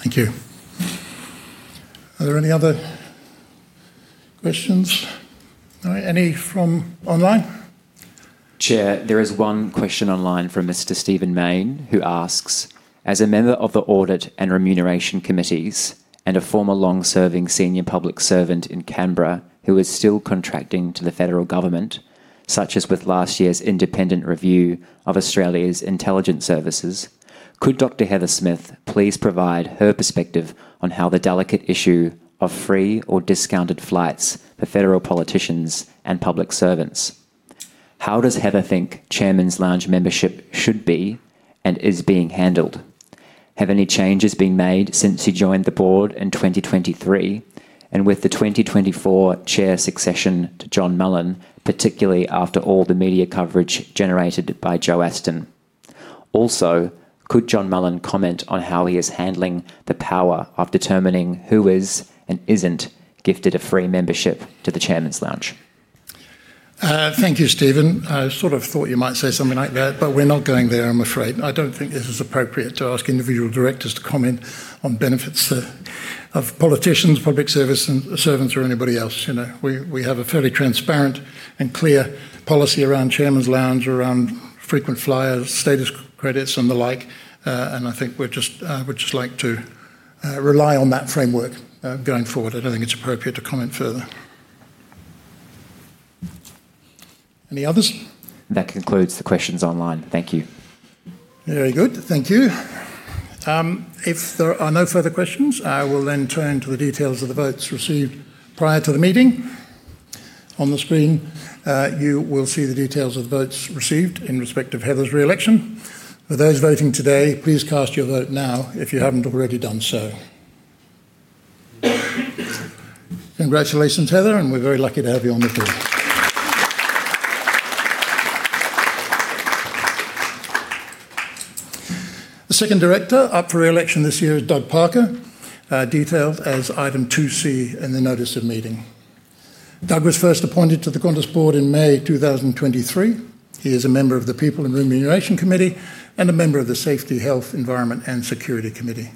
Thank you. Are there any other questions? All right. Any from online? Chair, there is one question online from Mr. Stephen Mayne, who asks, as a member of the Audit and Remuneration Committees and a former long-serving senior public servant in Canberra who is still contracting to the federal government, such as with last year's independent review of Australia's intelligence services, could Dr. Heather Smith, please provide her perspective on how the delicate issue of free or discounted flights for federal politicians and public servants? How does Heather think Chairman's Lounge membership should be and is being handled? Have any changes been made since she joined the board in 2023 and with the 2024 chair succession to John Mullen, particularly after all the media coverage generated by Joe Aston? Also, could John Mullen comment on how he is handling the power of determining who is and isn't gifted a free membership to the Chairman's Lounge? Thank you, Stephen. I sort of thought you might say something like that, but we're not going there, I'm afraid. I don't think this is appropriate to ask individual directors to comment on benefits of politicians, public servants, or anybody else. We have a fairly transparent and clear policy around Chairman's Lounge, around frequent flyers, status credits, and the like. I think we just like to rely on that framework going forward. I do not think it is appropriate to comment further. Any others? That concludes the questions online. Thank you. Very good. Thank you. If there are no further questions, I will then turn to the details of the votes received prior to the meeting. On the screen, you will see the details of the votes received in respect of Heather's re-election. For those voting today, please cast your vote now if you have not already done so. Congratulations, Heather, and we are very lucky to have you on the board. The second director up for re-election this year is Doug Parker, detailed as item 2C in the notice of meeting. Doug was first appointed to the Qantas board in May 2023. He is a member of the People and Remuneration Committee and a member of the Safety, Health, Environment, and Security Committee.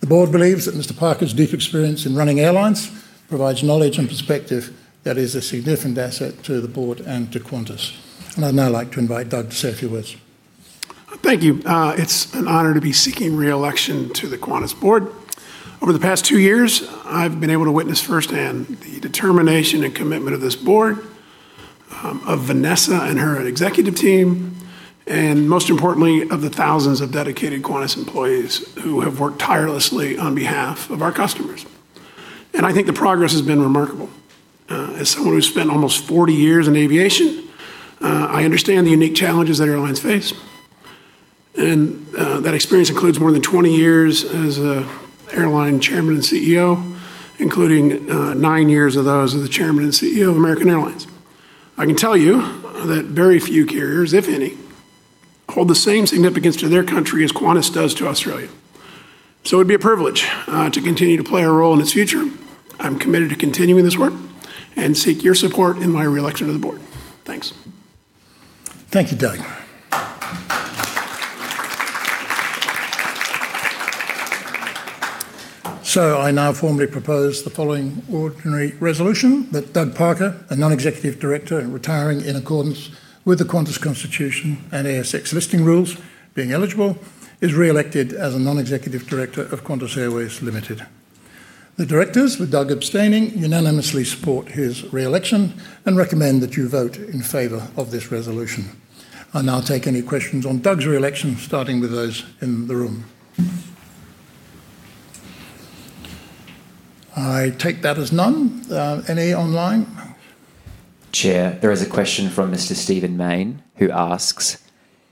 The board believes that Mr. Parker's deep experience in running airlines provides knowledge and perspective that is a significant asset to the board and to Qantas. I would now like to invite Doug to say a few words. Thank you. It is an honor to be seeking re-election to the Qantas board. Over the past two years, I have been able to witness firsthand the determination and commitment of this board, of Vanessa and her executive team, and most importantly, of the thousands of dedicated Qantas employees who have worked tirelessly on behalf of our customers. I think the progress has been remarkable. As someone who has spent almost 40 years in aviation, I understand the unique challenges that airlines face. That experience includes more than 20 years as an airline chairman and CEO, including nine years of those as the chairman and CEO of American Airlines. I can tell you that very few carriers, if any, hold the same significance to their country as Qantas does to Australia. It would be a privilege to continue to play a role in its future. I'm committed to continuing this work and seek your support in my re-election of the board. Thanks. Thank you, Doug. I now formally propose the following ordinary resolution that Doug Parker, a non-executive director retiring in accordance with the Qantas Constitution and ASX listing rules, being eligible, is re-elected as a non-executive director of Qantas Airways Limited. The directors, with Doug abstaining, unanimously support his re-election and recommend that you vote in favor of this resolution. I now take any questions on Doug's re-election, starting with those in the room. I take that as none. Any online? Chair, there is a question from Mr. Stephen Mayne, who asks,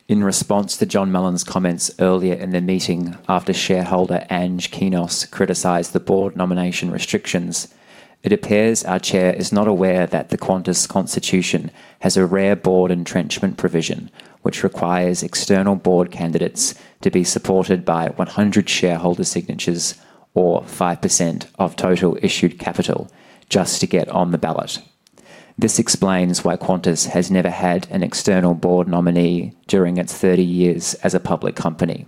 in response to John Mullen's comments earlier in the meeting after shareholder Ang Kinos criticized the board nomination restrictions, it appears our chair is not aware that the Qantas Constitution has a rare board entrenchment provision, which requires external board candidates to be supported by 100 shareholder signatures or 5% of total issued capital just to get on the ballot. This explains why Qantas has never had an external board nominee during its 30 years as a public company.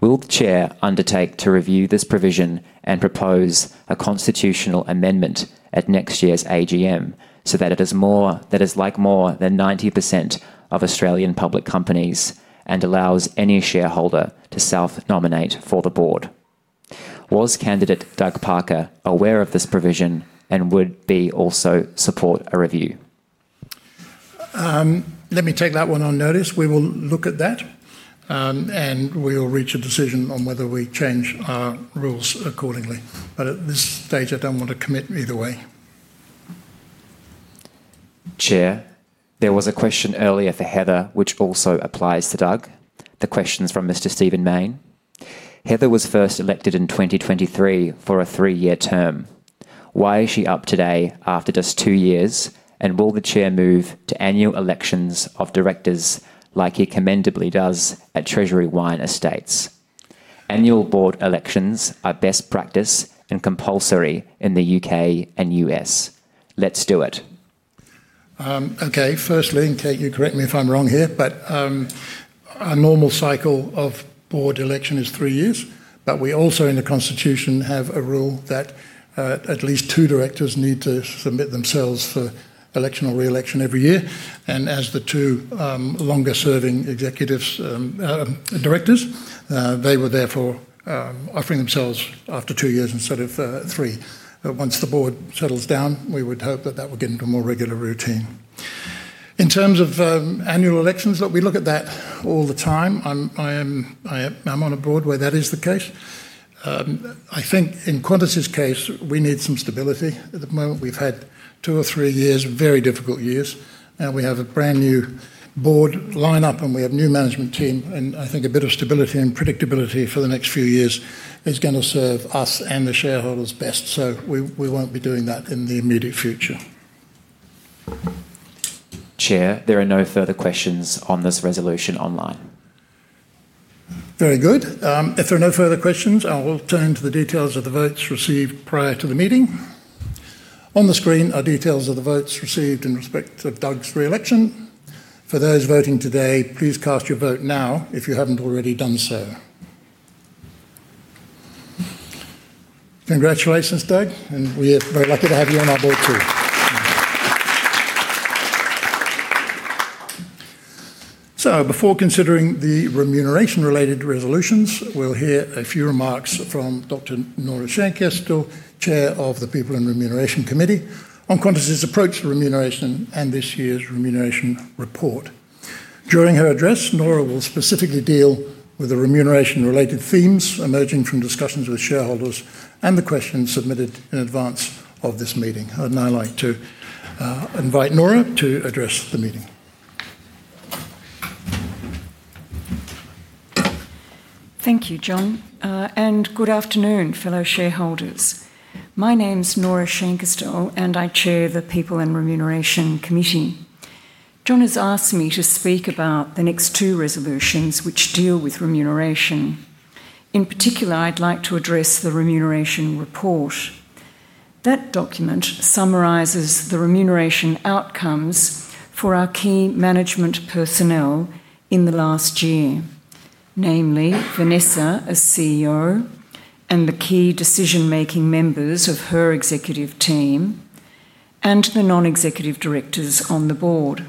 Will the chair undertake to review this provision and propose a constitutional amendment at next year's AGM so that it is like more than 90% of Australian public companies and allows any shareholder to self-nominate for the board? Was candidate Doug Parker aware of this provision and would he also support a review? Let me take that one on notice. We will look at that. And we will reach a decision on whether we change our rules accordingly. At this stage, I don't want to commit either way. Chair, there was a question earlier for Heather, which also applies to Doug, the questions from Mr. Stephen Mayne. Heather was first elected in 2023 for a three-year term. Why is she up today after just two years, and will the chair move to annual elections of directors like he commendably does at Treasury Wine Estates? Annual board elections are best practice and compulsory in the U.K. and U.S. Let's do it. Okay. Firstly, in case you correct me if I'm wrong here, but. A normal cycle of board election is three years. We also in the Constitution have a rule that at least two directors need to submit themselves for election or re-election every year. As the two longer-serving executives, directors, they were therefore offering themselves after two years instead of three. Once the board settles down, we would hope that that would get into a more regular routine. In terms of annual elections, we look at that all the time. I'm on a board where that is the case. I think in Qantas's case, we need some stability at the moment. We've had two or three very difficult years. Now we have a brand new board lineup, and we have a new management team. I think a bit of stability and predictability for the next few years is going to serve us and the shareholders best. We won't be doing that in the immediate future. Chair, there are no further questions on this resolution online. Very good. If there are no further questions, I will turn to the details of the votes received prior to the meeting. On the screen are details of the votes received in respect of Doug's re-election. For those voting today, please cast your vote now if you haven't already done so. Congratulations, Doug. We are very lucky to have you on our board too. Before considering the remuneration-related resolutions, we will hear a few remarks from Dr. Nora Scheinkestel, Chair of the People and Remuneration Committee, on Qantas's approach to remuneration and this year's remuneration report. During her address, Nora will specifically deal with the remuneration-related themes emerging from discussions with shareholders and the questions submitted in advance of this meeting. I would now like to invite Nora to address the meeting. Thank you, John. Good afternoon, fellow shareholders. My name's Nora Scheinkestel, and I chair the People and Remuneration Committee. John has asked me to speak about the next two resolutions which deal with remuneration. In particular, I'd like to address the remuneration report. That document summarizes the remuneration outcomes for our key management personnel in the last year, namely Vanessa as CEO and the key decision-making members of her executive team, and the non-executive directors on the board.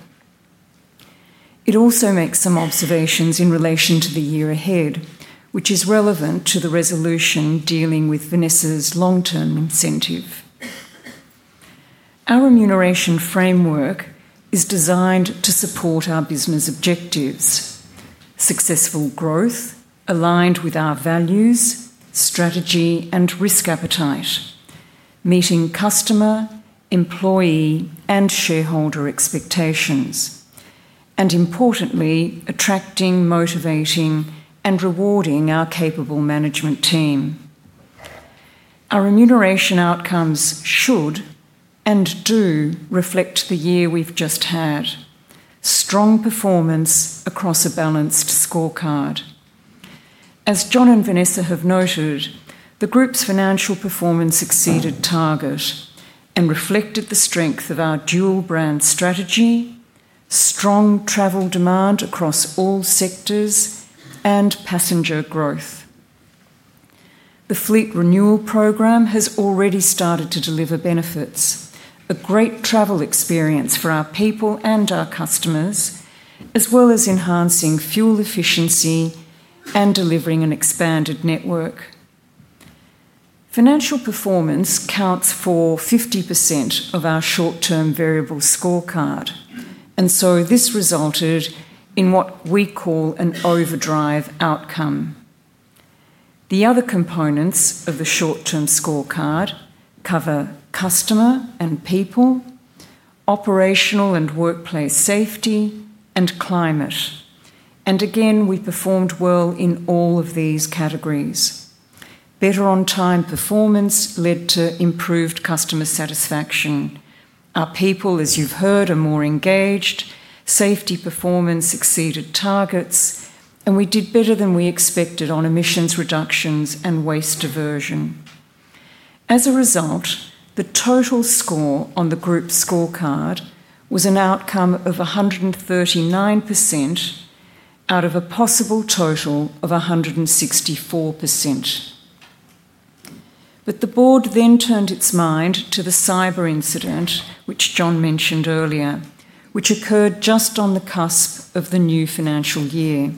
It also makes some observations in relation to the year ahead, which is relevant to the resolution dealing with Vanessa's long-term incentive. Our remuneration framework is designed to support our business objectives. Successful growth aligned with our values, strategy, and risk appetite, meeting customer, employee, and shareholder expectations, and importantly, attracting, motivating, and rewarding our capable management team. Our remuneration outcomes should and do reflect the year we've just had. Strong performance across a balanced scorecard. As John and Vanessa have noted, the group's financial performance exceeded target and reflected the strength of our dual-brand strategy, strong travel demand across all sectors, and passenger growth. The fleet renewal program has already started to deliver benefits, a great travel experience for our people and our customers, as well as enhancing fuel efficiency and delivering an expanded network. Financial performance counts for 50% of our short-term variable scorecard, and so this resulted in what we call an overdrive outcome. The other components of the short-term scorecard cover customer and people. Operational and workplace safety, and climate. Again, we performed well in all of these categories. Better on-time performance led to improved customer satisfaction. Our people, as you've heard, are more engaged. Safety performance exceeded targets, and we did better than we expected on emissions reductions and waste diversion. As a result, the total score on the group scorecard was an outcome of 139%. Out of a possible total of 164%. The board then turned its mind to the cyber incident, which John mentioned earlier, which occurred just on the cusp of the new financial year.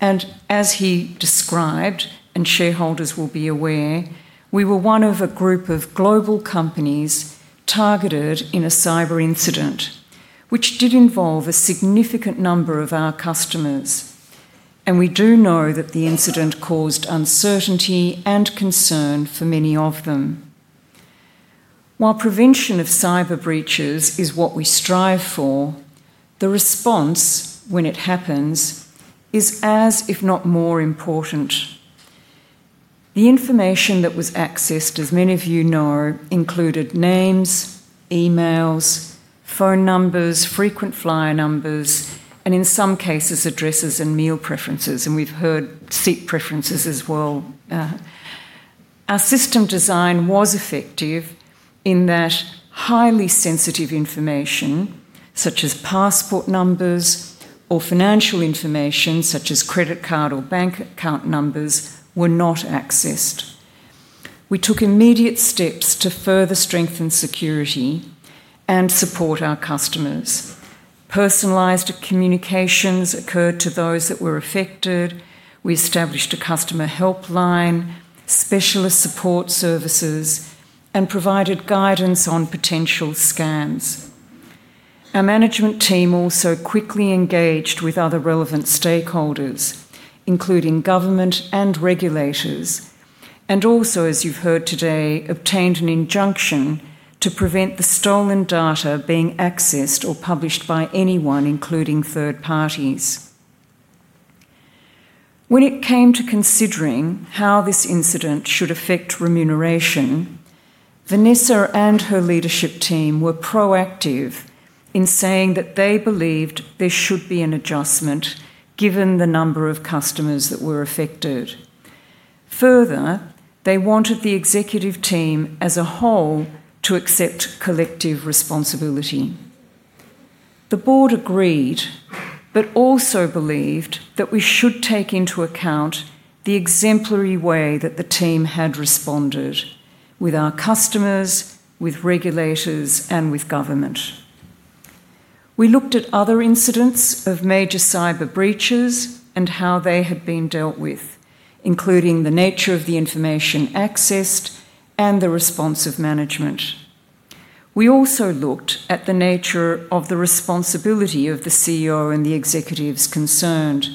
As he described, and shareholders will be aware, we were one of a group of global companies targeted in a cyber incident, which did involve a significant number of our customers. We do know that the incident caused uncertainty and concern for many of them. While prevention of cyber breaches is what we strive for, the response, when it happens, is as, if not more, important. The information that was accessed, as many of you know, included names, emails, phone numbers, frequent flyer numbers, and in some cases, addresses and meal preferences. We have heard seat preferences as well. Our system design was effective in that highly sensitive information, such as passport numbers or financial information, such as credit card or bank account numbers, were not accessed. We took immediate steps to further strengthen security and support our customers. Personalized communications occurred to those that were affected. We established a customer helpline, specialist support services, and provided guidance on potential scams. Our management team also quickly engaged with other relevant stakeholders, including government and regulators, and also, as you've heard today, obtained an injunction to prevent the stolen data being accessed or published by anyone, including third parties. When it came to considering how this incident should affect remuneration, Vanessa and her leadership team were proactive in saying that they believed there should be an adjustment given the number of customers that were affected. Further, they wanted the executive team as a whole to accept collective responsibility. The board agreed, but also believed that we should take into account the exemplary way that the team had responded with our customers, with regulators, and with government. We looked at other incidents of major cyber breaches and how they had been dealt with, including the nature of the information accessed and the response of management. We also looked at the nature of the responsibility of the CEO and the executives concerned,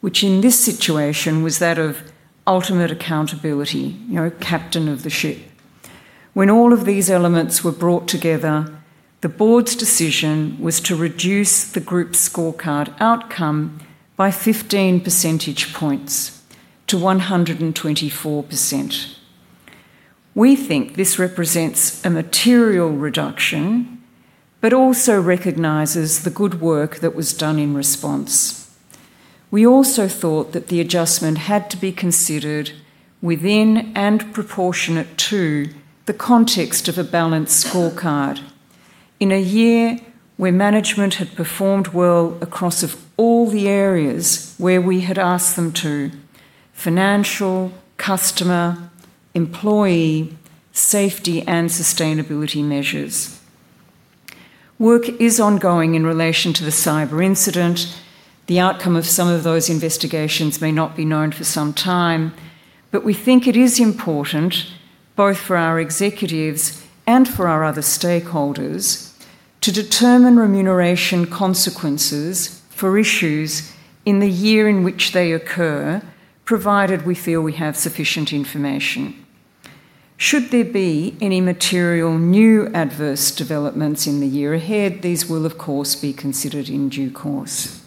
which in this situation was that of ultimate accountability, captain of the ship. When all of these elements were brought together, the board's decision was to reduce the group scorecard outcome by 15 percentage points to 124%. We think this represents a material reduction, but also recognizes the good work that was done in response. We also thought that the adjustment had to be considered within and proportionate to the context of a balanced scorecard in a year where management had performed well across all the areas where we had asked them to. Financial, customer, employee, safety, and sustainability measures. Work is ongoing in relation to the cyber incident. The outcome of some of those investigations may not be known for some time, but we think it is important, both for our executives and for our other stakeholders, to determine remuneration consequences for issues in the year in which they occur, provided we feel we have sufficient information. Should there be any material new adverse developments in the year ahead, these will, of course, be considered in due course.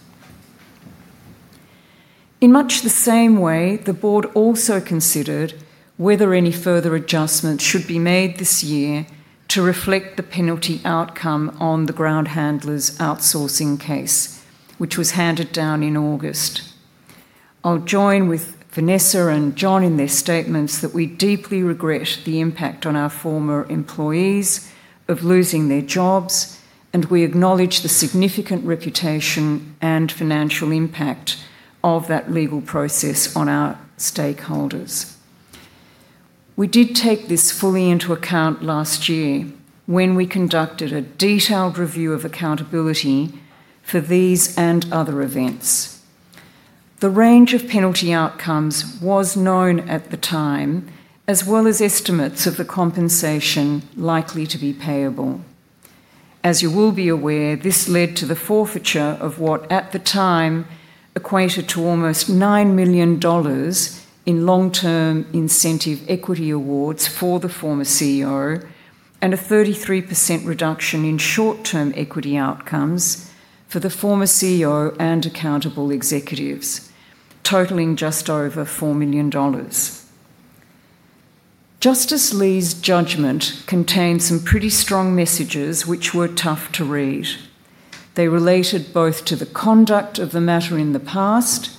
In much the same way, the board also considered whether any further adjustments should be made this year to reflect the penalty outcome on the ground handlers' outsourcing case, which was handed down in August. I'll join with Vanessa and John in their statements that we deeply regret the impact on our former employees of losing their jobs, and we acknowledge the significant reputation and financial impact of that legal process on our stakeholders. We did take this fully into account last year when we conducted a detailed review of accountability for these and other events. The range of penalty outcomes was known at the time, as well as estimates of the compensation likely to be payable. As you will be aware, this led to the forfeiture of what, at the time, equated to almost 9 million dollars. In long-term incentive equity awards for the former CEO and a 33% reduction in short-term equity outcomes for the former CEO and accountable executives, totaling just over 4 million dollars. Justice Lee's judgment contained some pretty strong messages which were tough to read. They related both to the conduct of the matter in the past,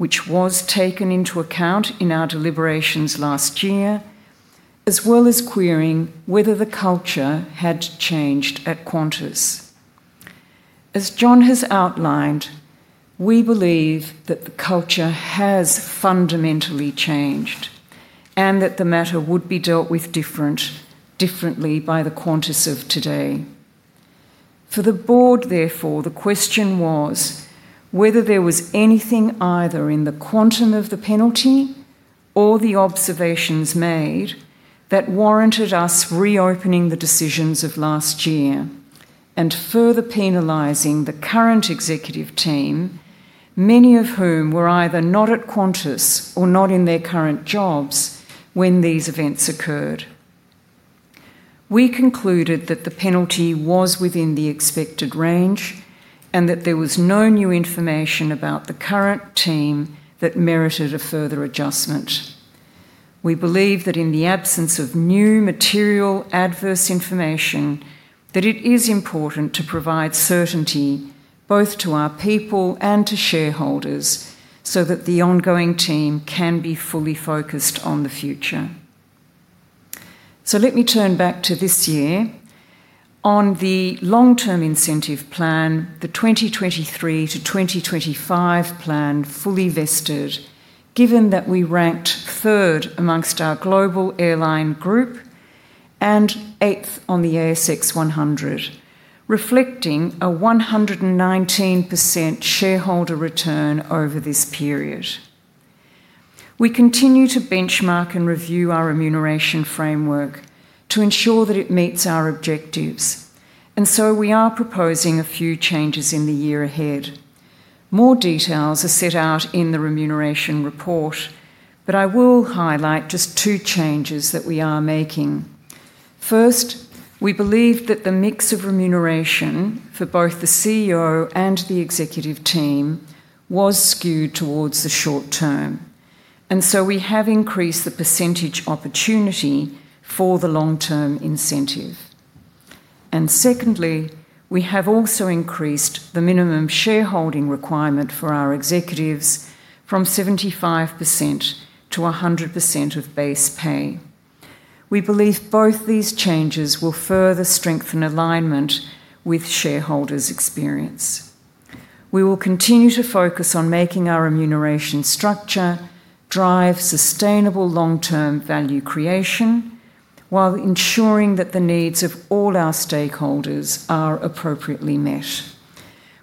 which was taken into account in our deliberations last year, as well as querying whether the culture had changed at Qantas. As John has outlined, we believe that the culture has fundamentally changed and that the matter would be dealt with differently by the Qantas of today. For the board, therefore, the question was. Whether there was anything either in the quantum of the penalty or the observations made that warranted us reopening the decisions of last year and further penalizing the current executive team, many of whom were either not at Qantas or not in their current jobs when these events occurred. We concluded that the penalty was within the expected range and that there was no new information about the current team that merited a further adjustment. We believe that in the absence of new material adverse information, that it is important to provide certainty both to our people and to shareholders so that the ongoing team can be fully focused on the future. Let me turn back to this year. On the long-term incentive plan, the 2023-2025 plan fully vested, given that we ranked third amongst our global airline group. Eighth on the ASX 100, reflecting a 119% shareholder return over this period. We continue to benchmark and review our remuneration framework to ensure that it meets our objectives. We are proposing a few changes in the year ahead. More details are set out in the remuneration report, but I will highlight just two changes that we are making. First, we believe that the mix of remuneration for both the CEO and the executive team was skewed towards the short term. We have increased the percentage opportunity for the long-term incentive. Secondly, we have also increased the minimum shareholding requirement for our executives from 75%-100% of base pay. We believe both these changes will further strengthen alignment with shareholders' experience. We will continue to focus on making our remuneration structure drive sustainable long-term value creation while ensuring that the needs of all our stakeholders are appropriately met.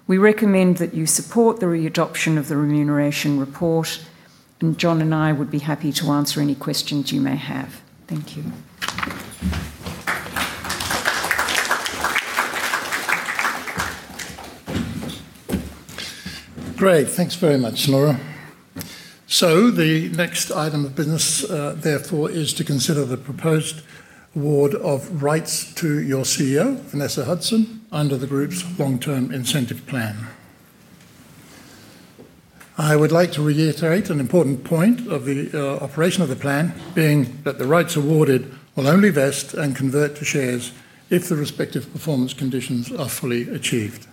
We recommend that you support the readoption of the remuneration report. John and I would be happy to answer any questions you may have. Thank you. Great. Thanks very much, Laura. The next item of business, therefore, is to consider the proposed award of rights to your CEO, Vanessa Hudson, under the group's long-term incentive plan. I would like to reiterate an important point of the operation of the plan, being that the rights awarded will only vest and convert to shares if the respective performance conditions are fully achieved.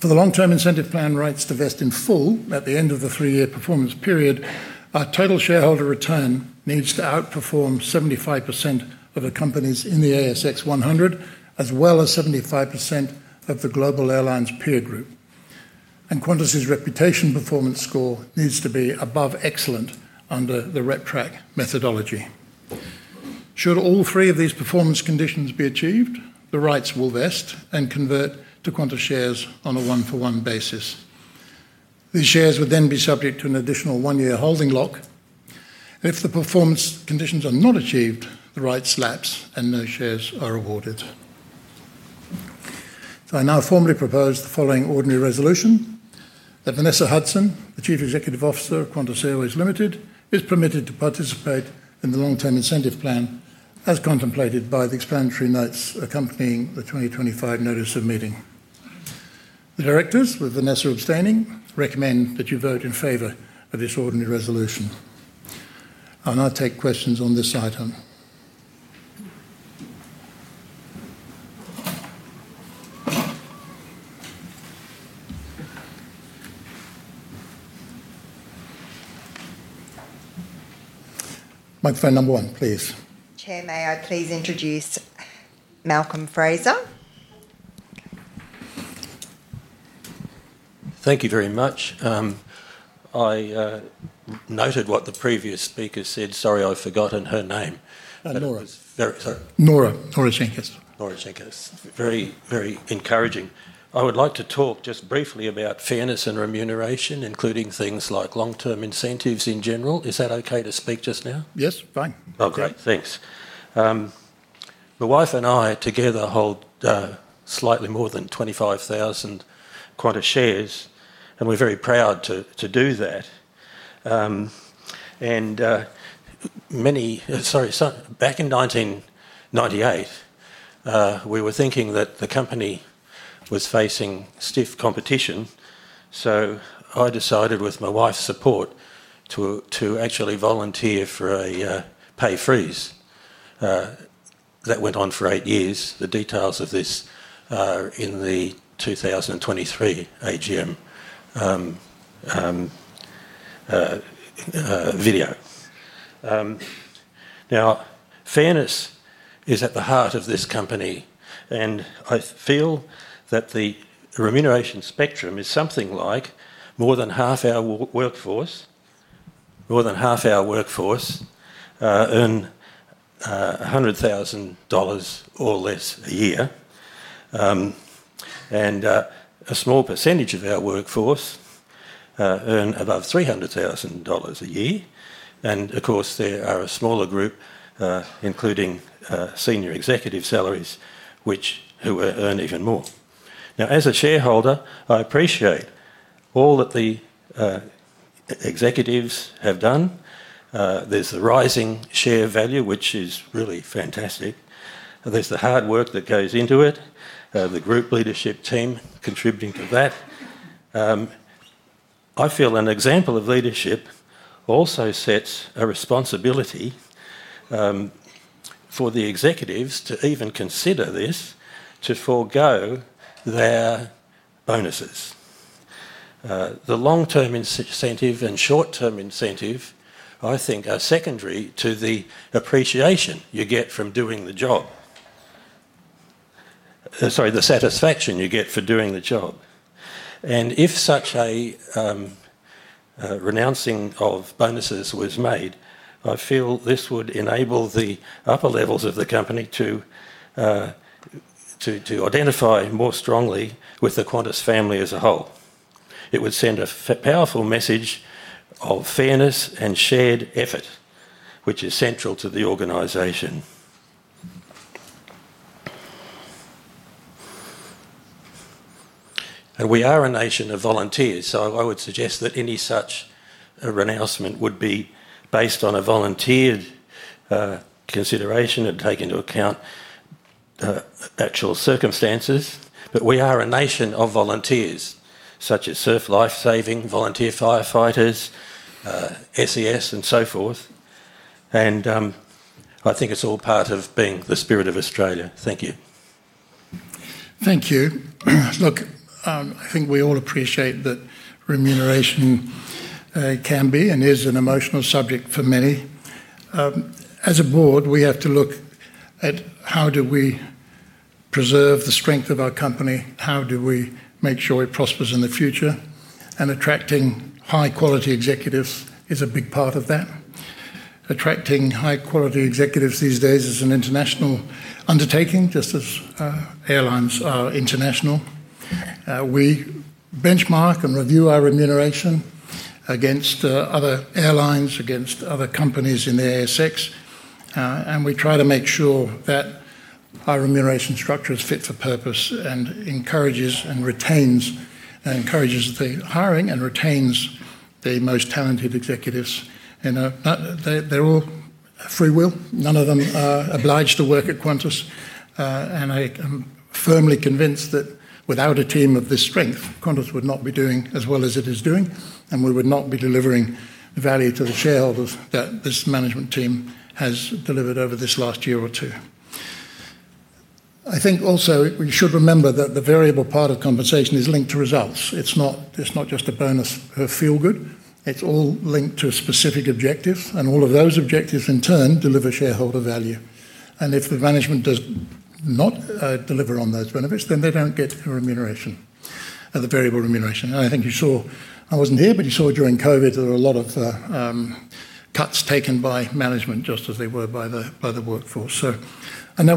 For the long-term incentive plan, rights to vest in full at the end of the three-year performance period. Our total shareholder return needs to outperform 75% of the companies in the ASX 100, as well as 75% of the global airlines peer group. Qantas' reputation performance score needs to be above excellent under the RepTrak methodology. Should all three of these performance conditions be achieved, the rights will vest and convert to Qantas shares on a one-for-one basis. These shares would then be subject to an additional one-year holding lock. If the performance conditions are not achieved, the rights lapse and no shares are awarded. I now formally propose the following ordinary resolution: that Vanessa Hudson, the Chief Executive Officer of Qantas Airways Limited, is permitted to participate in the long-term incentive plan as contemplated by the explanatory notes accompanying the 2025 notice of meeting. The directors, with Vanessa abstaining, recommend that you vote in favor of this ordinary resolution. I'll now take questions on this item. Microphone number one, please. Chair, may I please introduce Malcolm Fraser. Thank you very much. I noted what the previous speaker said. Sorry, I've forgotten her name. Nora. Very sorry. Nora Scheinkestel. Nora Scheinkestel. Very, very encouraging. I would like to talk just briefly about fairness and remuneration, including things like long-term incentives in general. Is that okay to speak just now? Yes. Fine. Oh, great. Thanks. My wife and I together hold slightly more than 25,000 Qantas shares, and we're very proud to do that. Many, sorry, back in 1998, we were thinking that the company was facing stiff competition. So I decided, with my wife's support, to actually volunteer for a pay freeze. That went on for eight years. The details of this in the 2023 AGM video. Now, fairness is at the heart of this company, and I feel that the remuneration spectrum is something like more than half our workforce, more than half our workforce earn 100,000 dollars or less a year, and a small percentage of our workforce earn above 300,000 dollars a year. Of course, there are a smaller group, including senior executive salaries, who earn even more. Now, as a shareholder, I appreciate all that the executives have done. There is the rising share value, which is really fantastic. There is the hard work that goes into it, the group leadership team contributing to that. I feel an example of leadership also sets a responsibility for the executives to even consider this, to forego their bonuses. The long-term incentive and short-term incentive, I think, are secondary to the satisfaction you get for doing the job. If such a renouncing of bonuses was made, I feel this would enable the upper levels of the company to identify more strongly with the Qantas family as a whole. It would send a powerful message of fairness and shared effort, which is central to the organization. We are a nation of volunteers, so I would suggest that any such renouncement would be based on a volunteered consideration and take into account actual circumstances. We are a nation of volunteers, such as surf lifesaving, volunteer firefighters, SES, and so forth. I think it's all part of being the spirit of Australia. Thank you. Thank you. Look, I think we all appreciate that remuneration can be and is an emotional subject for many. As a board, we have to look at how do we. Preserve the strength of our company, how do we make sure it prospers in the future. Attracting high-quality executives is a big part of that. Attracting high-quality executives these days is an international undertaking, just as airlines are international. We benchmark and review our remuneration against other airlines, against other companies in the ASX. We try to make sure that our remuneration structure is fit for purpose and encourages and retains, encourages the hiring and retains the most talented executives. They are all free will. None of them are obliged to work at Qantas. I am firmly convinced that without a team of this strength, Qantas would not be doing as well as it is doing, and we would not be delivering value to the shareholders that this management team has delivered over this last year or two. I think also we should remember that the variable part of compensation is linked to results. It's not just a bonus or feel good. It's all linked to a specific objective, and all of those objectives, in turn, deliver shareholder value. If the management does not deliver on those benefits, then they don't get the remuneration, the variable remuneration. I think you saw, I wasn't here, but you saw during COVID, there were a lot of cuts taken by management, just as they were by the workforce. We're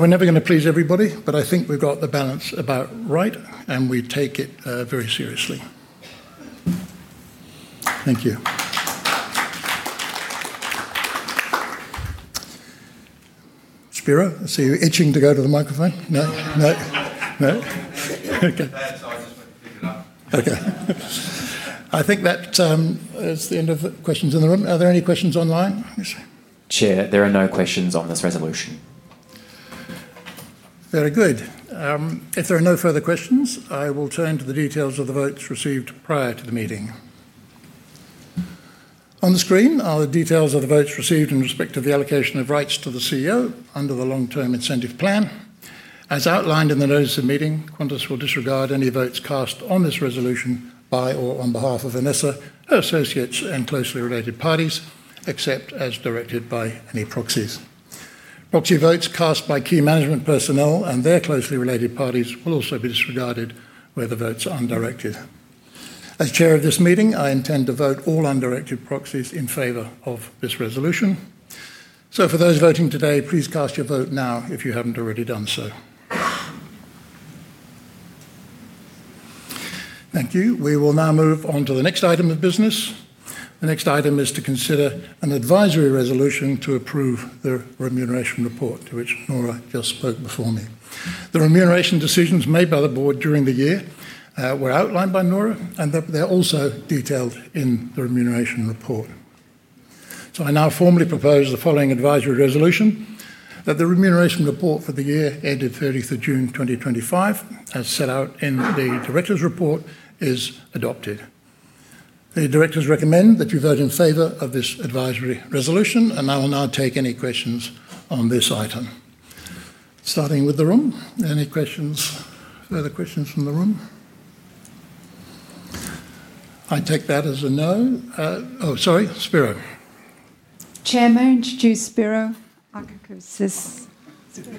never going to please everybody, but I think we've got the balance about right, and we take it very seriously. Thank you. Spiro, I see you're itching to go to the microphone. No? No. No. Okay. I think that is the end of the questions in the room. Are there any questions online? Chair, there are no questions on this resolution. Very good. If there are no further questions, I will turn to the details of the votes received prior to the meeting. On the screen are the details of the votes received in respect of the allocation of rights to the CEO under the long-term incentive plan. As outlined in the notice of meeting, Qantas will disregard any votes cast on this resolution by or on behalf of Vanessa, her associates, and closely related parties, except as directed by any proxies. Proxy votes cast by key management personnel and their closely related parties will also be disregarded where the votes are undirected. As Chair of this meeting, I intend to vote all undirected proxies in favor of this resolution. For those voting today, please cast your vote now if you haven't already done so. Thank you. We will now move on to the next item of business. The next item is to consider an advisory resolution to approve the remuneration report to which Nora just spoke before me. The remuneration decisions made by the board during the year were outlined by Nora, and they're also detailed in the remuneration report. I now formally propose the following advisory resolution: that the remuneration report for the year ended 30th of June, 2025, as set out in the director's report, is adopted. The directors recommend that you vote in favor of this advisory resolution, and I will now take any questions on this item. Starting with the room, any questions, further questions from the room? I take that as a no. Oh, sorry, Spiro. Chair may introduce Spiro Agoutsis. Spiro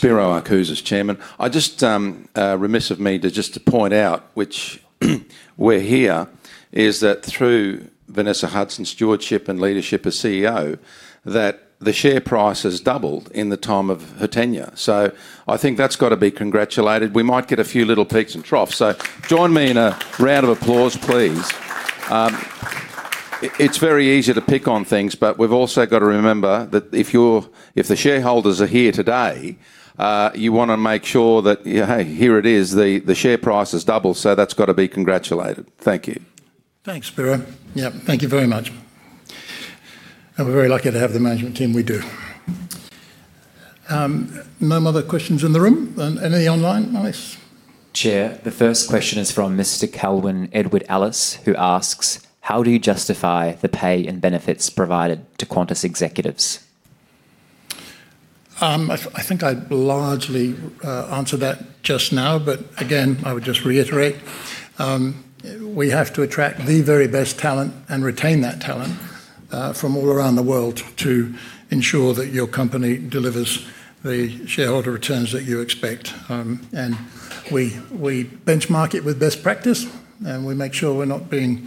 Agoutsis, Chairman. I just. Remiss of me to just point out which we're here is that through Vanessa Hudson's stewardship and leadership as CEO, that the share price has doubled in the time of her tenure. I think that's got to be congratulated. We might get a few little peeks and troughs. Join me in a round of applause, please. It's very easy to pick on things, but we've also got to remember that if the shareholders are here today. You want to make sure that, hey, here it is, the share price has doubled, so that's got to be congratulated. Thank you. Thanks, Spiro. Yeah, thank you very much. We're very lucky to have the management team we do. No more other questions in the room? Any online, Alex? Chair, the first question is from Mr. Kelwin Edward Allis, who asks, how do you justify the pay and benefits provided to Qantas executives? I think I largely answered that just now, but again, I would just reiterate. We have to attract the very best talent and retain that talent from all around the world to ensure that your company delivers the shareholder returns that you expect. We benchmark it with best practice, and we make sure we're not being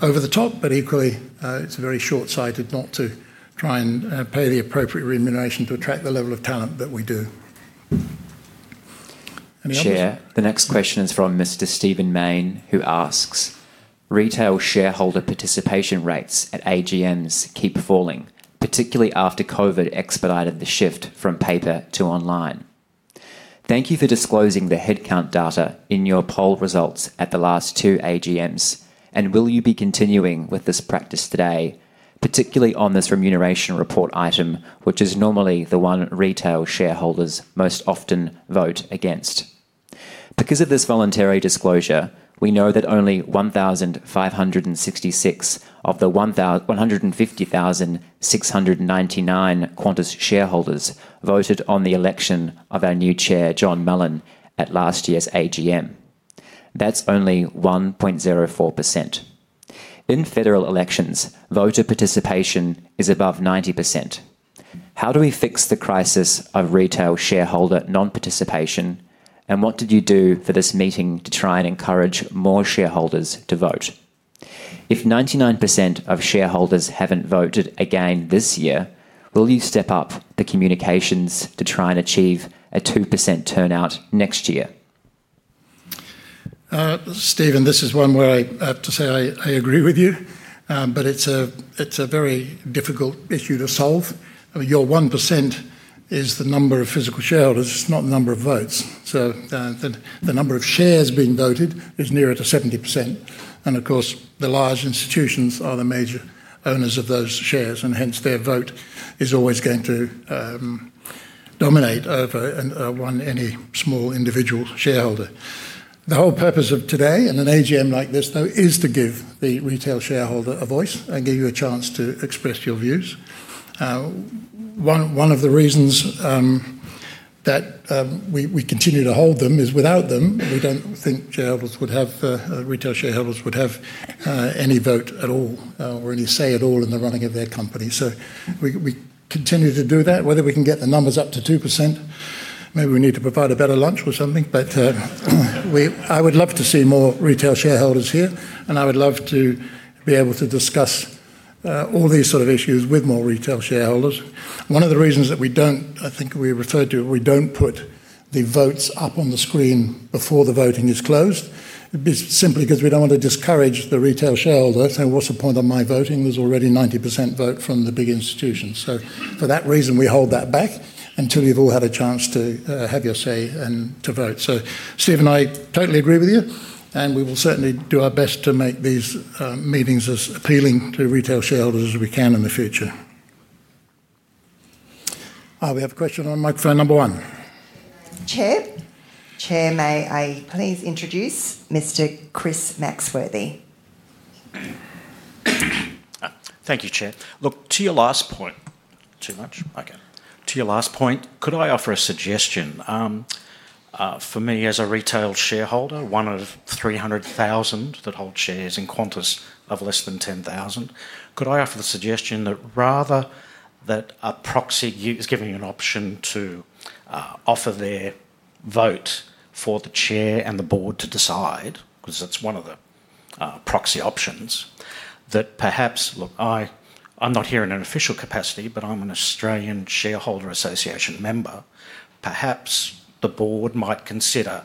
over the top, but equally, it's very short-sighted not to try and pay the appropriate remuneration to attract the level of talent that we do. Any others? Chair, the next question is from Mr. Stephen Mayne, who asks. Retail shareholder participation rates at AGMs keep falling, particularly after COVID expedited the shift from paper to online. Thank you for disclosing the headcount data in your poll results at the last two AGMs, and will you be continuing with this practice today, particularly on this remuneration report item, which is normally the one retail shareholders most often vote against? Because of this voluntary disclosure, we know that only 1,566 of the 150,699 Qantas shareholders voted on the election of our new chair, John Mullen, at last year's AGM. That's only 1.04%. In federal elections, voter participation is above 90%. How do we fix the crisis of retail shareholder non-participation, and what did you do for this meeting to try and encourage more shareholders to vote? If 99% of shareholders haven't voted again this year, will you step up the communications to try and achieve a 2% turnout next year? Stephen, this is one where I have to say I agree with you, but it's a very difficult issue to solve. Your 1% is the number of physical shareholders, not the number of votes. The number of shares being voted is nearer to 70%. Of course, the large institutions are the major owners of those shares, and hence their vote is always going to dominate over any small individual shareholder. The whole purpose of today and an AGM like this, though, is to give the retail shareholder a voice and give you a chance to express your views. One of the reasons that we continue to hold them is without them, we don't think retail shareholders would have any vote at all or any say at all in the running of their company. We continue to do that. Whether we can get the numbers up to 2%. Maybe we need to provide a better lunch or something, but. I would love to see more retail shareholders here, and I would love to be able to discuss. All these sort of issues with more retail shareholders. One of the reasons that we do not, I think we referred to it, we do not put the votes up on the screen before the voting is closed. It is simply because we do not want to discourage the retail shareholder. So what is the point of my voting? There is already 90% vote from the big institutions. For that reason, we hold that back until you have all had a chance to have your say and to vote. Stephen, I totally agree with you, and we will certainly do our best to make these meetings as appealing to retail shareholders as we can in the future. We have a question on microphone number one. Chair, may I please introduce Mr. Chris Maxworthy? Thank you, Chair. Look, to your last point, too much. Okay. To your last point, could I offer a suggestion? For me, as a retail shareholder, one of 300,000 that hold shares in Qantas of less than 10,000, could I offer the suggestion that rather than a proxy is giving an option to offer their vote for the chair and the board to decide, because that's one of the proxy options, that perhaps, look, I'm not here in an official capacity, but I'm an Australian Shareholders' Association member, perhaps the board might consider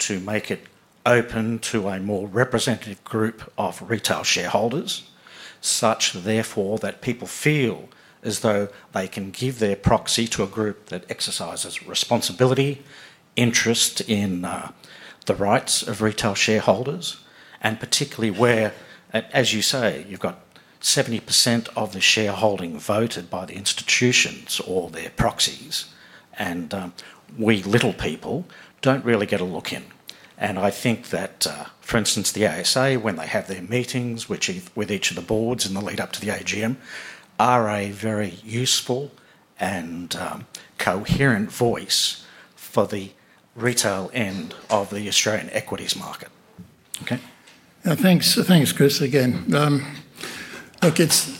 to make it open to a more representative group of retail shareholders, such therefore that people feel as though they can give their proxy to a group that exercises responsibility, interest in. The rights of retail shareholders, and particularly where, as you say, you've got 70% of the shareholding voted by the institutions or their proxies. We little people don't really get a look in. I think that, for instance, the ASA, when they have their meetings with each of the boards in the lead-up to the AGM, are a very useful and coherent voice for the retail end of the Australian equities market. Okay. Thanks, Chris, again. Look, it's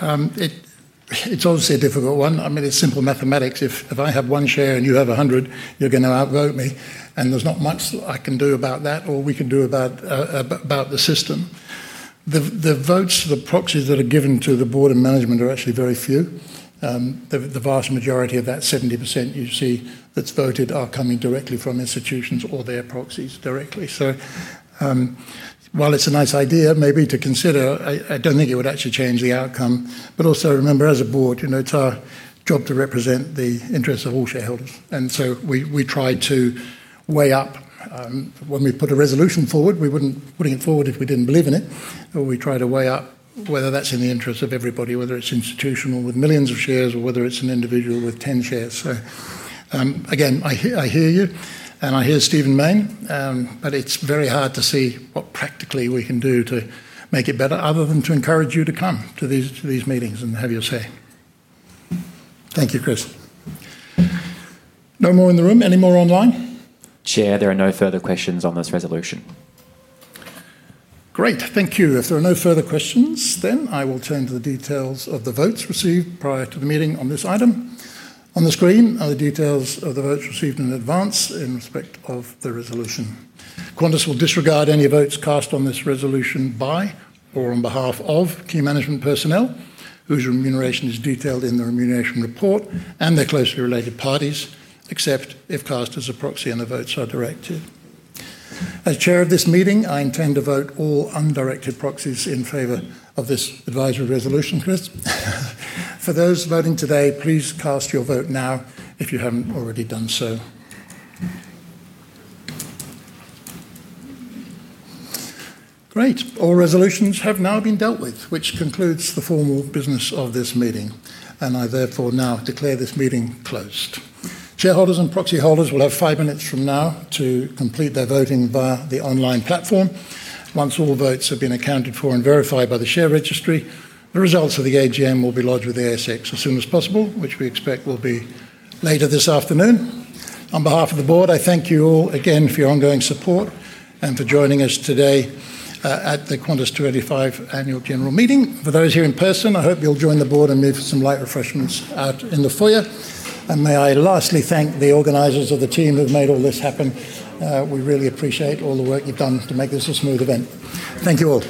obviously a difficult one. I mean, it's simple mathematics. If I have one share and you have 100%, you're going to outvote me. There's not much that I can do about that or we can do about the system. The votes to the proxies that are given to the board of management are actually very few. The vast majority of that 70% you see that's voted are coming directly from institutions or their proxies directly. While it's a nice idea maybe to consider, I don't think it would actually change the outcome. Also remember, as a board, it's our job to represent the interests of all shareholders. We try to weigh up. When we put a resolution forward, we wouldn't put it forward if we didn't believe in it. We try to weigh up whether that's in the interest of everybody, whether it's institutional with millions of shares or whether it's an individual with 10 shares. Again, I hear you, and I hear Stephen Mayne, but it's very hard to see what practically we can do to make it better other than to encourage you to come to these meetings and have your say. Thank you, Chris. No more in the room? Any more online? Chair, there are no further questions on this resolution. Great. Thank you. If there are no further questions, then I will turn to the details of the votes received prior to the meeting on this item. On the screen are the details of the votes received in advance in respect of the resolution. Qantas will disregard any votes cast on this resolution by or on behalf of key management personnel, whose remuneration is detailed in the remuneration report, and their closely related parties, except if cast as a proxy and the votes are directed. As Chair of this meeting, I intend to vote all undirected proxies in favor of this advisory resolution, Chris. For those voting today, please cast your vote now if you haven't already done so. Great. All resolutions have now been dealt with, which concludes the formal business of this meeting. I therefore now declare this meeting closed. Shareholders and proxy holders will have five minutes from now to complete their voting via the online platform. Once all votes have been accounted for and verified by the share registry, the results of the AGM will be lodged with the ASX as soon as possible, which we expect will be later this afternoon. On behalf of the board, I thank you all again for your ongoing support and for joining us today at the Qantas 2025 annual general meeting. For those here in person, I hope you'll join the board and me for some light refreshments out in the foyer. May I lastly thank the organizers of the team who've made all this happen. We really appreciate all the work you've done to make this a smooth event. Thank you all.